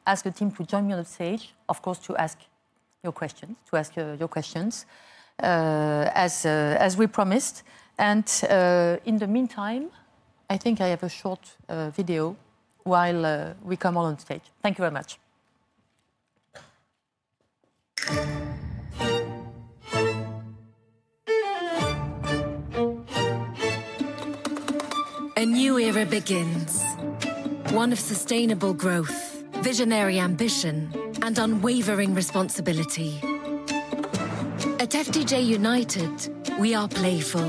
ask the team to join me on the stage, of course, to ask your questions, to ask your questions as we promised. I think I have a short video while we come on stage. Thank you very much. A new era begins. One of sustainable growth, visionary ambition, and unwavering responsibility. At FDJ UNITED, we are playful.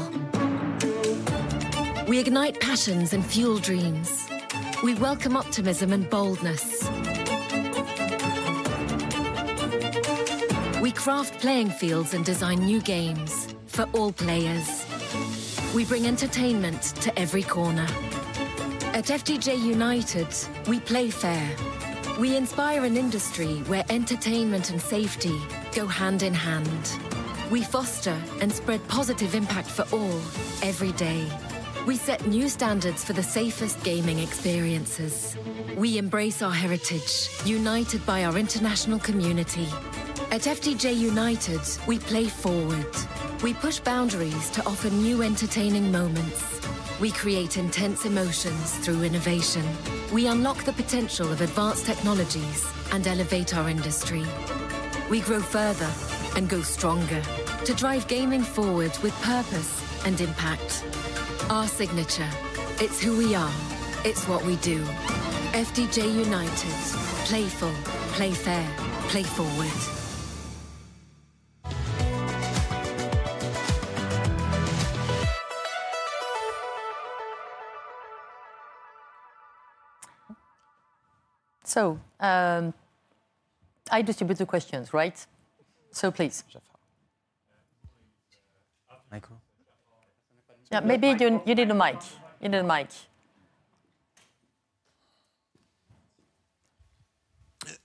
We ignite passions and fuel dreams. We welcome optimism and boldness. We craft playing fields and design new games for all players. We bring entertainment to every corner. At FDJ UNITED, we play fair. We inspire an industry where entertainment and safety go hand in hand. We foster and spread positive impact for all every day. We set new standards for the safest gaming experiences. We embrace our heritage united by our international community. At FDJ UNITED, we play forward. We push boundaries to offer new entertaining moments. We create intense emotions through innovation. We unlock the potential of advanced technologies and elevate our industry. We grow further and go stronger to drive gaming forward with purpose and impact. Our signature, it's who we are, it's what we do. FDJ UNITED, playful, play fair, play forward. I distribute the questions, right? Please. Michael. Maybe you need a mic. You need a mic.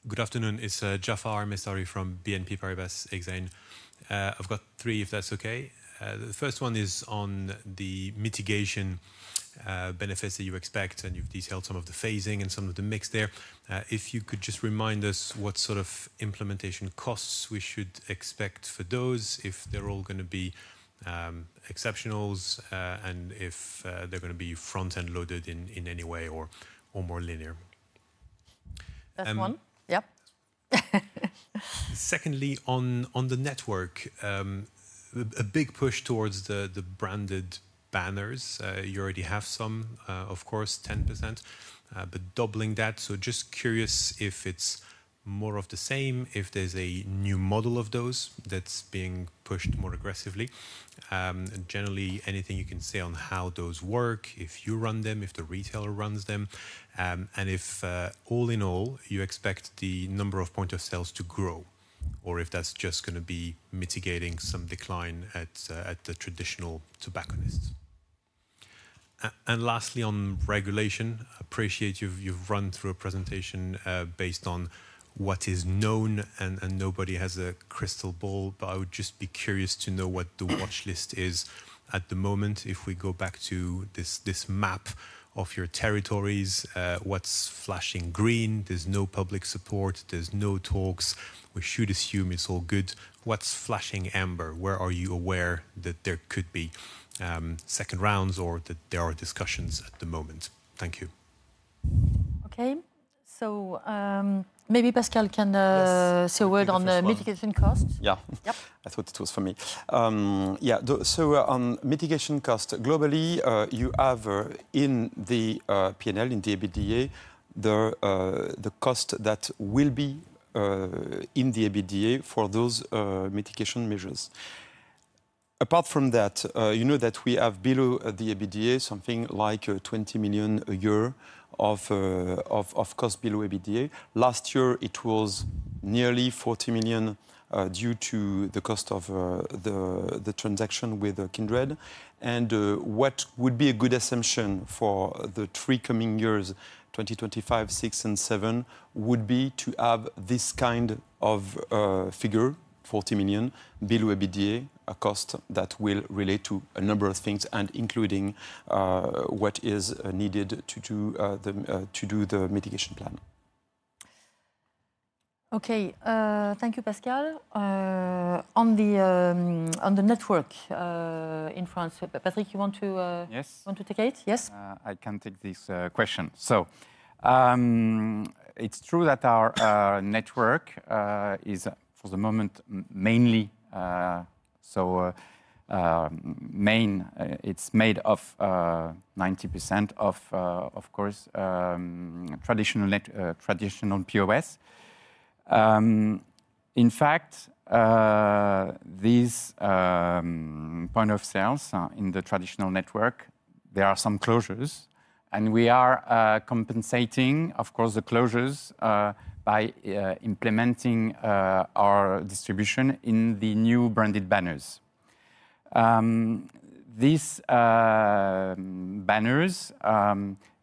Good afternoon. It's Jaafar Mestari from BNP Paribas, Exane. I've got three, if that's okay. The first one is on the mitigation benefits that you expect, and you've detailed some of the phasing and some of the mix there. If you could just remind us what sort of implementation costs we should expect for those, if they're all going to be exceptionals and if they're going to be front-end loaded in any way or more linear. That's one. Yeah. Secondly, on the network, a big push towards the branded banners. You already have some, of course, 10%, but doubling that. Just curious if it's more of the same, if there's a new model of those that's being pushed more aggressively. Generally, anything you can say on how those work, if you run them, if the retailer runs them, and if all in all, you expect the number of point of sales to grow or if that's just going to be mitigating some decline at the traditional tobacconists. Lastly, on regulation, I appreciate you've run through a presentation based on what is known and nobody has a crystal ball, but I would just be curious to know what the watch list is at the moment. If we go back to this map of your territories, what's flashing green? There's no public support. There's no talks. We should assume it's all good. What's flashing amber? Where are you aware that there could be second rounds or that there are discussions at the moment? Thank you. Okay. Maybe Pascal can say a word on mitigation costs. Yeah. I thought it was for me. Yeah. On mitigation costs globally, you have in the PNL, in the EBITDA, the cost that will be in the EBITDA for those mitigation measures. Apart from that, you know that we have below the EBITDA something like 20 million a year of cost below EBITDA. Last year, it was nearly 40 million due to the cost of the transaction with Kindred. What would be a good assumption for the three coming years, 2025, 2026, and 2027, would be to have this kind of figure, 40 million below EBITDA, a cost that will relate to a number of things including what is needed to do the mitigation plan. Okay. Thank you, Pascal. On the network in France, Patrick, you want to take it? Yes. I can take this question. It is true that our network is for the moment mainly, so main, it is made of 90% of, of course, traditional POS. In fact, these point of sales in the traditional network, there are some closures, and we are compensating, of course, the closures by implementing our distribution in the new branded banners. These banners,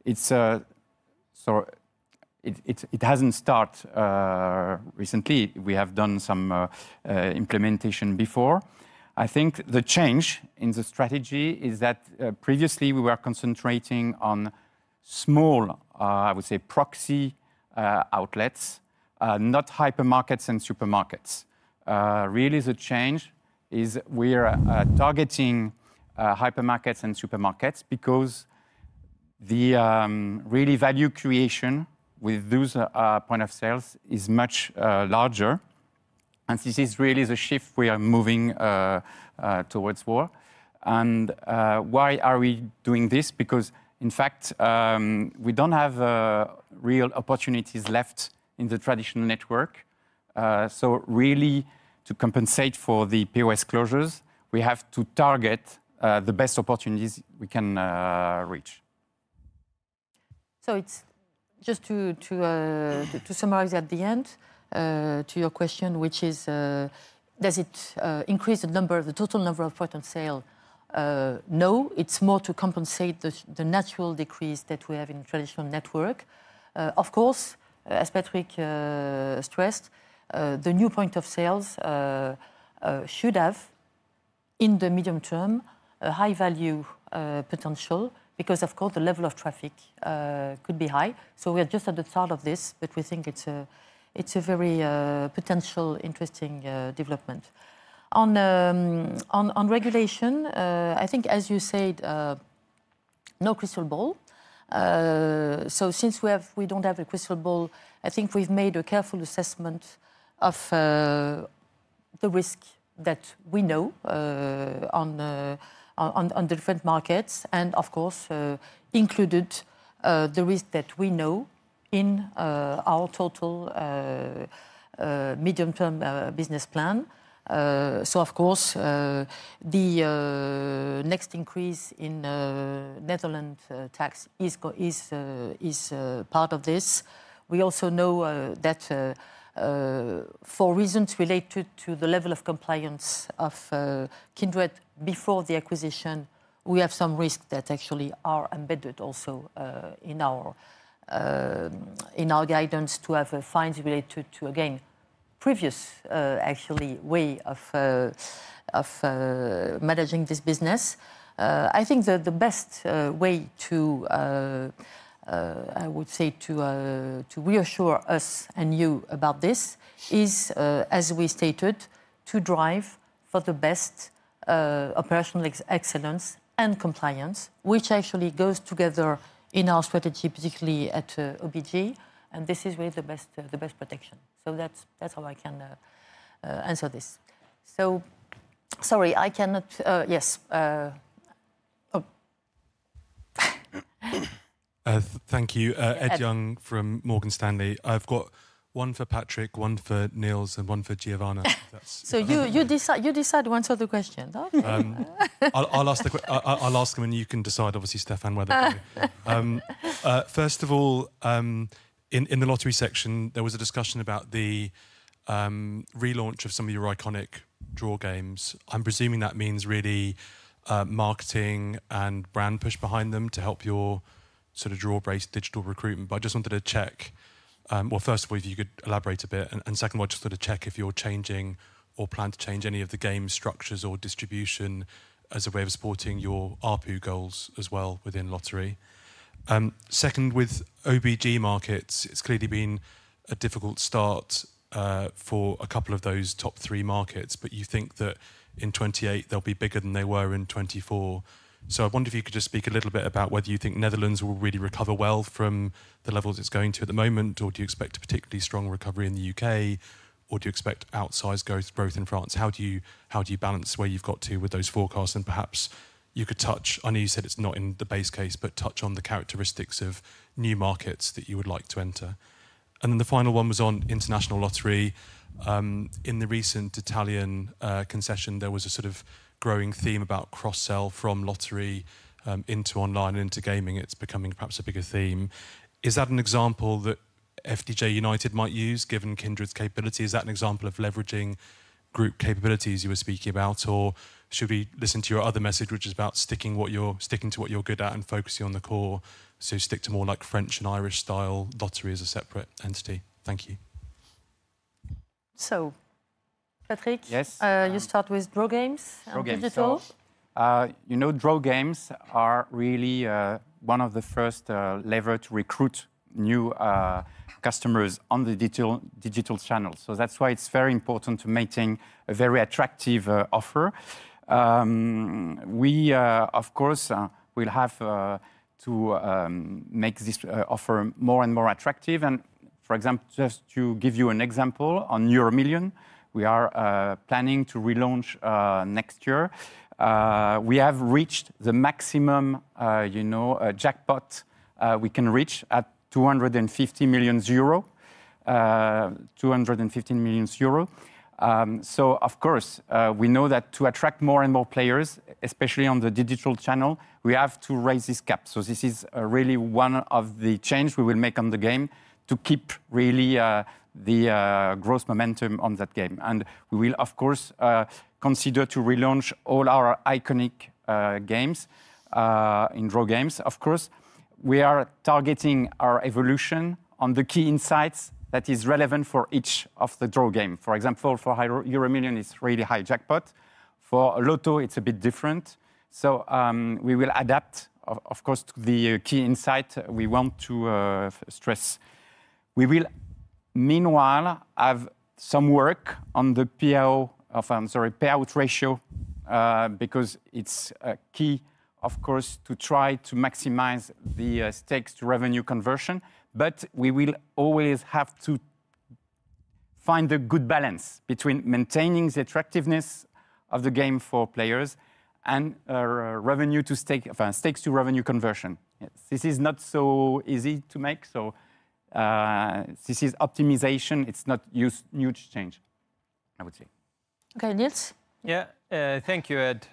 it has not started recently. We have done some implementation before. I think the change in the strategy is that previously we were concentrating on small, I would say, proxy outlets, not hypermarkets and supermarkets. Really, the change is we are targeting hypermarkets and supermarkets because the really value creation with those point of sales is much larger. This is really the shift we are moving towards more. Why are we doing this? Because, in fact, we do not have real opportunities left in the traditional network. To compensate for the POS closures, we have to target the best opportunities we can reach. Just to summarize at the end to your question, which is, does it increase the number, the total number of point of sales? No, it is more to compensate the natural decrease that we have in the traditional network. Of course, as Patrick stressed, the new point of sales should have, in the medium term, a high value potential because the level of traffic could be high. We are just at the start of this, but we think it is a very potential, interesting development. On regulation, I think, as you said, no crystal ball. Since we don't have a crystal ball, I think we've made a careful assessment of the risk that we know on the different markets and, of course, included the risk that we know in our total medium-term business plan. Of course, the next increase in Netherlands tax is part of this. We also know that for reasons related to the level of compliance of Kindred before the acquisition, we have some risks that actually are embedded also in our guidance to have fines related to, again, previous actually way of managing this business. I think the best way to, I would say, to reassure us and you about this is, as we stated, to drive for the best operational excellence and compliance, which actually goes together in our strategy, particularly at OBG. This is really the best protection. That's how I can answer this. Sorry, I cannot, yes. Thank you. Ed Young from Morgan Stanley. I've got one for Patrick, one for Nils, and one for Giovanna. You decide, one sort of question. I'll ask them and you can decide, obviously, Stéphane, whether to. First of all, in the lottery section, there was a discussion about the relaunch of some of your iconic draw games. I'm presuming that means really marketing and brand push behind them to help your sort of draw-based digital recruitment. I just wanted to check, first of all, if you could elaborate a bit. Second, I just wanted to check if you're changing or plan to change any of the game structures or distribution as a way of supporting your ARPU goals as well within lottery. Second, with OBG markets, it's clearly been a difficult start for a couple of those top three markets, but you think that in 2028, they'll be bigger than they were in 2024. I wonder if you could just speak a little bit about whether you think Netherlands will really recover well from the levels it's going to at the moment, or do you expect a particularly strong recovery in the U.K., or do you expect outsized growth in France? How do you balance where you've got to with those forecasts? Perhaps you could touch, I know you said it's not in the base case, but touch on the characteristics of new markets that you would like to enter. The final one was on international lottery. In the recent Italian concession, there was a sort of growing theme about cross-sell from lottery into online and into gaming. It's becoming perhaps a bigger theme. Is that an example that FDJ United might use given Kindred's capability? Is that an example of leveraging group capabilities you were speaking about, or should we listen to your other message, which is about sticking to what you're good at and focusing on the core? Stick to more like French and Irish style lottery as a separate entity. Thank you. Patrick, you start with draw games and digital. You know, draw games are really one of the first levers to recruit new customers on the digital channel. That's why it's very important to maintain a very attractive offer. We, of course, will have to make this offer more and more attractive. For example, just to give you an example, on Euromillions Lotto, we are planning to relaunch next year. We have reached the maximum jackpot we can reach at 250 million euro. Of course, we know that to attract more and more players, especially on the digital channel, we have to raise this cap. This is really one of the changes we will make on the game to keep really the gross momentum on that game. We will, of course, consider to relaunch all our iconic games in draw games. Of course, we are targeting our evolution on the key insights that are relevant for each of the draw games. For example, for Euromillions, it's a really high jackpot. For Lotto, it's a bit different. We will adapt, of course, to the key insights we want to stress. We will, meanwhile, have some work on the PAO ratio because it's key, of course, to try to maximize the stakes to revenue conversion. We will always have to find a good balance between maintaining the attractiveness of the game for players and revenue to stakes to revenue conversion. This is not so easy to make. This is optimization. It's not a huge change, I would say. Okay, Nils? Yeah, thank you, Ed.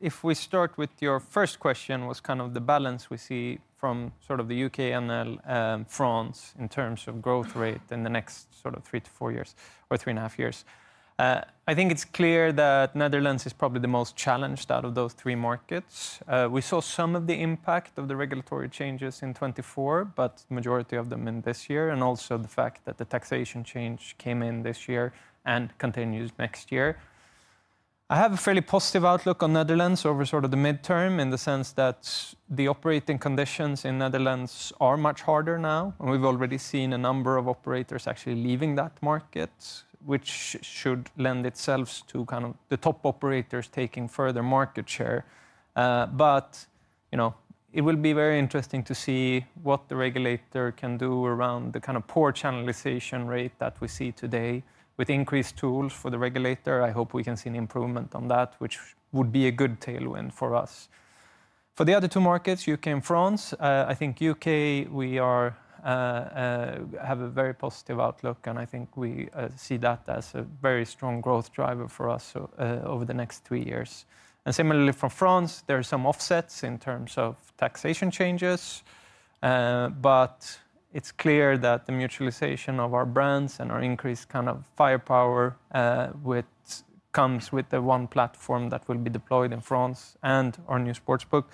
If we start with your first question, what's kind of the balance we see from sort of the U.K. and France in terms of growth rate in the next sort of three to four years or three and a half years? I think it's clear that Netherlands is probably the most challenged out of those three markets. We saw some of the impact of the regulatory changes in 2024, but the majority of them in this year, and also the fact that the taxation change came in this year and continues next year. I have a fairly positive outlook on Netherlands over sort of the midterm in the sense that the operating conditions in Netherlands are much harder now. We have already seen a number of operators actually leaving that market, which should lend itself to kind of the top operators taking further market share. It will be very interesting to see what the regulator can do around the kind of poor channelization rate that we see today with increased tools for the regulator. I hope we can see an improvement on that, which would be a good tailwind for us. For the other two markets, U.K. and France, I think U.K., we have a very positive outlook, and I think we see that as a very strong growth driver for us over the next three years. Similarly, for France, there are some offsets in terms of taxation changes. It is clear that the mutualization of our brands and our increased kind of firepower comes with the one platform that will be deployed in France and our new sportsbook,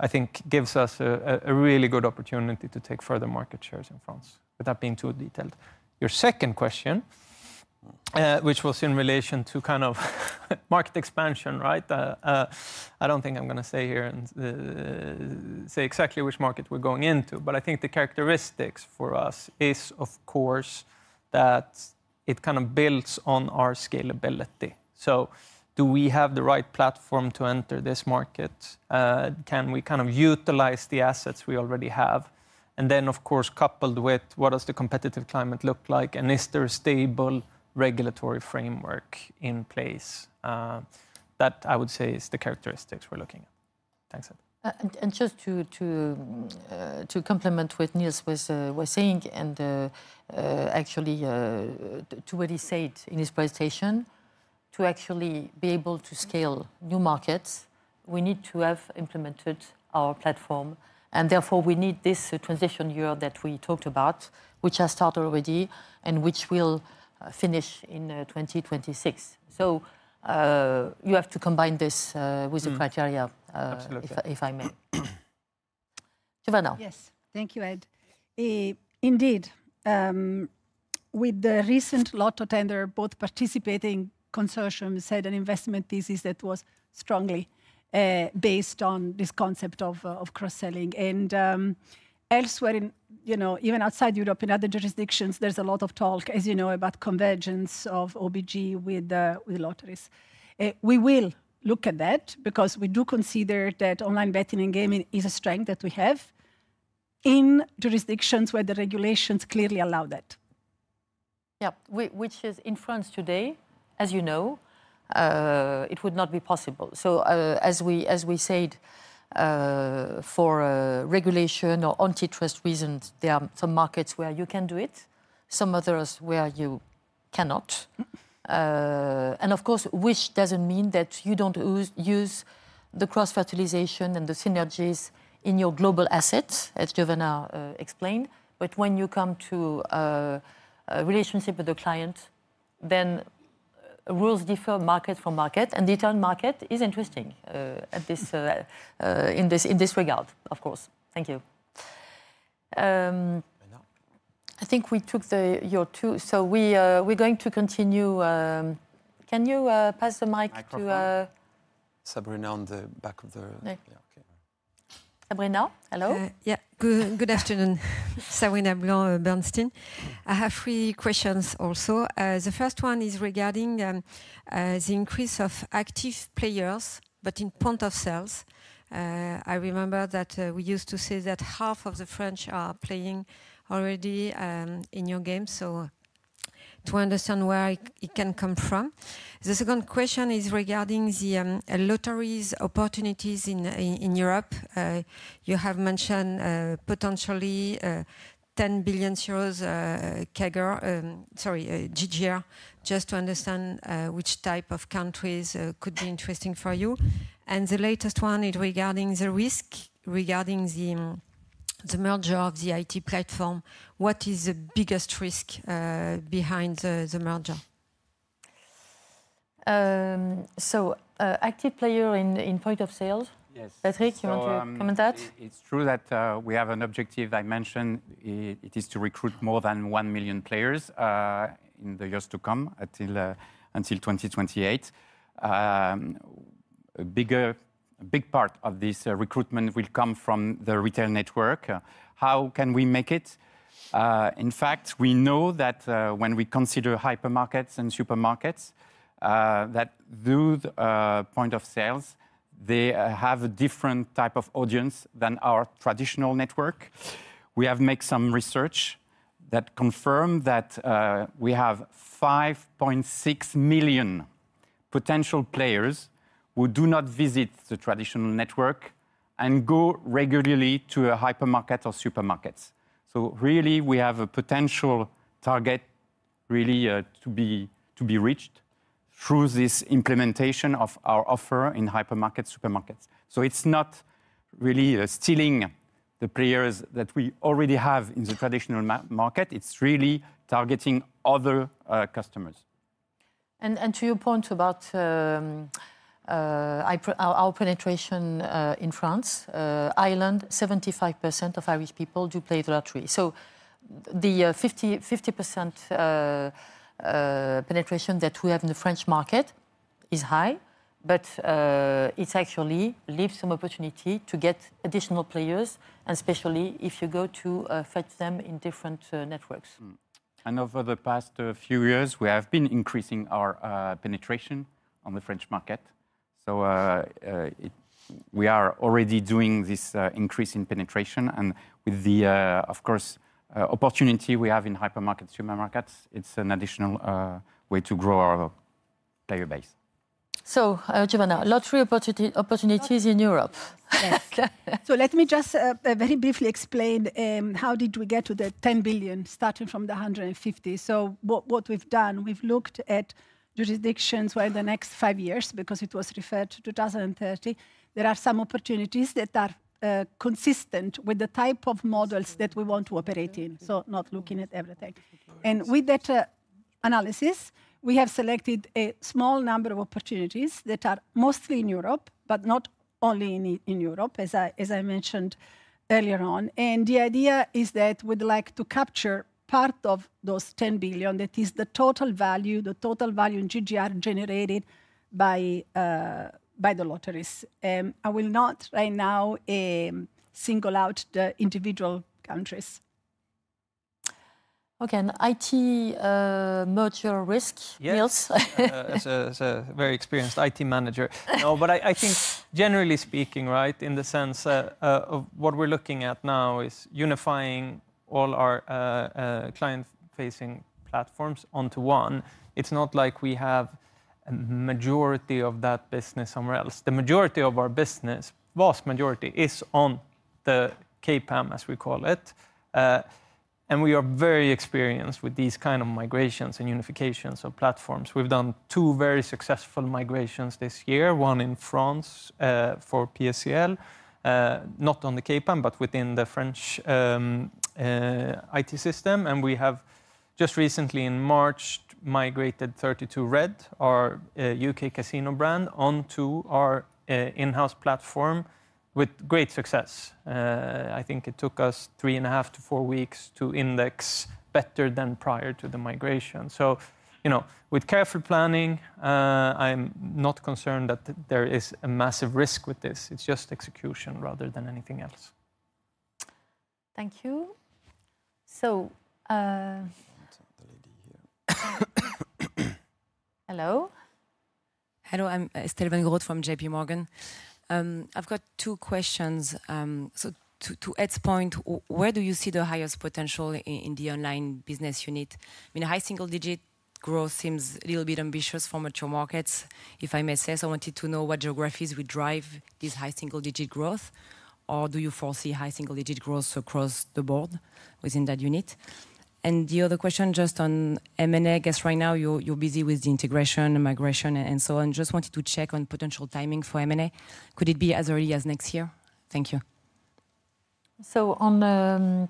I think gives us a really good opportunity to take further market shares in France. Without being too detailed, your second question, which was in relation to kind of market expansion, right? I do not think I am going to sit here and say exactly which market we are going into, but I think the characteristics for us is, of course, that it kind of builds on our scalability. So do we have the right platform to enter this market? Can we kind of utilize the assets we already have? And then, of course, coupled with what does the competitive climate look like? And is there a stable regulatory framework in place? That I would say is the characteristics we are looking at. Thanks, Ed. Just to complement what Nils was saying and actually to what he said in his presentation, to actually be able to scale new markets, we need to have implemented our platform. Therefore, we need this transition year that we talked about, which has started already and which will finish in 2026. You have to combine this with the criteria, if I may. Giovanna. Yes, thank you, Ed. Indeed, with the recent Lotto tender, both participating consortiums had an investment thesis that was strongly based on this concept of cross-selling. Elsewhere, even outside Europe, in other jurisdictions, there is a lot of talk, as you know, about convergence of OBG with lotteries. We will look at that because we do consider that online betting and gaming is a strength that we have in jurisdictions where the regulations clearly allow that. Yeah, which is in France today, as you know, it would not be possible. As we said, for regulation or anti-trust reasons, there are some markets where you can do it, some others where you cannot. Of course, which does not mean that you do not use the cross-fertilization and the synergies in your global assets, as Giovanna explained. When you come to a relationship with the client, then rules differ market from market. The Italian market is interesting in this regard, of course. Thank you. I think we took your two. We are going to continue. Can you pass the mic to Sabrina on the back of the... Sabrina, hello. Yeah, good afternoon. Sabrina Blanc Bernstein. I have three questions also. The first one is regarding the increase of active players, but in point of sales. I remember that we used to say that half of the French are playing already in your game. To understand where it can come from. The second question is regarding the lotteries opportunities in Europe. You have mentioned potentially 10 billion euros CAGR, sorry, GGR, just to understand which type of countries could be interesting for you. The latest one is regarding the risk regarding the merger of the IT platform. What is the biggest risk behind the merger? Active player in point of sales. Yes. Patrick, you want to comment on that? It is true that we have an objective I mentioned. It is to recruit more than one million players in the years to come until 2028. A big part of this recruitment will come from the retail network. How can we make it? In fact, we know that when we consider hypermarkets and supermarkets, that through point of sales, they have a different type of audience than our traditional network. We have made some research that confirms that we have 5.6 million potential players who do not visit the traditional network and go regularly to a hypermarket or supermarket. We have a potential target really to be reached through this implementation of our offer in hypermarkets, supermarkets. It is not really stealing the players that we already have in the traditional market. It is really targeting other customers. To your point about our penetration in France, Ireland, 75% of Irish people do play the lottery. The 50% penetration that we have in the French market is high, but it actually leaves some opportunity to get additional players, and especially if you go to fetch them in different networks. Over the past few years, we have been increasing our penetration on the French market. We are already doing this increase in penetration. With the opportunity we have in hypermarkets, supermarkets, it is an additional way to grow our player base. Giovanna, lottery opportunities in Europe. Yes. Let me just very briefly explain how did we get to the 10 billion starting from the 150 million. What we have done, we have looked at jurisdictions where in the next five years, because it was referred to 2030, there are some opportunities that are consistent with the type of models that we want to operate in. Not looking at everything. With that analysis, we have selected a small number of opportunities that are mostly in Europe, but not only in Europe, as I mentioned earlier on. The idea is that we'd like to capture part of those 10 billion that is the total value, the total value in GGR generated by the lotteries. I will not right now single out the individual countries. Okay, and IT merger risk, Nils? That's a very experienced IT manager. I think generally speaking, in the sense of what we're looking at now is unifying all our client-facing platforms onto one. It's not like we have a majority of that business somewhere else. The majority of our business, vast majority, is on the CAPAM, as we call it. We are very experienced with these kinds of migrations and unifications of platforms. We've done two very successful migrations this year, one in France for PSCL, not on the CAPAM, but within the French IT system. We have just recently, in March, migrated 32Red, our U.K. casino brand, onto our in-house platform with great success. I think it took us three and a half to four weeks to index better than prior to the migration. With careful planning, I'm not concerned that there is a massive risk with this. It's just execution rather than anything else. Thank you. Hello. Hello, I'm Estelle van Grot from JP Morgan. I've got two questions. To Ed's point, where do you see the highest potential in the online business unit? I mean, high single-digit growth seems a little bit ambitious for mature markets, if I may say. I wanted to know what geographies would drive this high single-digit growth, or do you foresee high single-digit growth across the board within that unit? The other question, just on M&A, I guess right now you're busy with the integration and migration and so on. Just wanted to check on potential timing for M&A. Could it be as early as next year? Thank you. On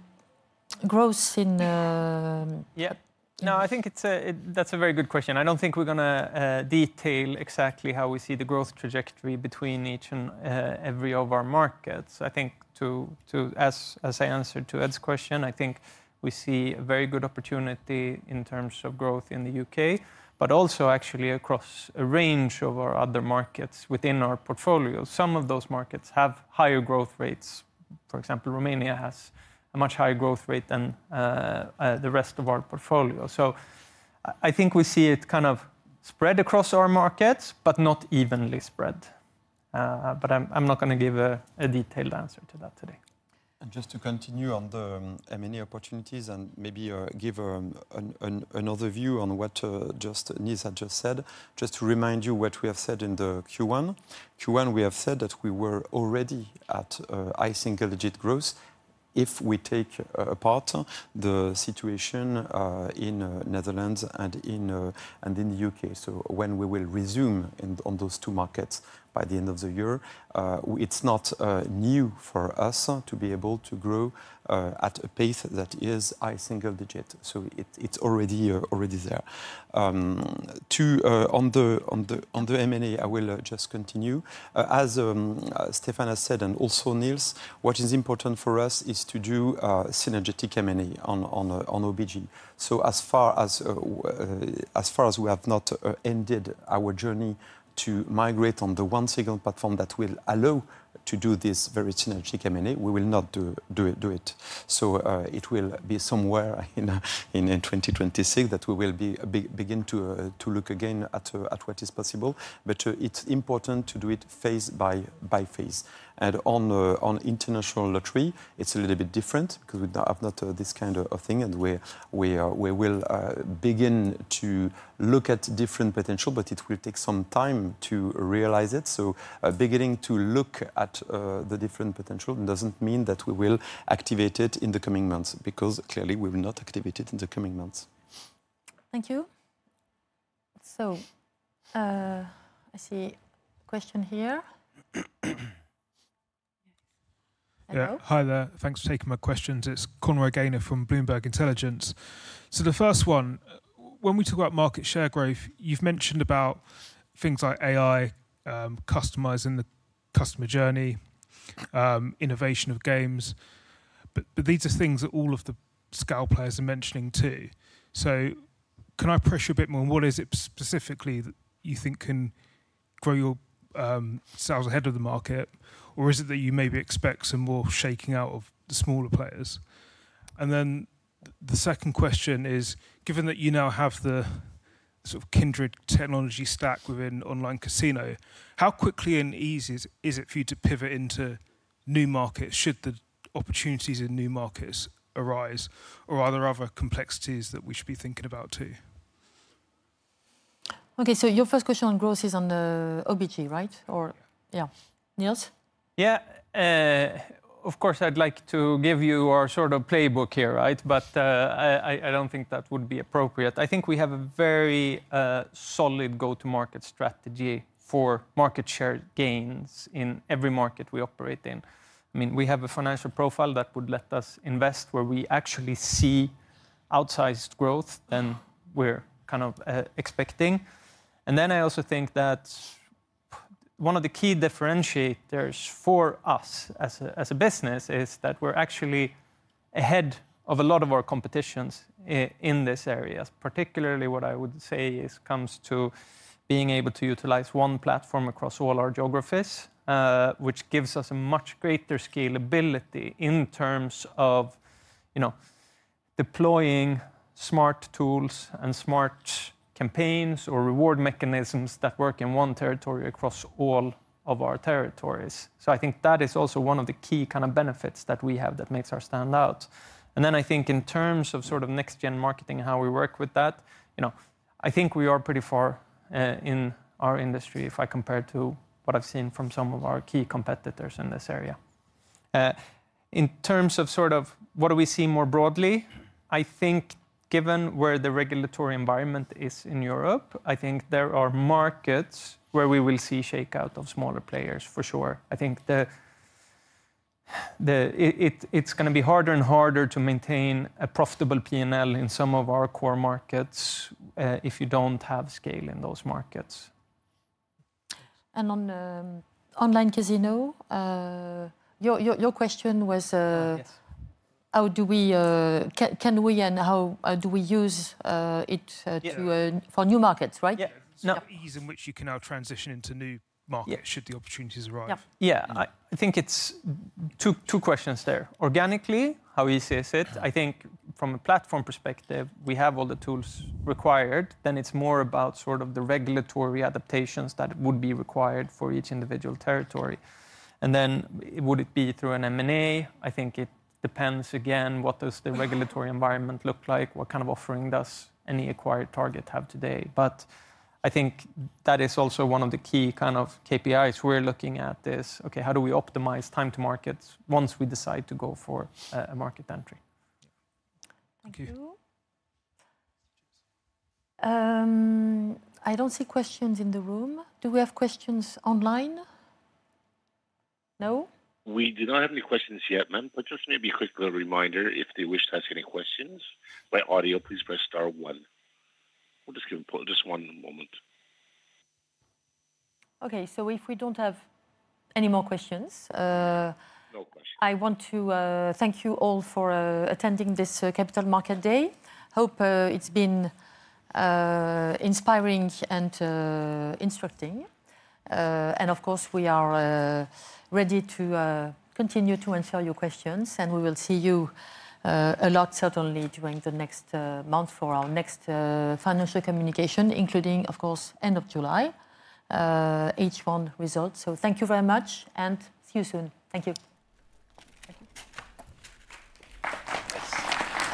growth in... Yeah, I think that's a very good question. I don't think we're going to detail exactly how we see the growth trajectory between each and every one of our markets. I think, as I answered to Ed's question, we see a very good opportunity in terms of growth in the U.K., but also actually across a range of our other markets within our portfolio. Some of those markets have higher growth rates. For example, Romania has a much higher growth rate than the rest of our portfolio. I think we see it kind of spread across our markets, but not evenly spread. I'm not going to give a detailed answer to that today. Just to continue on the M&A opportunities and maybe give another view on what Nils had just said, just to remind you what we have said in the Q1. Q1, we have said that we were already at high single-digit growth if we take apart the situation in the Netherlands and in the U.K. When we will resume on those two markets by the end of the year, it's not new for us to be able to grow at a pace that is high single-digit. It's already there. On the M&A, I will just continue. As Stéphane has said and also Nils, what is important for us is to do synergetic M&A on OBG. As far as we have not ended our journey to migrate on the one single platform that will allow to do this very synergetic M&A, we will not do it. It will be somewhere in 2026 that we will begin to look again at what is possible. It's important to do it phase by phase. On international lottery, it's a little bit different because we have not this kind of thing. We will begin to look at different potential, but it will take some time to realize it. Beginning to look at the different potential doesn't mean that we will activate it in the coming months because clearly we will not activate it in the coming months. Thank you. I see a question here. Hi, there. Thanks for taking my questions. It's Conrad Gayner from Bloomberg Intelligence. The first one, when we talk about market share growth, you've mentioned things like AI, customizing the customer journey, innovation of games. These are things that all of the scale players are mentioning too. Can I pressure a bit more? What is it specifically that you think can grow your sales ahead of the market? Is it that you maybe expect some more shaking out of the smaller players? The second question is, given that you now have the sort of Kindred technology stack within online casino, how quickly and easy is it for you to pivot into new markets should the opportunities in new markets arise? Are there other complexities that we should be thinking about too? Okay, your first question on growth is on OBG, right? Or yeah, Nils? Yeah, of course, I'd like to give you our sort of playbook here, right? I don't think that would be appropriate. I think we have a very solid go-to-market strategy for market share gains in every market we operate in. I mean, we have a financial profile that would let us invest where we actually see outsized growth than we're kind of expecting. I also think that one of the key differentiators for us as a business is that we're actually ahead of a lot of our competition in this area. Particularly what I would say comes to being able to utilize one platform across all our geographies, which gives us a much greater scalability in terms of deploying smart tools and smart campaigns or reward mechanisms that work in one territory across all of our territories. I think that is also one of the key kind of benefits that we have that makes us stand out. I think in terms of sort of next-gen marketing and how we work with that, I think we are pretty far in our industry if I compare it to what I've seen from some of our key competitors in this area. In terms of sort of what do we see more broadly, I think given where the regulatory environment is in Europe, I think there are markets where we will see shakeout of smaller players for sure. I think it's going to be harder and harder to maintain a profitable P&L in some of our core markets if you do not have scale in those markets. On online casino, your question was how do we, can we and how do we use it for new markets, right? Yeah, it's how easy in which you can now transition into new markets should the opportunities arise. Yeah, I think it's two questions there. Organically, how easy is it? I think from a platform perspective, we have all the tools required. Then it's more about sort of the regulatory adaptations that would be required for each individual territory. Would it be through an M&A? I think it depends again what does the regulatory environment look like, what kind of offering does any acquired target have today? I think that is also one of the key kind of KPIs we're looking at is, okay, how do we optimize time to market once we decide to go for a market entry? Thank you. I don't see questions in the room. Do we have questions online? No? We do not have any questions yet, ma'am. Just maybe a quick reminder, if they wish to ask any questions by audio, please press star one. We'll just give them one moment. Okay, if we do not have any more questions... No questions. I want to thank you all for attending this Capital Market Day. Hope it's been inspiring and instructive. Of course, we are ready to continue to answer your questions. We will see you a lot, certainly during the next month for our next financial communication, including, of course, end of July, H1 results. Thank you very much and see you soon. Thank you.